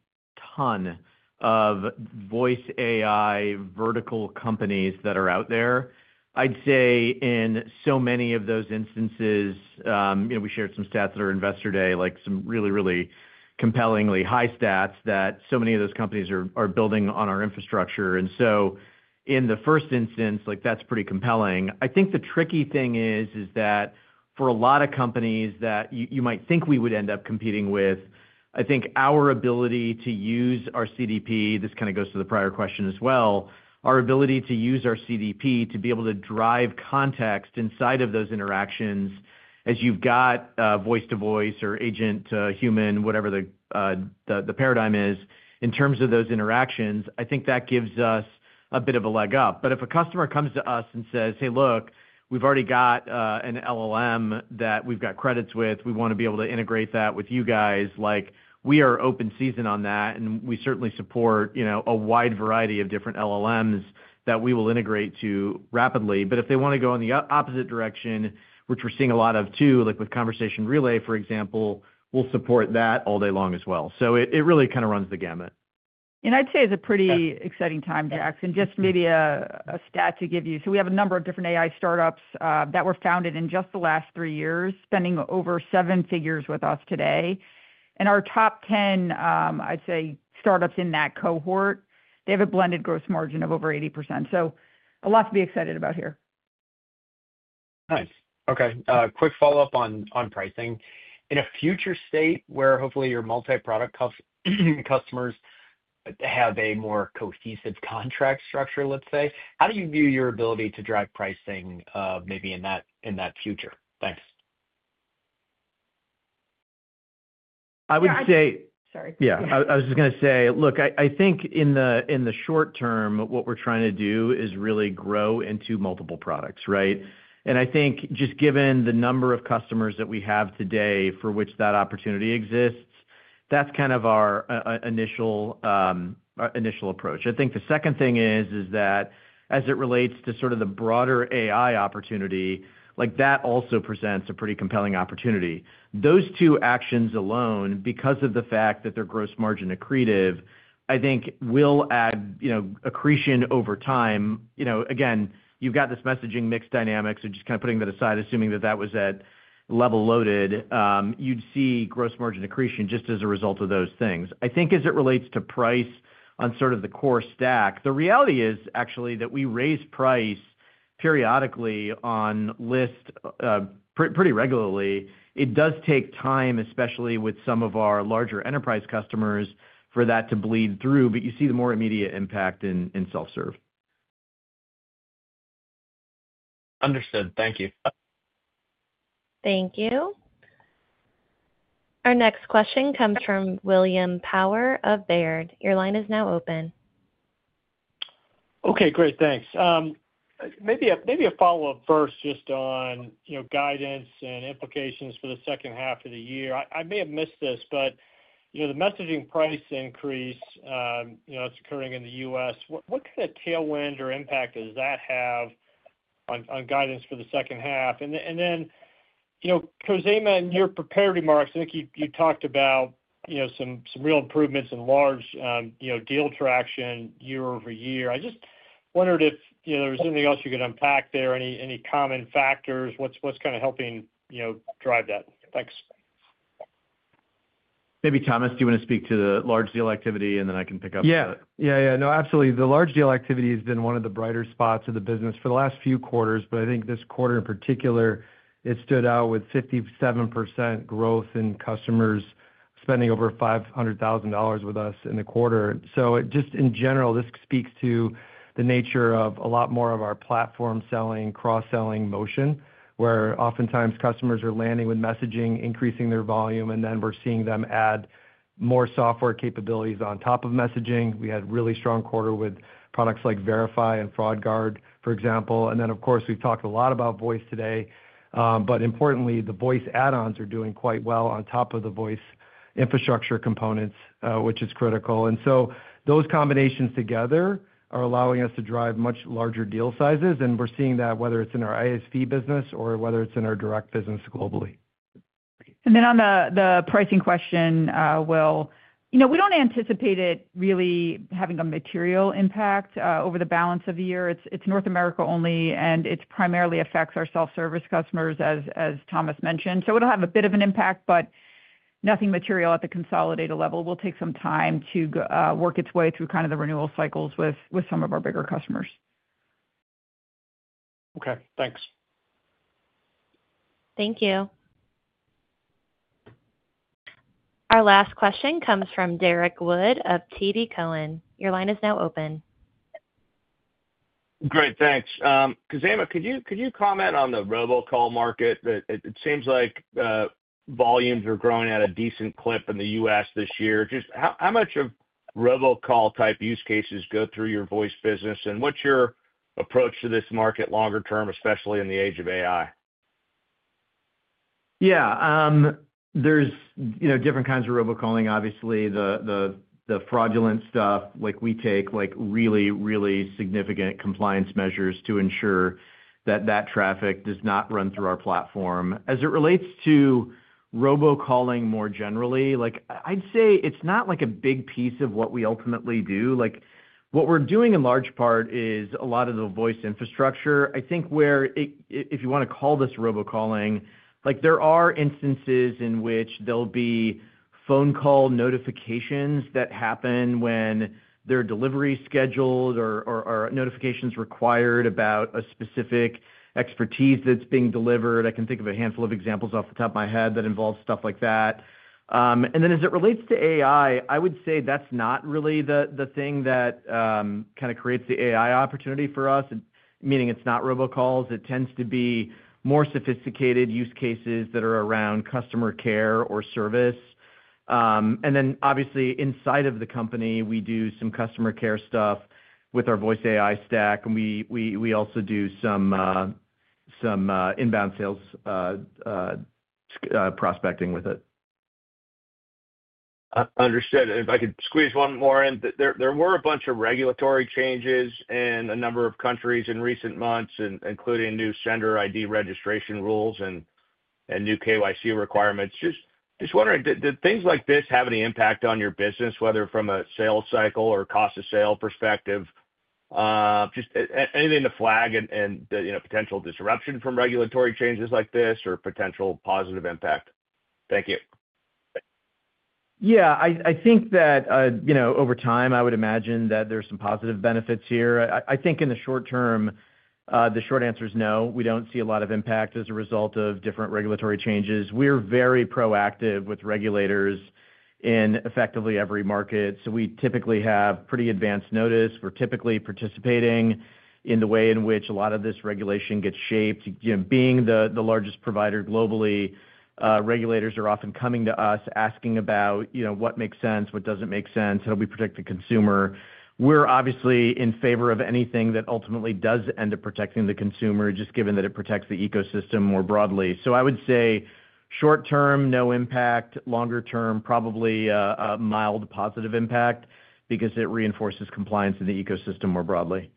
ton of voice AI vertical companies that are out there. I'd say in so many of those instances, we shared some stats at our Investor Day, like some really, really compellingly high stats that so many of those companies are building on our infrastructure. In the first instance, that's pretty compelling. I think the tricky thing is that for a lot of companies that you might think we would end up competing with, our ability to use our CDP, this kind of goes to the prior question as well, our ability to use our CDP to be able to drive context inside of those interactions, as you've got voice-to-voice or agent-to-human, whatever the paradigm is, in terms of those interactions, I think that gives us a bit of a leg up. If a customer comes to us and says, "Hey, look, we've already got an LLM that we've got credits with, we want to be able to integrate that with you guys," we are open season on that, and we certainly support a wide variety of different LLMs that we will integrate to rapidly. If they want to go in the opposite direction, which we're seeing a lot of too, like with Conversation Relay, for example, we'll support that all day long as well. It really kind of runs the gamut. It's a pretty exciting time, Jackson. Maybe a stat to give you: we have a number of different AI startups that were founded in just the last three years, spending over $1 million with us today. Our top 10 startups in that cohort have a blended gross margin of over 80%. There's a lot to be excited about here. Nice. Okay. Quick follow-up on pricing. In a future state where hopefully your multi-product customers have a more cohesive contract structure, let's say, how do you view your ability to drive pricing maybe in that future? Thanks. I think in the short term, what we're trying to do is really grow into multiple products, right? I think just given the number of customers that we have today for which that opportunity exists, that's kind of our initial approach. I think the second thing is that as it relates to sort of the broader AI opportunity, that also presents a pretty compelling opportunity. Those two actions alone, because of the fact that they're gross margin accretive, I think will add accretion over time. You've got this messaging mix dynamics, so just kind of putting that aside, assuming that that was level loaded, you'd see gross margin accretion just as a result of those things. I think as it relates to price on sort of the core stack, the reality is actually that we raise price periodically on list pretty regularly. It does take time, especially with some of our larger enterprise customers, for that to bleed through, but you see the more immediate impact in self-serve. Understood. Thank you. Thank you. Our next question comes from William Power of Baird. Your line is now open. Okay, great. Thanks. Maybe a follow-up first just on guidance and implications for the second half of the year. I may have missed this, but the messaging price increase, it's occurring in the U.S. What kind of tailwind or impact does that have on guidance for the second half? Kozema, in your prepared remarks, I think you talked about some real improvements in large deal traction year-over-year. I just wondered if there was anything else you could unpack there, any common factors, what's kind of helping drive that? Thanks. Maybe Thomas, do you want to speak to the large deal activity, and then I can pick up? Absolutely. The large deal activity has been one of the brighter spots of the business for the last few quarters. I think this quarter in particular, it stood out with 57% growth in customers spending over $500,000 with us in the quarter. In general, this speaks to the nature of a lot more of our platform selling, cross-selling motion, where oftentimes customers are landing with messaging, increasing their volume, and then we're seeing them add more software capabilities on top of messaging. We had a really strong quarter with products like Verify and FraudGuard, for example. Of course, we talked a lot about voice today. Importantly, the voice add-ons are doing quite well on top of the voice infrastructure components, which is critical. Those combinations together are allowing us to drive much larger deal sizes. We're seeing that whether it's in our ISV business or whether it's in our direct business globally. On the pricing question, we don't anticipate it really having a material impact over the balance of the year. It's North America only, and it primarily affects our self-service customers, as Thomas mentioned. It'll have a bit of an impact, but nothing material at the consolidator level. It'll take some time to work its way through the renewal cycles with some of our bigger customers. Okay. Thanks. Thank you. Our last question comes from Derrick Wood of TD Cowen. Your line is now open. Great, thanks. Khozema, could you comment on the robo-call market? It seems like volumes are growing at a decent clip in the U.S. this year. Just how much of robo-call type use cases go through your voice business? What's your approach to this market longer term, especially in the age of AI? Yeah. There are different kinds of robo-calling, obviously. The fraudulent stuff, we take really, really significant compliance measures to ensure that traffic does not run through our platform. As it relates to robo-calling more generally, I'd say it's not a big piece of what we ultimately do. What we're doing in large part is a lot of the voice infrastructure. If you want to call this robo-calling, there are instances in which there will be phone call notifications that happen when there are deliveries scheduled or notifications required about a specific expertise that's being delivered. I can think of a handful of examples off the top of my head that involve stuff like that. As it relates to AI, I would say that's not really the thing that creates the AI opportunity for us, meaning it's not robo-calls. It tends to be more sophisticated use cases that are around customer care or service. Obviously, inside of the company, we do some customer care stuff with our voice AI stack. We also do some inbound sales prospecting with it. Understood. If I could squeeze one more in, there were a bunch of regulatory changes in a number of countries in recent months, including new sender ID registration rules and new KYC requirements. Just wondering, did things like this have any impact on your business, whether from a sales cycle or cost of sale perspective? Just anything to flag and potential disruption from regulatory changes like this or potential positive impact? Thank you. I think that, you know, over time, I would imagine that there's some positive benefits here. In the short term, the short answer is no. We don't see a lot of impact as a result of different regulatory changes. We're very proactive with regulators in effectively every market. We typically have pretty advanced notice. We're typically participating in the way in which a lot of this regulation gets shaped. Being the largest provider globally, regulators are often coming to us asking about what makes sense, what doesn't make sense, how do we protect the consumer? We're obviously in favor of anything that ultimately does end up protecting the consumer, just given that it protects the ecosystem more broadly. I would say short term, no impact. Longer term, probably a mild positive impact because it reinforces compliance in the ecosystem more broadly.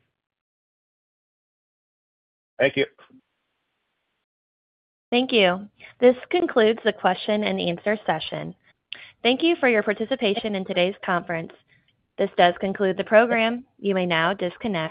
Thank you. Thank you. This concludes the question and answer session. Thank you for your participation in today's conference. This does conclude the program. You may now disconnect.